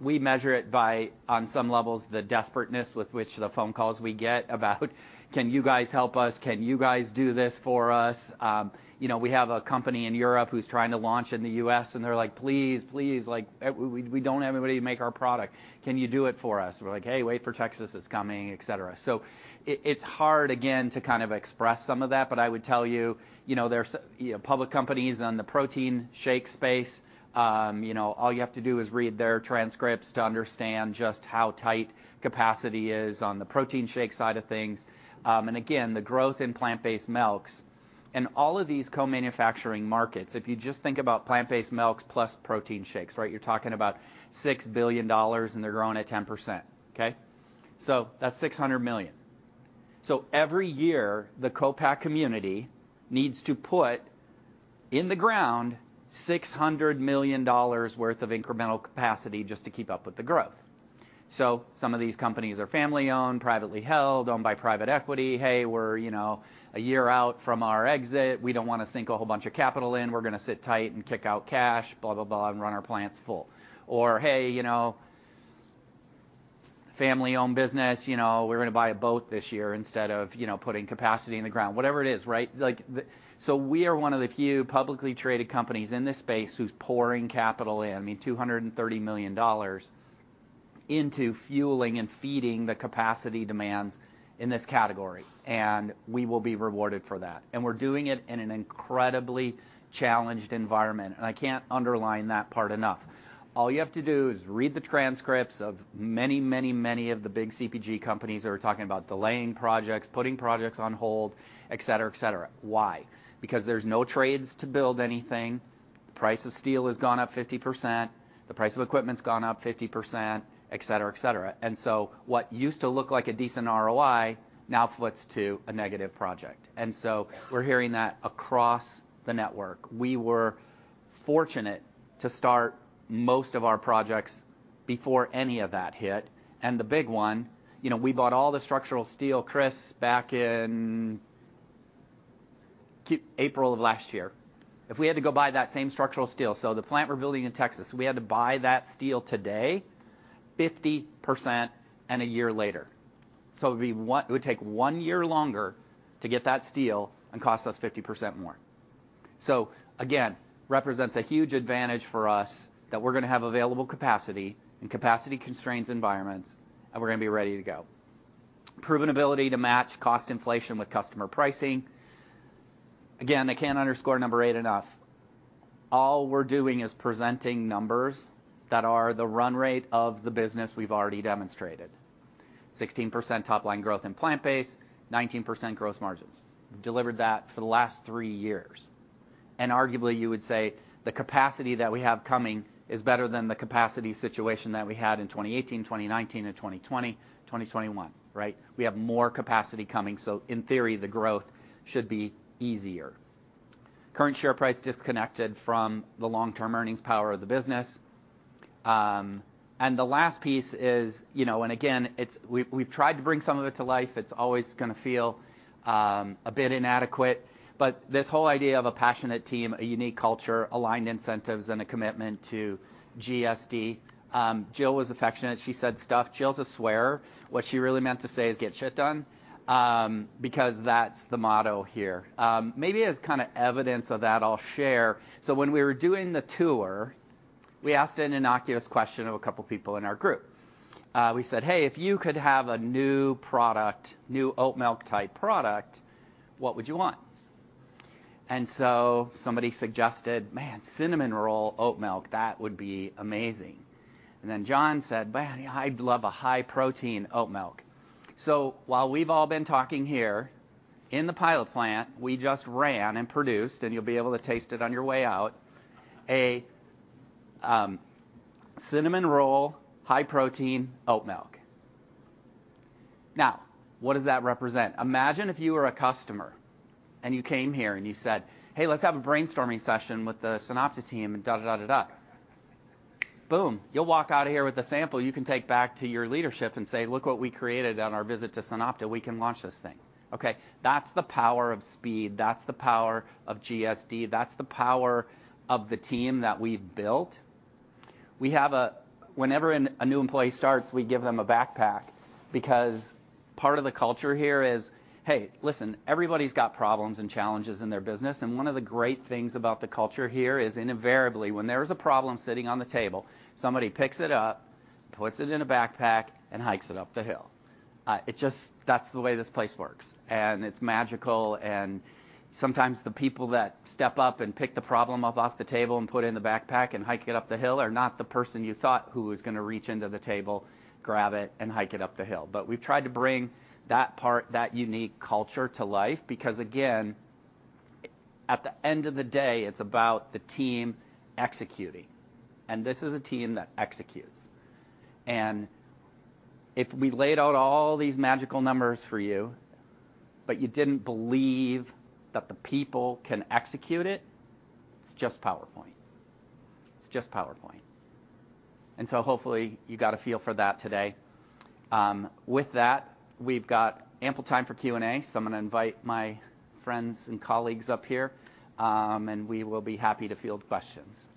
We measure it by, on some levels, the desperateness with which the phone calls we get about, can you guys help us? Can you guys do this for us? You know, we have a company in Europe who's trying to launch in the U.S., and they're like, please, please, like, we don't have anybody to make our product. Can you do it for us? We're like, hey, wait for Texas. It's coming, etc. It's hard, again, to kind of express some of that, but I would tell you know, there's, you know, public companies on the protein shake space, you know, all you have to do is read their transcripts to understand just how tight capacity is on the protein shake side of things. The growth in plant-based milks and all of these co-manufacturing markets, if you just think about plant-based milks plus protein shakes, right? You're talking about $6 billion, and they're growing at 10%, okay? That's $600 million. Every year, the co-pack community needs to put in the ground $600 million worth of incremental capacity just to keep up with the growth. Some of these companies are family-owned, privately held, owned by private equity. "Hey, we're, you know, a year out from our exit. We don't wanna sink a whole bunch of capital in. We're gonna sit tight and kick out cash," blah, blah, "and run our plants full." Or, "Hey, you know, family-owned business, you know, we're gonna buy a boat this year instead of, you know, putting capacity in the ground." Whatever it is, right? Like, we are one of the few publicly traded companies in this space who's pouring capital in, I mean, $230 million into fueling and feeding the capacity demands in this category, and we will be rewarded for that. We're doing it in an incredibly challenged environment, and I can't underline that part enough. All you have to do is read the transcripts of many, many, many of the big CPG companies that are talking about delaying projects, putting projects on hold, et cetera, et cetera. Why? Because there's no trades to build anything. The price of steel has gone up 50%. The price of equipment's gone up 50%, etc, etc. What used to look like a decent ROI now flips to a negative project. We're hearing that across the network. We were fortunate to start most of our projects before any of that hit. The big one, you know, we bought all the structural steel, Chris, back in April of last year. If we had to go buy that same structural steel, so the plant we're building in Texas, if we had to buy that steel today, 50% and a year later. So it would take one year longer to get that steel and cost us 50% more. Again, represents a huge advantage for us that we're gonna have available capacity in capacity constraints environments, and we're gonna be ready to go. Proven ability to match cost inflation with customer pricing. Again, I can't underscore number eight enough. All we're doing is presenting numbers that are the run rate of the business we've already demonstrated. 16% top-line growth in plant-based, 19% gross margins. Delivered that for the last three years. Arguably, you would say the capacity that we have coming is better than the capacity situation that we had in 2018, 2019, and 2020, 2021, right? We have more capacity coming, so in theory, the growth should be easier. Current share price disconnected from the long-term earnings power of the business. The last piece is, you know, and again, it's, we've tried to bring some of it to life. It's always gonna feel a bit inadequate, but this whole idea of a passionate team, a unique culture, aligned incentives, and a commitment to GSD. Jill was affectionate. She said, "Stuff." Jill's a swearer. What she really meant to say is, "Get shit done," because that's the motto here. Maybe as kinda evidence of that, I'll share. When we were doing the tour, we asked an innocuous question of a couple people in our group. We said, "Hey, if you could have a new product, new oat milk-type product, what would you want?" Somebody suggested, "Man, cinnamon roll oat milk. That would be amazing." John said, "Man, I'd love a high protein oat milk." While we've all been talking here, in the pilot plant, we just ran and produced, and you'll be able to taste it on your way out, a cinnamon roll high protein oat milk. Now, what does that represent? Imagine if you were a customer, and you came here and you said, "Hey, let's have a brainstorming session with the SunOpta team," and da, da, da. Boom. You'll walk out of here with a sample you can take back to your leadership and say, "Look what we created on our visit to SunOpta. We can launch this thing." Okay? That's the power of speed. That's the power of GSD. That's the power of the team that we've built. We have a. Whenever a new employee starts, we give them a backpack because part of the culture here is, hey, listen, everybody's got problems and challenges in their business. One of the great things about the culture here is invariably, when there is a problem sitting on the table, somebody picks it up, puts it in a backpack, and hikes it up the hill. It just, that's the way this place works, and it's magical. Sometimes the people that step up and pick the problem up off the table and put it in the backpack and hike it up the hill are not the person you thought who was gonna reach into the table, grab it, and hike it up the hill. We've tried to bring that part, that unique culture to life because, again, at the end of the day, it's about the team executing, and this is a team that executes. If we laid out all these magical numbers for you, but you didn't believe that the people can execute it's just PowerPoint. It's just PowerPoint. Hopefully you got a feel for that today. With that, we've got ample time for Q&A, so I'm gonna invite my friends and colleagues up here. We will be happy to field questions.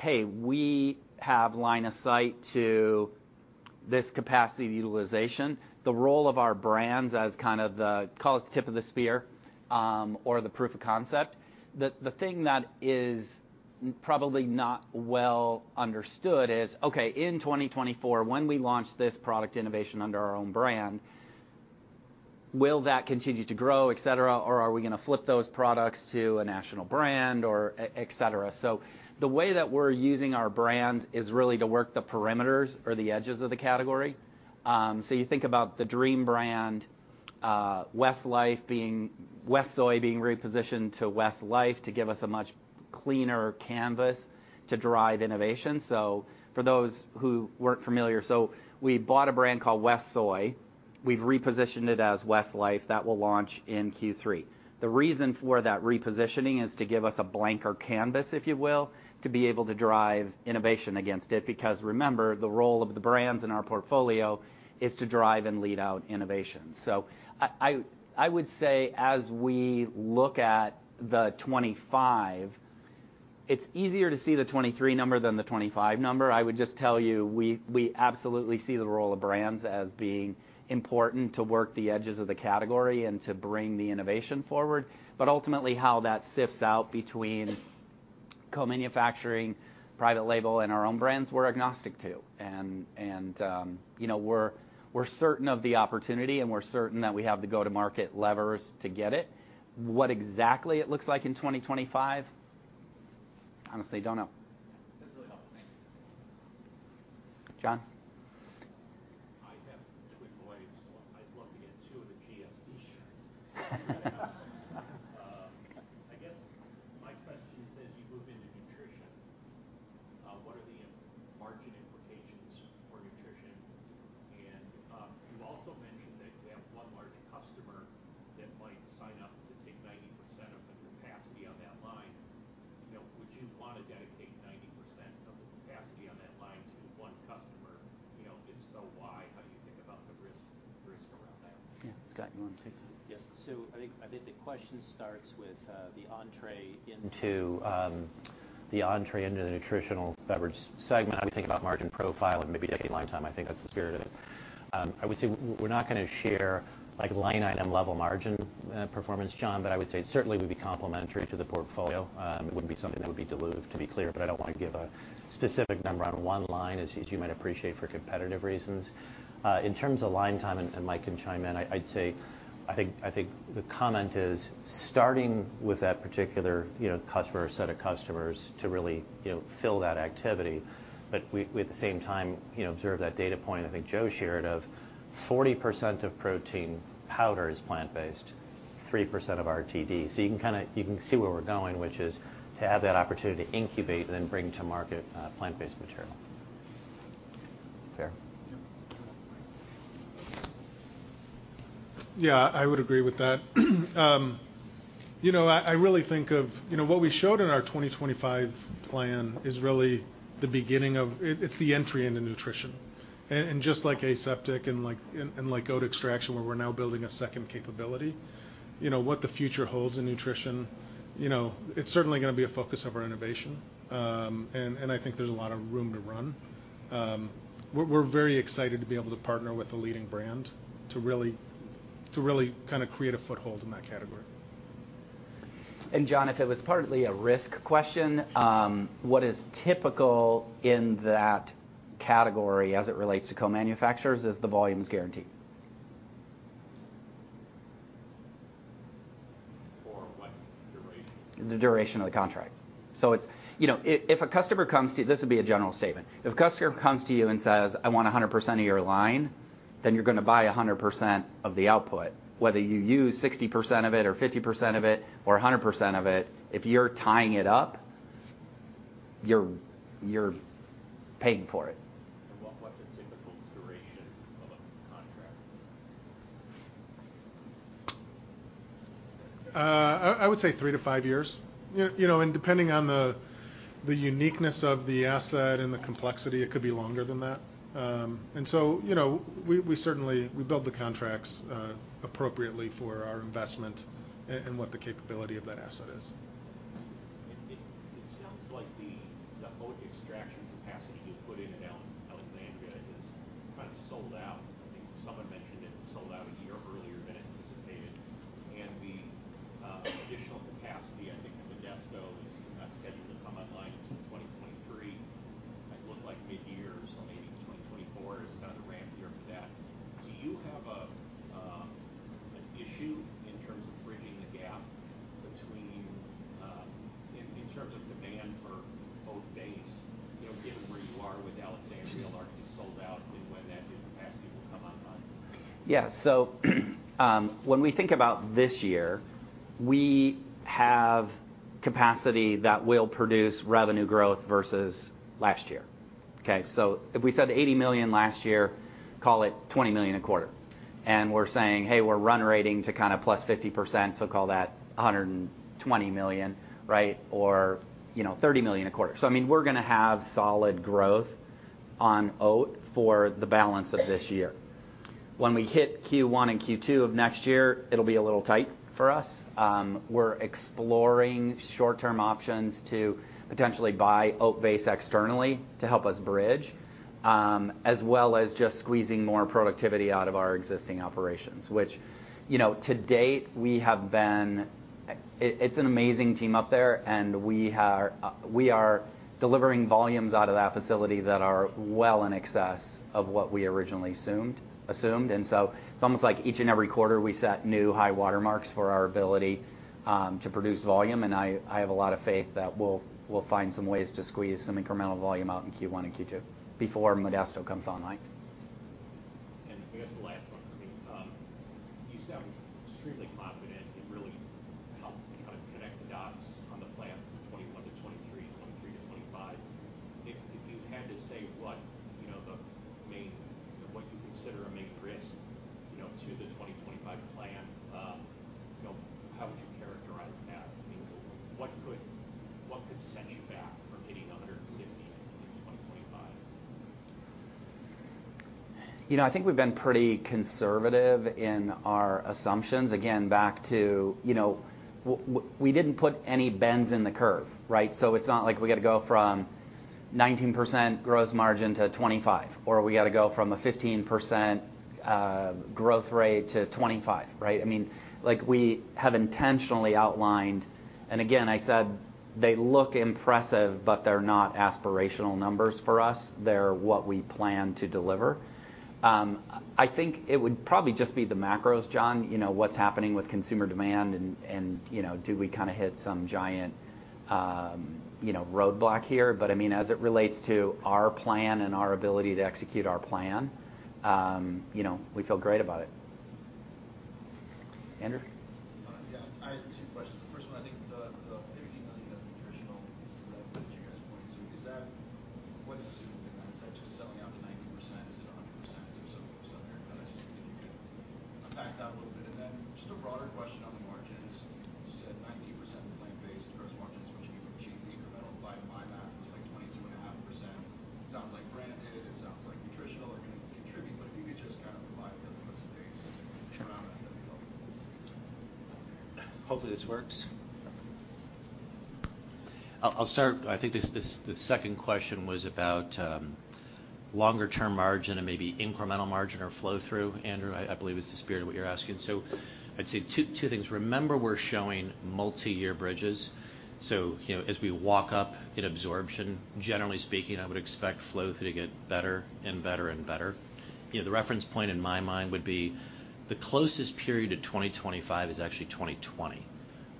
hey, we have line of sight to this capacity utilization. The role of our brands as kind of the, call it the tip of the spear, or the proof of concept. The thing that is probably not well understood is, okay, in 2024, when we launched this product innovation under our own brand. Will that continue to grow, etc, or are we gonna flip those products to a national brand or etc? The way that we're using our brands is really to work the perimeters or the edges of the category. You think about the Dream brand, WestSoy being repositioned to West Life to give us a much cleaner canvas to drive innovation. For those who weren't familiar, so we bought a brand called WestSoy. We've repositioned it as West Life. That will launch in Q3. The reason for that repositioning is to give us a blanker canvas, if you will, to be able to drive innovation against it because remember, the role of the brands in our portfolio is to drive and lead out innovation. I would say as we look at the 2025, it's easier to see the 2023 number than the 2025 number. I would just tell you, we absolutely see the role of brands as being important to work the edges of the category and to bring the innovation forward. Ultimately, how that sifts out between co-manufacturing, private label, and our own brands, we're agnostic to. You know, we're certain of the opportunity, and we're certain that we have the go-to-market levers to get it. What exactly it looks like in 2025, honestly don't know. That's really helpful. Thank you. John? I have two quick ones. One, I'd love to get two of the GSD T-shirts. I guess my question is as you move into nutrition, what are the margin implications for nutrition? You also mentioned that you have one large customer that might sign up to take 90% of the capacity on that line. You know, would you wanna dedicate 90% of the capacity on that line to one customer? You know, if so, why? How do you think about the risk around that? Yeah. Scott, you wanna take that? Yeah. I think the question starts with the entry into the nutritional beverage segment. How do we think about margin profile and maybe dedicated line time? I think that's the spirit of it. I would say we're not gonna share like line item level margin performance, John, but I would say it certainly would be complementary to the portfolio. It wouldn't be something that would be dilutive, to be clear, but I don't wanna give a specific number on one line, as you might appreciate, for competitive reasons. In terms of line time, and Mike can chime in, I'd say I think the comment is starting with that particular, you know, customer or set of customers to really, you know, fill that activity, but we at the same time, you know, observe that data point I think Joe shared of 40% of protein powder is plant-based, 3% of RTDs. So you can kinda see where we're going, which is to have that opportunity to incubate and then bring to market plant-based material. Fair. Yeah, I would agree with that. You know, I really think of what we showed in our 2025 plan is really the beginning of it. It's the entry into nutrition. Just like aseptic and oat extraction, where we're now building a second capability, you know, what the future holds in nutrition, you know, it's certainly gonna be a focus of our innovation. I think there's a lot of room to run. We're very excited to be able to partner with a leading brand to really kinda create a foothold in that category. John, if it was partly a risk question, what is typical in that category as it relates to co-manufacturers is the volume's guaranteed. For like duration? The duration of the contract. You know, this would be a general statement. If a customer comes to you and says, "I want 100% of your line," then you're gonna buy 100% of the output. Whether you use 60% of it or 50% of it or 100% of it, if you're tying it up, you're paying for it. What's a typical duration of a contract? I would say three-five years. You know, depending on the uniqueness of the asset and the complexity, it could be longer than that. You know, we certainly build the contracts appropriately for our investment and what the capability of that asset is. It sounds like the oat extraction capacity you've put in at Alexandria is kind of sold out. I think someone mentioned it was sold out a year earlier than anticipated. The additional capacity I think in Modesto is scheduled to come online in 2023, might look like midyear. Maybe 2024 is kind of the ramp year for that. Do you have an issue in terms of bridging the gap between in terms of demand for oat base, you know, given where you are with Alexandria largely sold out and when that new capacity will come online? Yeah. When we think about this year, we have capacity that will produce revenue growth versus last year. Okay? If we said $80 million last year, call it $20 million a quarter. We're saying, "Hey, we're run-rate to kinda +50%," so call that $120 million, right, or, you know, $30 million a quarter. I mean, we're gonna have solid growth on oat for the balance of this year. When we hit Q1 and Q2 of next year, it'll be a little tight for us. We're exploring short-term options to potentially buy oat base externally to help us bridge. As well as just squeezing more productivity out of our existing operations, which, you know, to date, we have been. It's an amazing team up there, and we are delivering volumes out of that facility that are well in excess of what we originally assumed. It's almost like each and every quarter, we set new high-water marks for our ability to produce volume, and I have a lot of faith that we'll find some ways to squeeze some incremental volume out in Q1 and Q2 before Modesto comes online. I guess the last one for me. You sound extremely confident. It really helped kind of connect the dots on the plan from 2021-2023-2025. If you had to say what you consider a main risk, you know, to the 2025 plan, you know, how would you characterize that? I mean, what could set you back from hitting $150 million in 2025? You know, I think we've been pretty conservative in our assumptions. Again, back to, you know, we didn't put any bends in the curve, right? So it's not like we gotta go from 19% gross margin to 25%, or we gotta go from a 15% growth rate to 25%, right? I mean, like, we have intentionally outlined. Again, I said they look impressive, but they're not aspirational numbers for us. They're what we plan to deliver. I think it would probably just be the macros, John. You know, what's happening with consumer demand and, you know, do we kind of hit some giant, you know, roadblock here? I mean, as it relates to our plan and our ability to execute our plan, you know, we feel great about it. Andrew? Yeah. I have two questions. The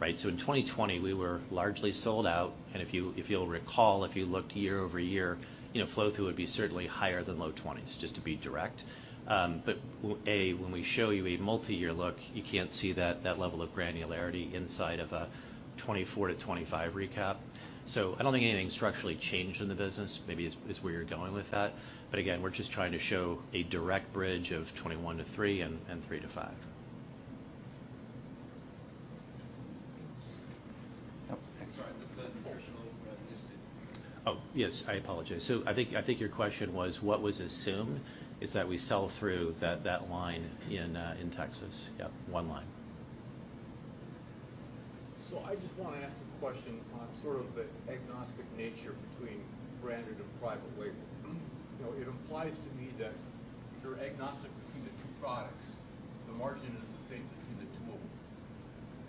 right? In 2020, we were largely sold out. If you'll recall, if you looked year-over-year, you know, flow-through would be certainly higher than low 20s, just to be direct. When we show you a multi-year look, you can't see that level of granularity inside of a 2024-2025 recap. I don't think anything structurally changed in the business. Maybe it's where you're going with that. We're just trying to show a direct bridge of 21 to three and three-five. Sorry. The nutritional, just to be clear. Oh, yes, I apologize. I think your question was what was assumed is that we sell through that line in Texas. Yep, one line. I just want to ask a question on sort of the agnostic nature between branded and private label. You know, it implies to me that if you're agnostic between the two products, the margin is the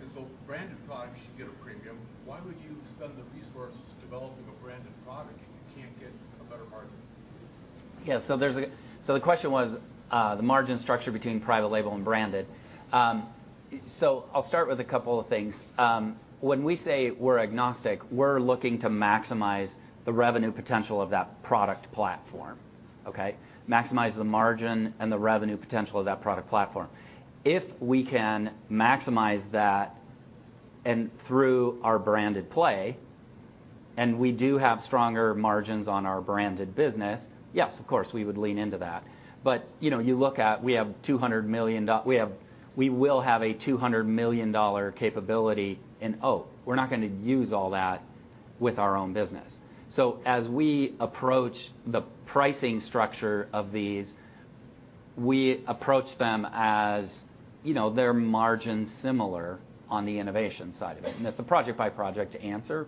same between the two. Branded products should get a premium. Why would you spend the resource developing a branded product if you can't get a better margin? The question was, the margin structure between private label and branded. I'll start with a couple of things. When we say we're agnostic, we're looking to maximize the revenue potential of that product platform, okay? Maximize the margin and the revenue potential of that product platform. If we can maximize that and through our branded play, and we do have stronger margins on our branded business, yes, of course, we would lean into that. You know, you look at. We will have a $200 million capability in oat. We're not gonna use all that with our own business. As we approach the pricing structure of these, we approach them as, you know, they're margin similar on the innovation side of it, and it's a project-by-project answer.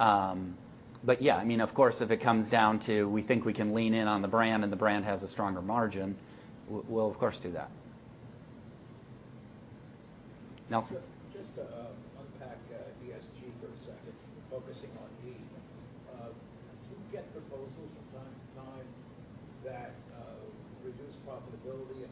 Yeah, I mean, of course, if it comes down to we think we can lean in on the brand and the brand has a stronger margin, we'll of course do that. Nelson. Just to unpack ESG for a second, focusing on E. Do you get proposals from time to time that reduce profitability?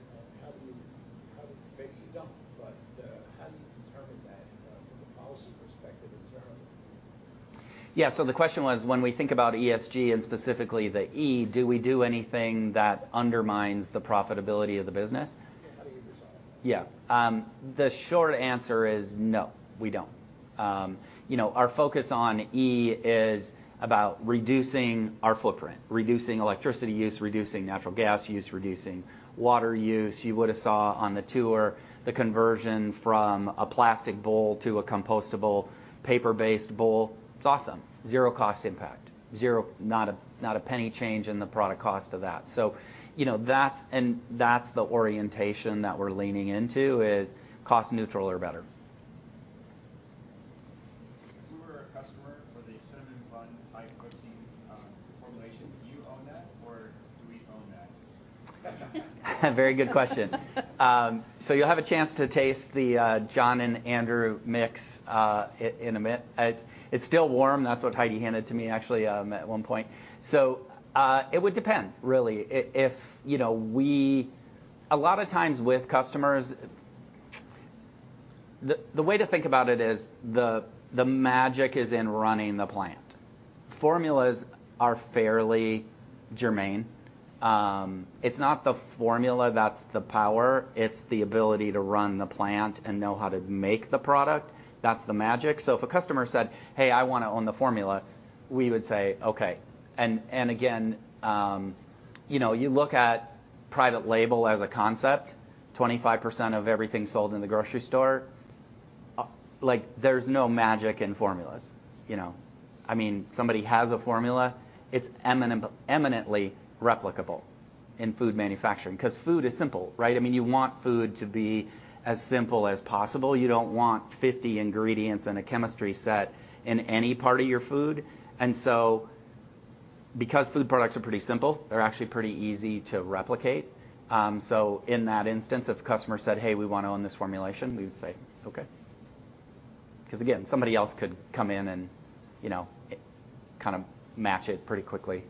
Maybe you don't, but how do you determine that from a policy perspective internally? Yeah. The question was, when we think about ESG and specifically the E, do we do anything that undermines the profitability of the business? Yeah. How do you decide? Yeah. The short answer is no, we don't. You know, our focus on E is about reducing our footprint, reducing electricity use, reducing natural gas use, reducing water use. You would have saw on the tour the conversion from a plastic bowl to a compostable paper-based bowl. It's awesome. Zero cost impact. Not a penny change in the product cost of that. You know, that's, and that's the orientation that we're leaning into, is cost neutral or better. For the cinnamon bun high protein formulation, do you own that or do we own that? Very good question. So you'll have a chance to taste the John and Andrew mix in a minute. It's still warm. That's what Heidi handed to me actually at one point. It would depend really. If you know we a lot of times with customers the way to think about it is the magic is in running the plant. Formulas are fairly germane. It's not the formula that's the power. It's the ability to run the plant and know how to make the product. That's the magic. If a customer said, "Hey, I wanna own the formula," we would say okay. Again you know you look at private label as a concept, 25% of everything sold in the grocery store like there's no magic in formulas, you know. I mean, somebody has a formula. It's eminently replicable in food manufacturing cause food is simple, right? I mean, you want food to be as simple as possible. You don't want 50 ingredients and a chemistry set in any part of your food. Because food products are pretty simple, they're actually pretty easy to replicate. In that instance, if a customer said, "Hey, we wanna own this formulation," we would say okay. 'Cause again, somebody else could come in and, you know, kind of match it pretty quickly.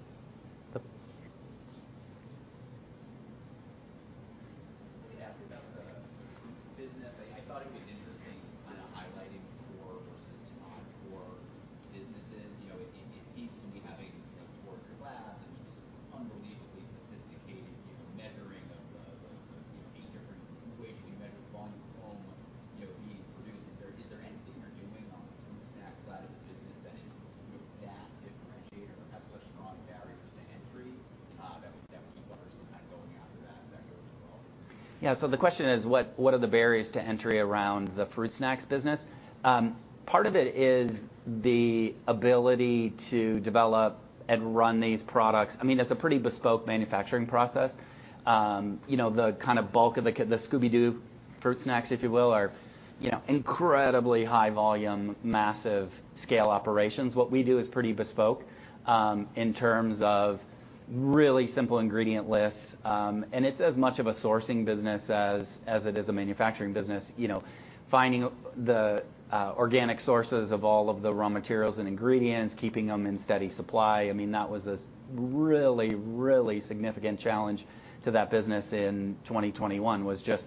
really simple ingredient lists. And it's as much of a sourcing business as it is a manufacturing business. You know, finding the organic sources of all of the raw materials and ingredients, keeping them in steady supply, I mean, that was a really significant challenge to that business in 2021 was just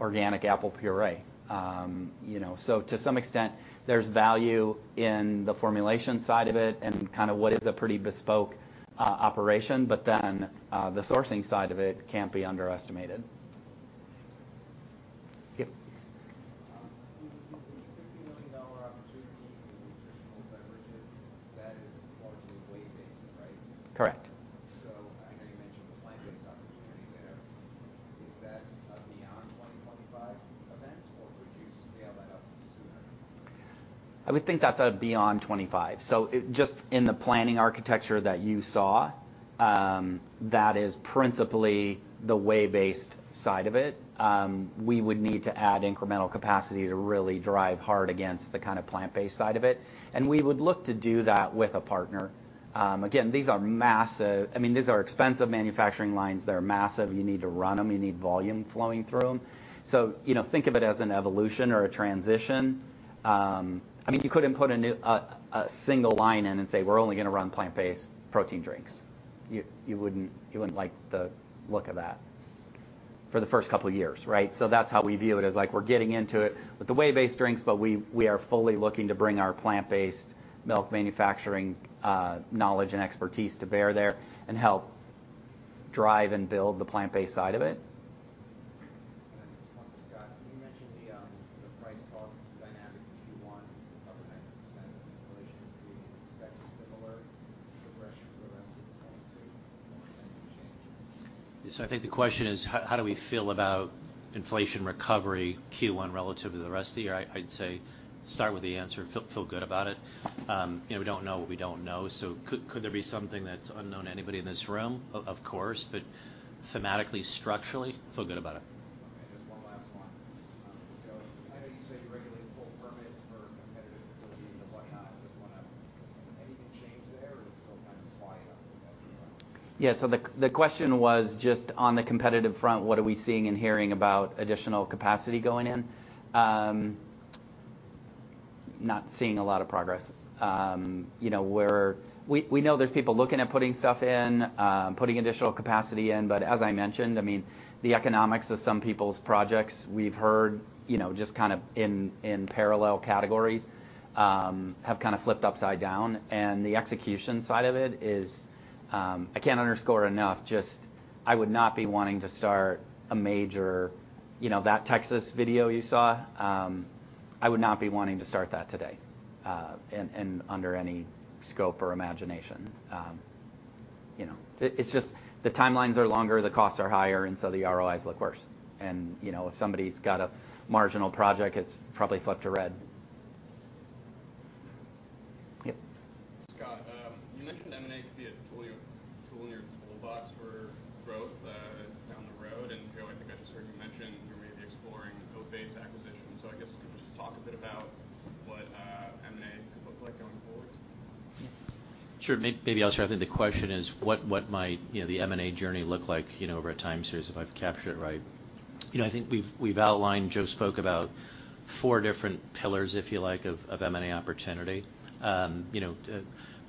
organic apple puree. You know, to some extent, there's value in the formulation side of it and kinda what is a pretty bespoke operation. Then, the sourcing side of it can't be underestimated. Yep. The $50 million opportunity in nutritional beverages, that is largely whey-based, right? Correct. I know you mentioned the plant-based opportunity there. Is that a beyond 2025 event, or would you scale that up sooner? I would think that's beyond 25. Just in the planning architecture that you saw, that is principally the whey-based side of it. We would need to add incremental capacity to really drive hard against the kinda plant-based side of it, and we would look to do that with a partner. Again, these are massive. I mean, these are expensive manufacturing lines. They're massive. You need to run them. You need volume flowing through them. So, you know, think of it as an evolution or a transition. I mean, you couldn't put a new, a single line in and say, "We're only gonna run plant-based protein drinks." You wouldn't like the look of that for the first couple years, right? That's how we view it as, like we're getting into it with the whey-based drinks, but we are fully looking to bring our plant-based milk manufacturing, knowledge and expertise to bear there and help drive and build the plant-based side of it. Just one for Scott. You mentioned the price cost dynamic in Q1 with over 9% inflation. Do you expect a similar progression for the rest of the year too, or any change there? Yes. I think the question is how do we feel about inflation recovery Q1 relative to the rest of the year? I'd say start with the answer feel good about it. You know, we don't know what we don't know, so could there be something that's unknown to anybody in this room? Of course. Thematically, structurally, feel good about it. Okay. Just one last one. I know you say you regularly pull permits for competitive facilities and what not. Anything change there, or it's still kind of quiet on that front? Yeah. The question was just on the competitive front, what are we seeing and hearing about additional capacity going in? Not seeing a lot of progress. You know, we know there's people looking at putting stuff in, putting additional capacity in, but as I mentioned, I mean, the economics of some people's projects we've heard, you know, just kind of in parallel categories, have kinda flipped upside down. The execution side of it is, I can't underscore enough just I would not be wanting to start a major, you know, that Texas video you saw, I would not be wanting to start that today, and under any stretch of the imagination. You know, it's just the timelines are longer, the costs are higher, and the ROIs look worse. You know, if somebody's got a marginal project, it's probably flipped to red. Yep. Scott, you mentioned M&A could be a tool in your toolbox for growth. I just heard you mention you're maybe exploring the oat-based acquisition. I guess could you just talk a bit about what, M&A could look like going forward? Sure. Maybe I'll start. I think the question is what might, you know, the M&A journey look like, you know, over a time series, if I've captured it right. You know, I think we've outlined, Joe spoke about four different pillars, if you like, of M&A opportunity. You know,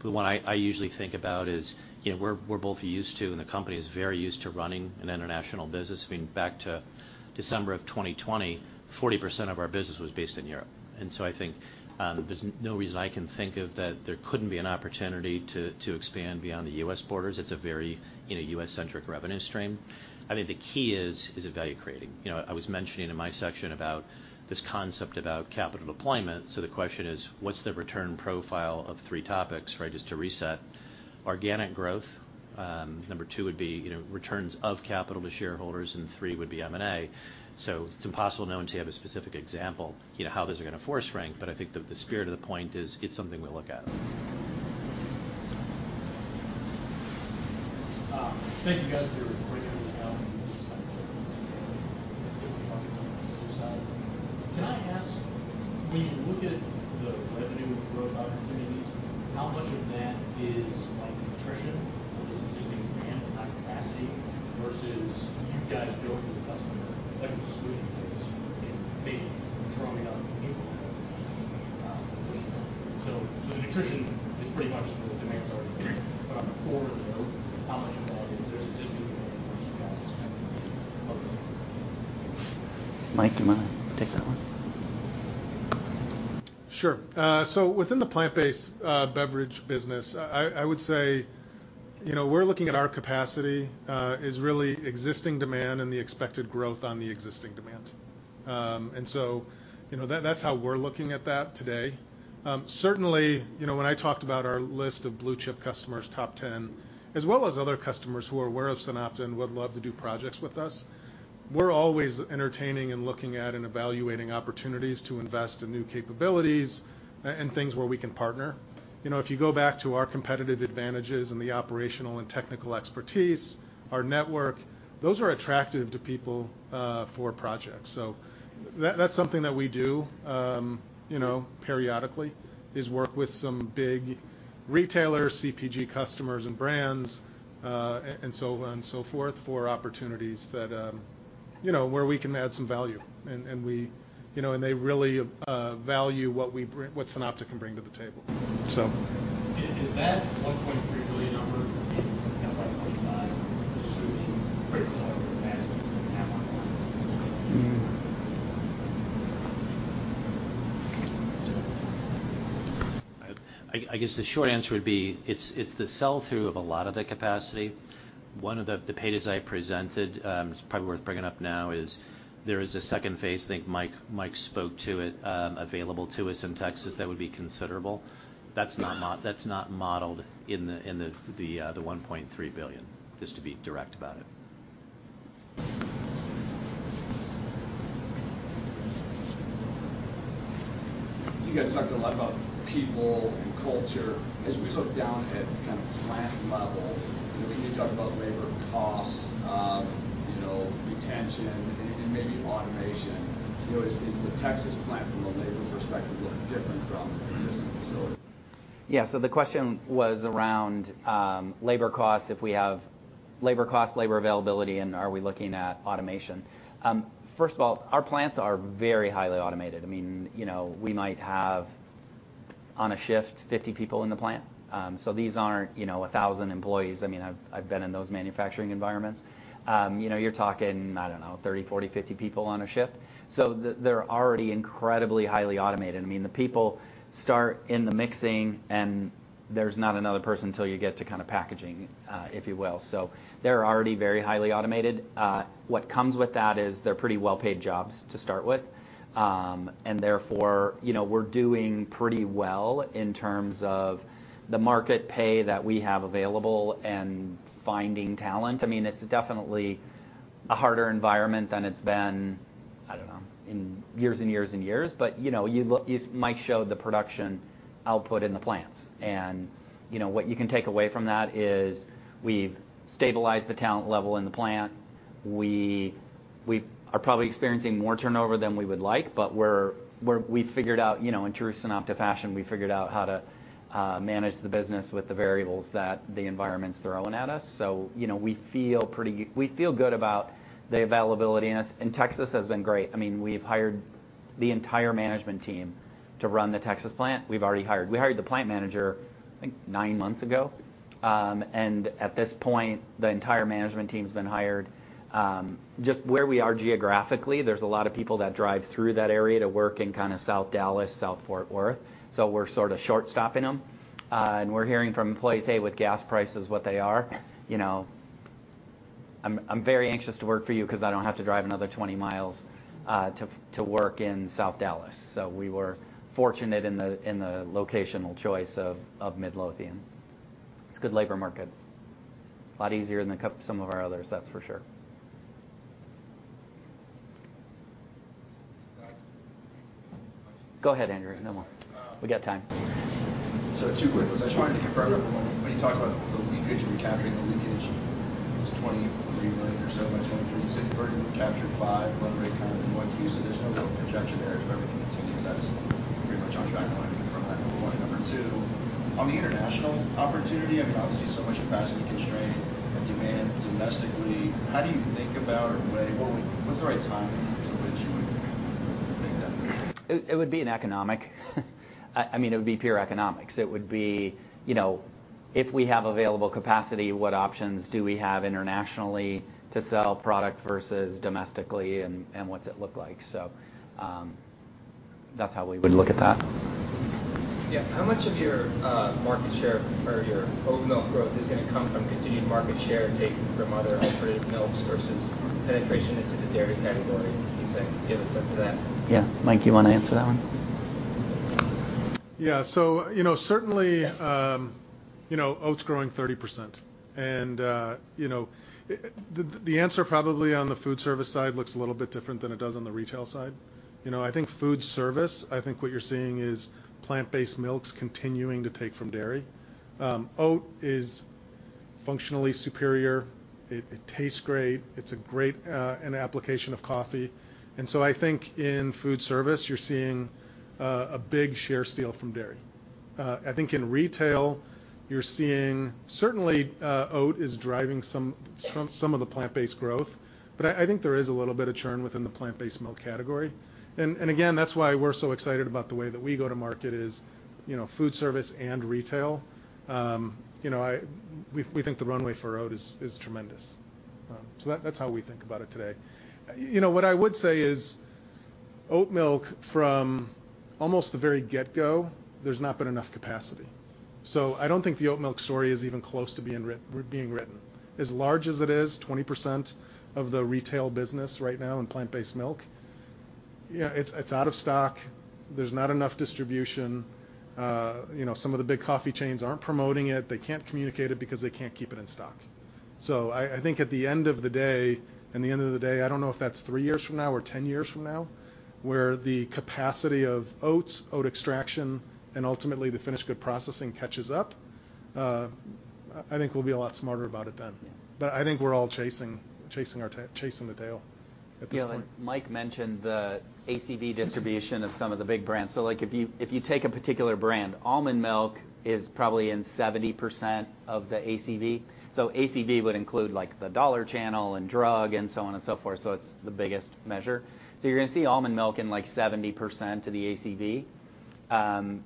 the one I usually think about is, you know, we're both used to, and the company is very used to running an international business. I mean, back to December of 2020, 40% of our business was based in Europe. I think there's no reason I can think of that there couldn't be an opportunity to expand beyond the U.S. borders. It's a very, you know, U.S.-centric revenue stream. I think the key is it value-creating? You know, I was mentioning in my section about this concept about capital deployment. The question is, what's the return profile of three topics, right? Just to reset. Organic growth. Number two would be, you know, returns of capital to shareholders, and three would be M&A. It's impossible to know to have a specific example, you know, how those are gonna force rank, but I think the spirit of the point is it's something we look at. Thank you guys for your great overview. This kind of detailing different markets on the food side. Can I ask, when you look at the revenue growth opportunities, how much of that is like nutrition of this existing demand with high capacity versus you guys going to the customer like with the sweetening agents and maybe growing out new pool of, customers? Nutrition is pretty much the demand's already there. On the flavor, how much of that is there existing demand versus you guys expanding the potential? Mike, do you mind taking that one? Sure. So within the plant-based beverage business, I would say, you know, we're looking at our capacity as really existing demand and the expected growth on the existing demand. You know, that's how we're looking at that today. Certainly, you know, when I talked about our list of blue-chip customers, top ten, as well as other customers who are aware of SunOpta and would love to do projects with us, we're always entertaining and looking at and evaluating opportunities to invest in new capabilities and things where we can partner. You know, if you go back to our competitive advantages and the operational and technical expertise, our network, those are attractive to people for projects. That's something that we do, you know, periodically, is work with some big retailers, CPG customers and brands, and so on and so forth, for opportunities that, you know, where we can add some value. You know, they really value what we bring, what SunOpta can bring to the table. Is that $1.3 billion number in by 2025 assuming critical mass you can have online? Mm-hmm. I guess the short answer would be it's the sell-through of a lot of the capacity. One of the pages I presented, it's probably worth bringing up now, is there is a second phase. I think Mike spoke to it, available to us in Texas that would be considerable. That's not modeled in the $1.3 billion, just to be direct about it. You guys talked a lot about people and culture. As we look down at kind of plant level, you know, can you talk about labor costs, you know, retention and maybe automation? You know, is the Texas plant from a labor perspective look different from existing facilities? Yeah. The question was around labor costs, if we have labor costs, labor availability, and are we looking at automation. First of all, our plants are very highly automated. I mean, you know, we might have on a shift 50 people in the plant. These aren't, you know, 1,000 employees. I mean, I've been in those manufacturing environments. You know, you're talking, I don't know, 30, 40, 50 people on a shift. They're already incredibly highly automated. I mean, the people start in the mixing, and there's not another person till you get to kind of packaging, if you will. They're already very highly automated. What comes with that is they're pretty well-paid jobs to start with. Therefore, you know, we're doing pretty well in terms of the market pay that we have available and finding talent. I mean, it's definitely a harder environment than it's been, I don't know, in years and years and years. You know, you Mike showed the production output in the plants. You know, what you can take away from that is we've stabilized the talent level in the plant. We are probably experiencing more turnover than we would like, but we're we figured out, you know, in true SunOpta fashion, we figured out how to manage the business with the variables that the environment's throwing at us. You know, we feel good about the availability, and Texas has been great. I mean, we've hired the entire management team to run the Texas plant. We hired the plant manager, I think, nine months ago. At this point, the entire management team's been hired. Just where we are geographically, there's a lot of people that drive through that area to work in kind of South Dallas, South Fort Worth, so we're sort of short-stopping them. We're hearing from employees, "Hey, with gas prices what they are, you know, I'm very anxious to work for you 'cause I don't have to drive another 20 miles to work in South Dallas." We were fortunate in the locational choice of Midlothian. It's a good labor market. A lot easier than some of our others, that's for sure. Go ahead, Andrew. No more. We got time. Two quick ones. I just wanted to confirm, number one, when you talk about the leakage, recapturing the leakage, it's $23 million or so by 2023. You've already recaptured $5 million. Run rate, kind of in line. There's no real projection there if everything continues as pretty much on track from that point. Number two, on the international opportunity, I mean, obviously, so much capacity constraint and demand domestically. How do you think about or weigh what's the right timing to which you would make that move? I mean, it would be pure economics. It would be, you know, if we have available capacity, what options do we have internationally to sell product versus domestically, and what's it look like? That's how we would look at that. Yeah. How much of your, market share or your oat milk growth is gonna come from continued market share taken from other alternative milks versus penetration into the dairy category? Can you kind of give a sense of that? Yeah. Mike, you wanna answer that one? Yeah. You know, certainly, you know, oat's growing 30%. You know, the answer probably on the food service side looks a little bit different than it does on the retail side. You know, I think food service, what you're seeing is plant-based milks continuing to take from dairy. Oat is functionally superior. It tastes great. It's a great application for coffee. I think in food service you're seeing a big share steal from dairy. I think in retail you're seeing certainly oat is driving some of the plant-based growth. But I think there is a little bit of churn within the plant-based milk category. Again, that's why we're so excited about the way that we go to market is, you know, food service and retail. You know, we think the runway for oat is tremendous. So that's how we think about it today. You know, what I would say is oat milk from almost the very get-go, there's not been enough capacity. I don't think the oat milk story is even close to being written. As large as it is, 20% of the retail business right now in plant-based milk, you know, it's out of stock. There's not enough distribution. You know, some of the big coffee chains aren't promoting it. They can't communicate it because they can't keep it in stock. I think at the end of the day, I don't know if that's three years from now or 10 years from now, where the capacity of oats, oat extraction, and ultimately the finished good processing catches up, I think we'll be a lot smarter about it then. I think we're all chasing our tail at this point. Yeah. Look, Mike mentioned the ACV distribution of some of the big brands. Like, if you take a particular brand, almond milk is probably in 70% of the ACV. ACV would include, like, the dollar channel and drug and so on and so forth. It's the biggest measure. You're gonna see almond milk in, like, 70% of the ACV.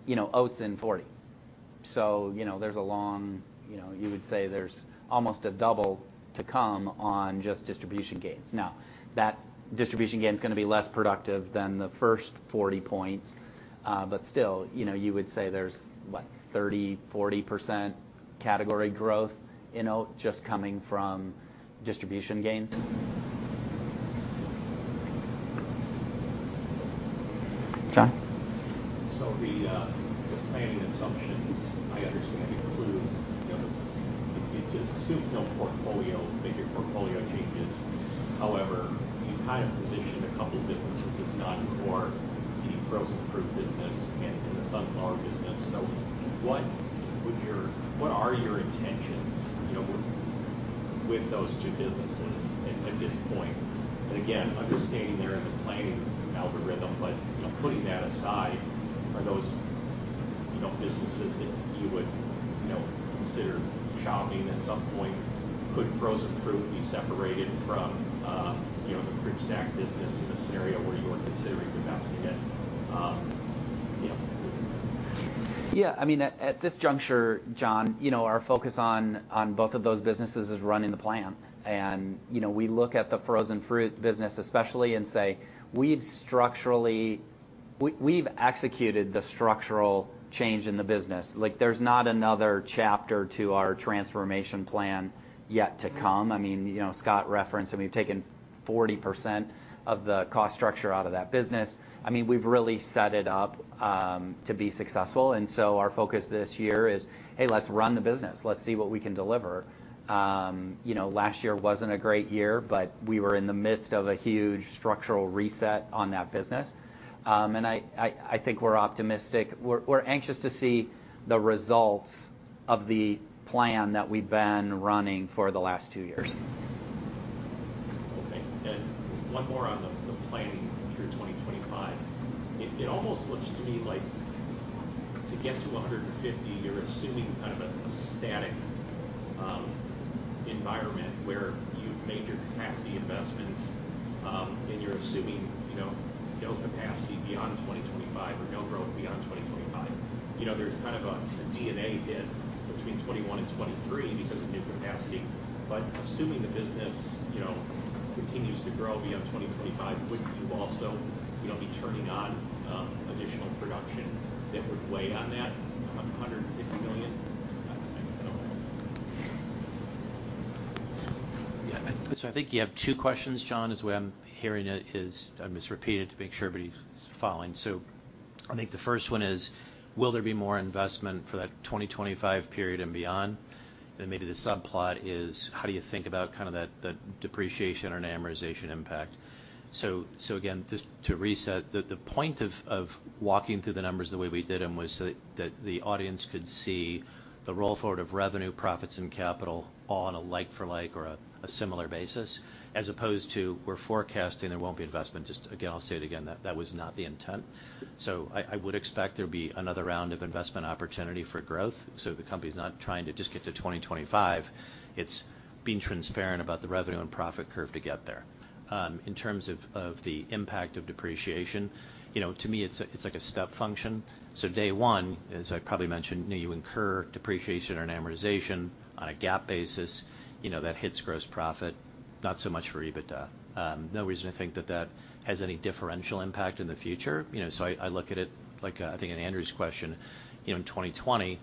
You know, oat's in 40%. You know, there's a long, you know, you would say there's almost a double to come on just distribution gains. Now that distribution gain is gonna be less productive than the first 40% points. But still, you know, you would say there's, what, 30%, 40% category growth in oat just coming from distribution gains. John? The planning assumptions, I understand, include, you know, the SunOpta portfolio, major portfolio changes. However, you kind of positioned a couple businesses as non-core for the frozen fruit business and the sunflower business. What are your intentions, you know, with those two businesses at this point? And again, understanding they're in the planning algorithm, but, you know, putting that aside, are those, you know, businesses that you would, you know, consider chopping at some point? Could frozen fruit be separated from, you know, the fruit snack business in a scenario where you're considering divesting it, you know? Yeah. I mean, at this juncture, John, you know, our focus on both of those businesses is running the plan. You know, we look at the frozen fruit business especially and say, "We've executed the structural change in the business." Like, there's not another chapter to our transformation plan yet to come. I mean, you know, Scott referenced that we've taken 40% of the cost structure out of that business. I mean, we've really set it up to be successful. Our focus this year is, "Hey, let's run the business. Let's see what we can deliver." You know, last year wasn't a great year, but we were in the midst of a huge structural reset on that business. I think we're optimistic. We're anxious to see the results of the plan that we've been running for the last two years. Okay. One more on the planning through 2025. It almost looks to me like to get to $150 million, you're assuming kind of a static environment where you've made your capacity investments, and you're assuming, you know, no capacity beyond 2025 or no growth beyond 2025. You know, there's kind of a D&A hit between 2021 and 2023 because of new capacity. Assuming the business, you know, continues to grow beyond 2025, wouldn't you also, you know, be turning on additional production that would weigh on that $150 million? I don't know. Yeah. I think you have two questions, John. The way I'm hearing it is, I'm just repeating it to make sure everybody's following. I think the first one is, will there be more investment for that 2025 period and beyond? Then maybe the subplot is how do you think about kind of that depreciation or an amortization impact? Again, just to reset, the point of walking through the numbers the way we did them was so that the audience could see the roll forward of revenue, profits, and capital all on a like for like or a similar basis, as opposed to we're forecasting there won't be investment. Just again, I'll say it again, that was not the intent. I would expect there'd be another round of investment opportunity for growth. The company's not trying to just get to 2025. It's being transparent about the revenue and profit curve to get there. In terms of the impact of depreciation, you know, to me it's like a step function. Day one, as I probably mentioned, you know, you incur depreciation and amortization on a GAAP basis. You know, that hits gross profit, not so much for EBITDA. No reason to think that has any differential impact in the future. You know, so I look at it like, I think in Andrew's question, you know, in 2020,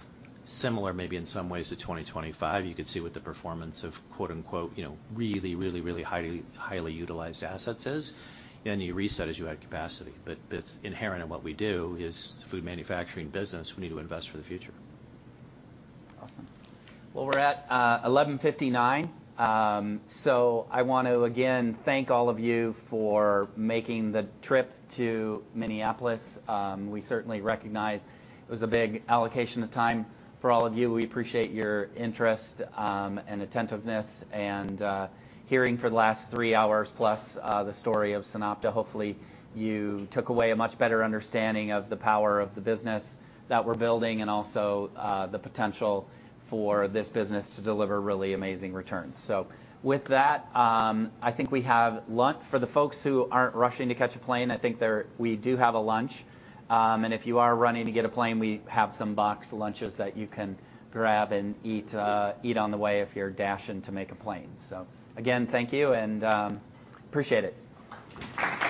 similar maybe in some ways to 2025, you could see what the performance of, quote unquote, you know, really highly utilized assets is. Then you reset as you add capacity. It's inherent in what we do. It's a food manufacturing business. We need to invest for the future. Awesome. Well, we're at 11:59 A.M. I want to again thank all of you for making the trip to Minneapolis. We certainly recognize it was a big allocation of time for all of you. We appreciate your interest, and attentiveness and hearing for the last 3+ hours the story of SunOpta. Hopefully, you took away a much better understanding of the power of the business that we're building and also the potential for this business to deliver really amazing returns. With that, I think we have lunch. For the folks who aren't rushing to catch a plane, I think we do have a lunch. If you are running to get a plane, we have some boxed lunches that you can grab and eat on the way if you're dashing to make a plane. Again, thank you and appreciate it.